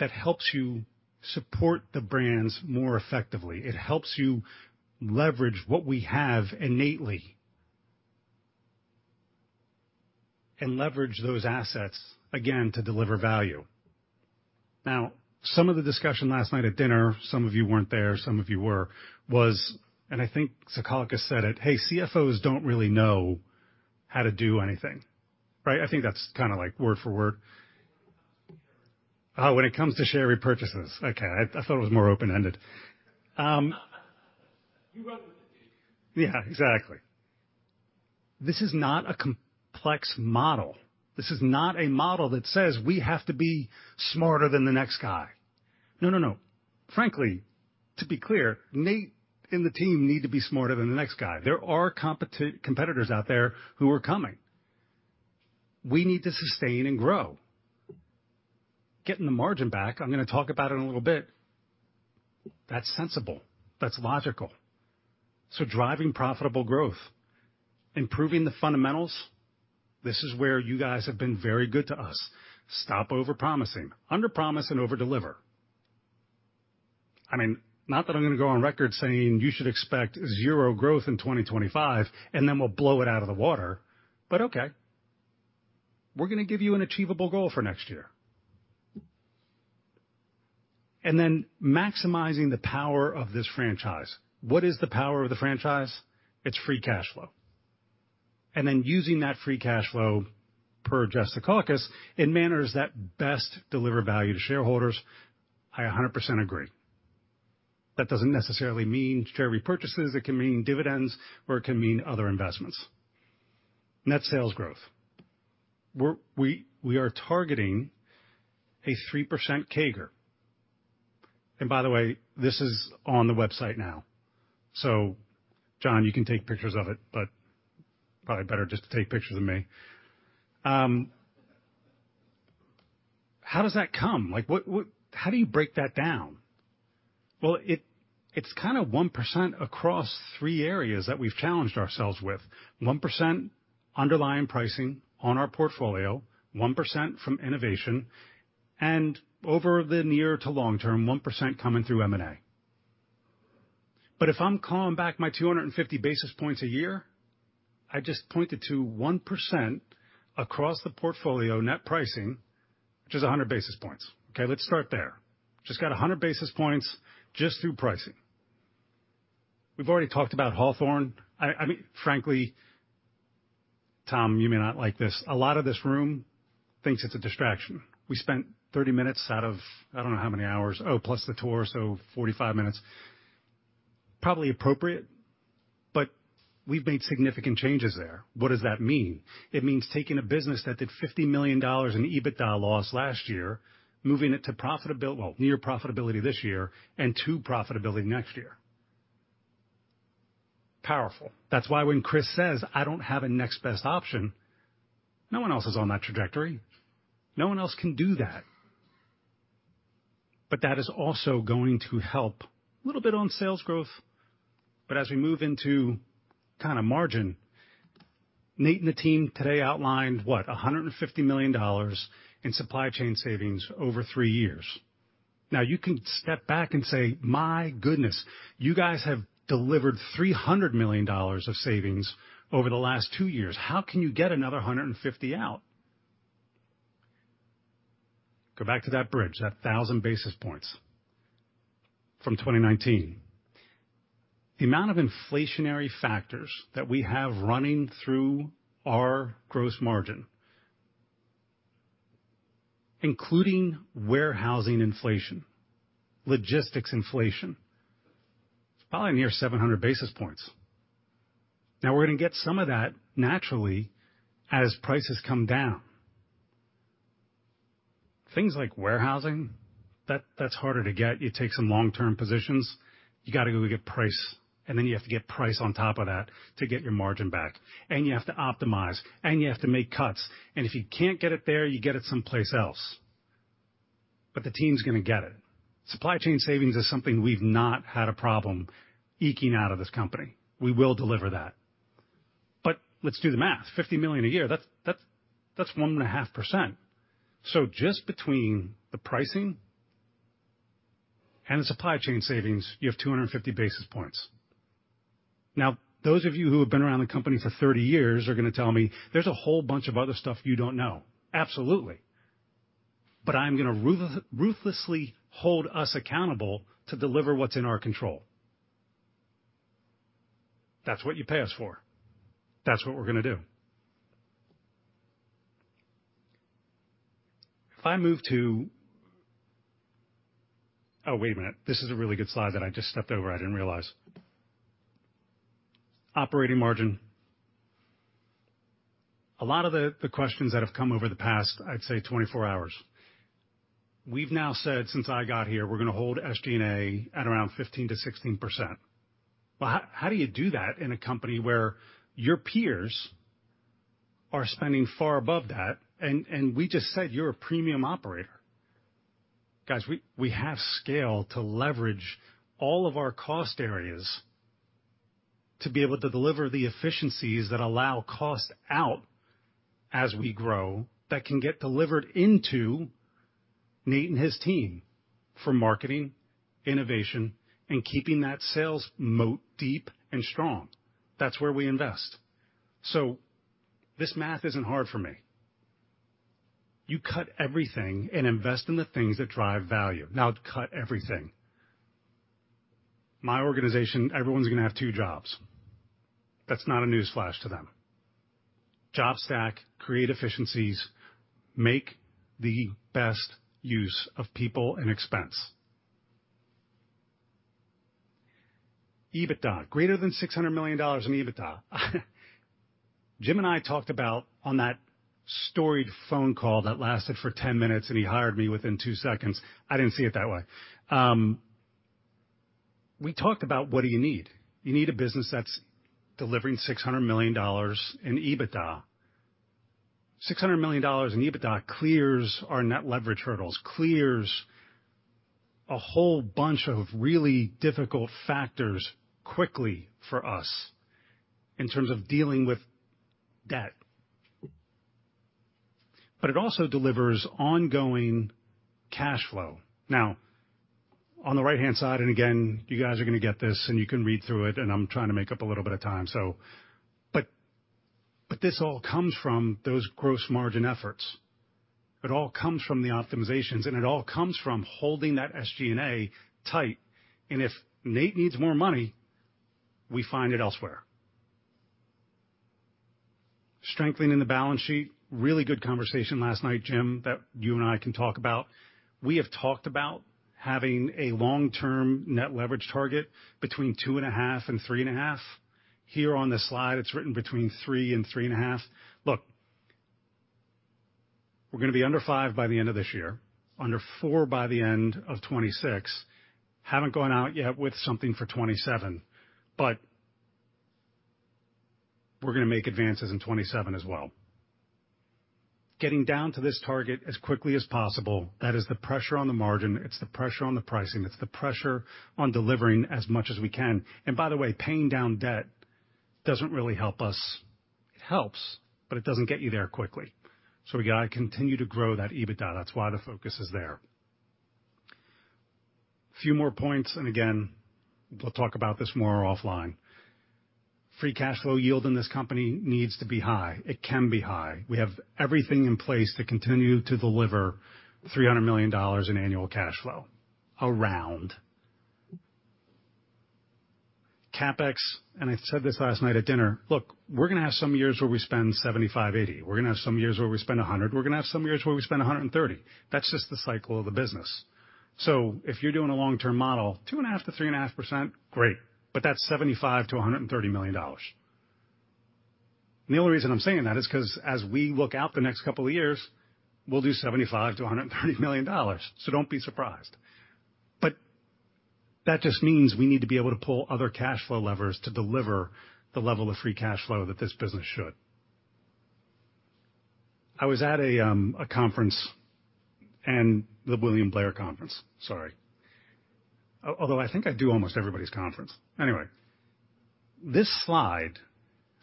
That helps you support the brands more effectively. It helps you leverage what we have innately, and leverage those assets, again, to deliver value. Now, some of the discussion last night at dinner, some of you weren't there, some of you were, was, and I think [Sakalka]said it: "Hey, CFOs don't really know how to do anything." Right? I think that's kinda like word for word. When it comes to share repurchases. Oh, when it comes to share repurchases. Okay, I, I thought it was more open-ended.
You run with it, Nate.
Yeah, exactly. This is not a complex model. This is not a model that says we have to be smarter than the next guy. No, no, no. Frankly, to be clear, Nate and the team need to be smarter than the next guy. There are competitors out there who are coming. We need to sustain and grow. Getting the margin back, I'm gonna talk about it in a little bit. That's sensible, that's logical. So driving profitable growth, improving the fundamentals, this is where you guys have been very good to us. Stop over-promising. Underpromise and overdeliver. I mean, not that I'm gonna go on record saying you should expect zero growth in 2025, and then we'll blow it out of the water, but okay. We're gonna give you an achievable goal for next year. And then maximizing the power of this franchise. What is the power of the franchise? It's free cash flow. And then using that free cash flow, per Jeff Zekauskas, in manners that best deliver value to shareholders, I 100% agree. That doesn't necessarily mean share repurchases. It can mean dividends, or it can mean other investments. Net sales growth. We are targeting a 3% CAGR. And by the way, this is on the website now. So John, you can take pictures of it, but probably better just to take pictures of me. How does that come? Like, what, what—how do you break that down? Well, it's kinda 1% across three areas that we've challenged ourselves with. 1% underlying pricing on our portfolio, 1% from innovation, and over the near to long term, 1% coming through M&A. But if I'm calling back my 250 basis points a year, I just pointed to 1% across the portfolio net pricing, which is 100 basis points. Okay, let's start there. Just got 100 basis points just through pricing. We've already talked about Hawthorne. I, I mean, frankly, Tom, you may not like this. A lot of this room thinks it's a distraction. We spent 30 minutes out of I don't know how many hours, oh, plus the tour, so 45 minutes. Probably appropriate, but we've made significant changes there. What does that mean? It means taking a business that did $50 million in EBITDA loss last year, moving it to profitability, well, near profitability this year and to profitability next year. Powerful. That's why when Chris says, "I don't have a next best option," no one else is on that trajectory. No one else can do that. But that is also going to help a little bit on sales growth. But as we move into kinda margin, Nate and the team today outlined, what? $150 million in supply chain savings over three years.... Now you can step back and say, "My goodness, you guys have delivered $300 million of savings over the last two years. How can you get another $150 out?" Go back to that bridge, that 1,000 basis points from 2019. The amount of inflationary factors that we have running through our gross margin, including warehousing inflation, logistics inflation, it's probably near 700 basis points. Now, we're gonna get some of that naturally as prices come down. Things like warehousing, that, that's harder to get. You take some long-term positions, you got to go get price, and then you have to get price on top of that to get your margin back, and you have to optimize, and you have to make cuts, and if you can't get it there, you get it someplace else. But the team's gonna get it. Supply chain savings is something we've not had a problem eking out of this company. We will deliver that. But let's do the math. $50 million a year, that's, that's, that's 1.5%. So just between the pricing and the supply chain savings, you have 250 basis points. Now, those of you who have been around the company for 30 years are gonna tell me, there's a whole bunch of other stuff you don't know. Absolutely. But I'm gonna ruthlessly hold us accountable to deliver what's in our control. That's what you pay us for. That's what we're gonna do. If I move to... Oh, wait a minute. This is a really good slide that I just stepped over, I didn't realize. Operating margin. A lot of the questions that have come over the past, I'd say 24 hours, we've now said since I got here, we're gonna hold SG&A at around 15%-16%. But how do you do that in a company where your peers are spending far above that, and we just said you're a premium operator? Guys, we have scale to leverage all of our cost areas to be able to deliver the efficiencies that allow cost out as we grow, that can get delivered into Nate and his team for marketing, innovation, and keeping that sales moat deep and strong. That's where we invest. So this math isn't hard for me. You cut everything and invest in the things that drive value. Now, cut everything. My organization, everyone's gonna have two jobs. That's not a newsflash to them. Job stack, create efficiencies, make the best use of people and expense. EBITDA greater than $600 million in EBITDA. Jim and I talked about on that storied phone call that lasted for 10 minutes, and he hired me within 2 seconds. I didn't see it that way. We talked about what do you need? You need a business that's delivering $600 million in EBITDA. $600 million in EBITDA clears our net leverage hurdles, clears a whole bunch of really difficult factors quickly for us in terms of dealing with debt, but it also delivers ongoing cash flow. Now, on the right-hand side, and again, you guys are gonna get this, and you can read through it, and I'm trying to make up a little bit of time, so... But, but this all comes from those gross margin efforts. It all comes from the optimizations, and it all comes from holding that SG&A tight. And if Nate needs more money, we find it elsewhere. Strengthening the balance sheet. Really good conversation last night, Jim, that you and I can talk about. We have talked about having a long-term net leverage target between 2.5 and 3.5. Here on this slide, it's written between 3 and 3.5. Look, we're gonna be under 5 by the end of this year, under 4 by the end of 2026. Haven't gone out yet with something for 2027, but we're gonna make advances in 2027 as well. Getting down to this target as quickly as possible, that is the pressure on the margin, it's the pressure on the pricing, it's the pressure on delivering as much as we can. And by the way, paying down debt doesn't really help us. It helps, but it doesn't get you there quickly. So we gotta continue to grow that EBITDA. That's why the focus is there. A few more points, and again, we'll talk about this more offline. Free cash flow yield in this company needs to be high. It can be high. We have everything in place to continue to deliver $300 million in annual cash flow, around. CapEx, and I said this last night at dinner: Look, we're gonna have some years where we spend 75, 80. We're gonna have some years where we spend 100. We're gonna have some years where we spend 130. That's just the cycle of the business. So if you're doing a long-term model, 2.5%-3.5%, great, but that's $75 million-$130 million. The only reason I'm saying that is 'cause as we look out the next couple of years, we'll do $75 million-$130 million. So don't be surprised. But that just means we need to be able to pull other cash flow levers to deliver the level of free cash flow that this business should. I was at a conference and the William Blair conference, sorry. Although I think I do almost everybody's conference. Anyway, this slide,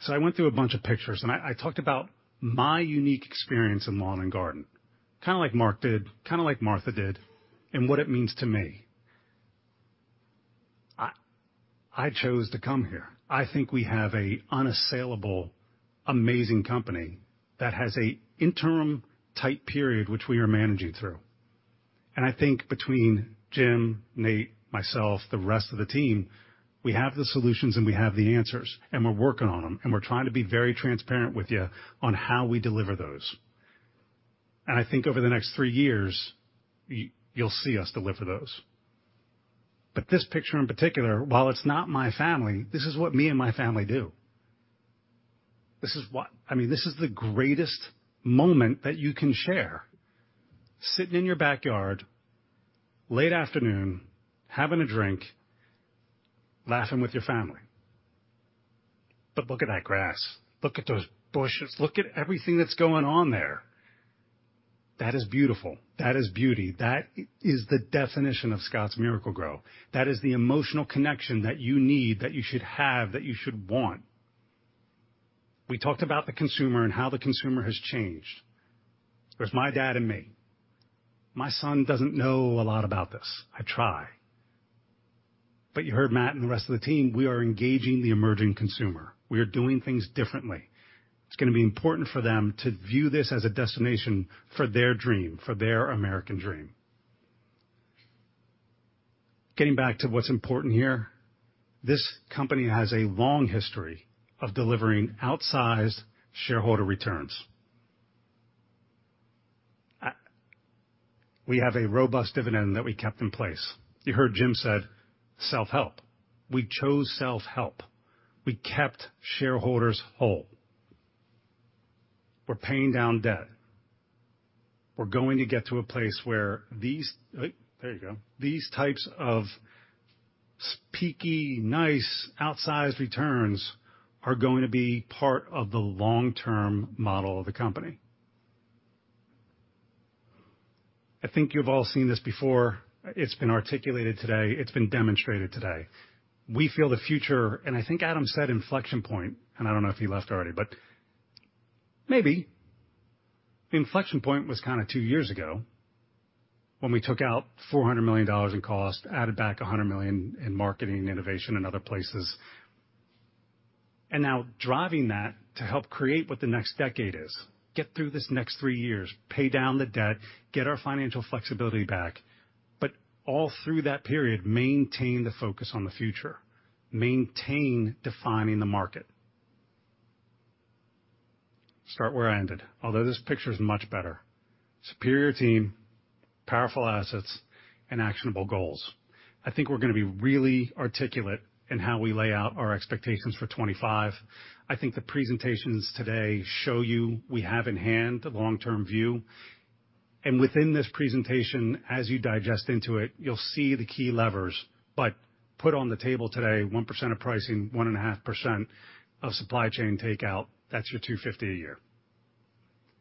so I went through a bunch of pictures, and I talked about my unique experience in lawn and garden, kinda like Mark did, kinda like Martha did, and what it means to me. I chose to come here. I think we have a unassailable, amazing company that has a interim-type period, which we are managing through. And I think between Jim, Nate, myself, the rest of the team, we have the solutions, and we have the answers, and we're working on them, and we're trying to be very transparent with you on how we deliver those. And I think over the next three years, you, you'll see us deliver those. But this picture, in particular, while it's not my family, this is what me and my family do. This is what—I mean, this is the greatest moment that you can share, sitting in your backyard, late afternoon, having a drink, laughing with your family. But look at that grass, look at those bushes, look at everything that's going on there. That is beautiful. That is beauty. That is the definition of Scotts Miracle-Gro. That is the emotional connection that you need, that you should have, that you should want. We talked about the consumer and how the consumer has changed. There's my dad and me. My son doesn't know a lot about this. I try. But you heard Matt and the rest of the team, we are engaging the emerging consumer. We are doing things differently. It's gonna be important for them to view this as a destination for their dream, for their American dream. Getting back to what's important here, this company has a long history of delivering outsized shareholder returns. We have a robust dividend that we kept in place. You heard Jim said, self-help. We chose self-help. We kept shareholders whole. We're paying down debt. We're going to get to a place where these... Oh, there you go. These types of peaky, nice, outsized returns are going to be part of the long-term model of the company. I think you've all seen this before. It's been articulated today. It's been demonstrated today. We feel the future, and I think Adam said inflection point, and I don't know if he left already, but maybe the inflection point was kinda two years ago when we took out $400 million in cost, added back $100 million in marketing, innovation, and other places. Now driving that to help create what the next decade is, get through this next three years, pay down the debt, get our financial flexibility back, but all through that period, maintain the focus on the future, maintain defining the market. Start where I ended, although this picture is much better. Superior team, powerful assets, and actionable goals. I think we're gonna be really articulate in how we lay out our expectations for 2025. I think the presentations today show you we have in hand the long-term view, and within this presentation, as you digest into it, you'll see the key levers, but put on the table today, 1% of pricing, 1.5% of supply chain takeout, that's your $250 a year.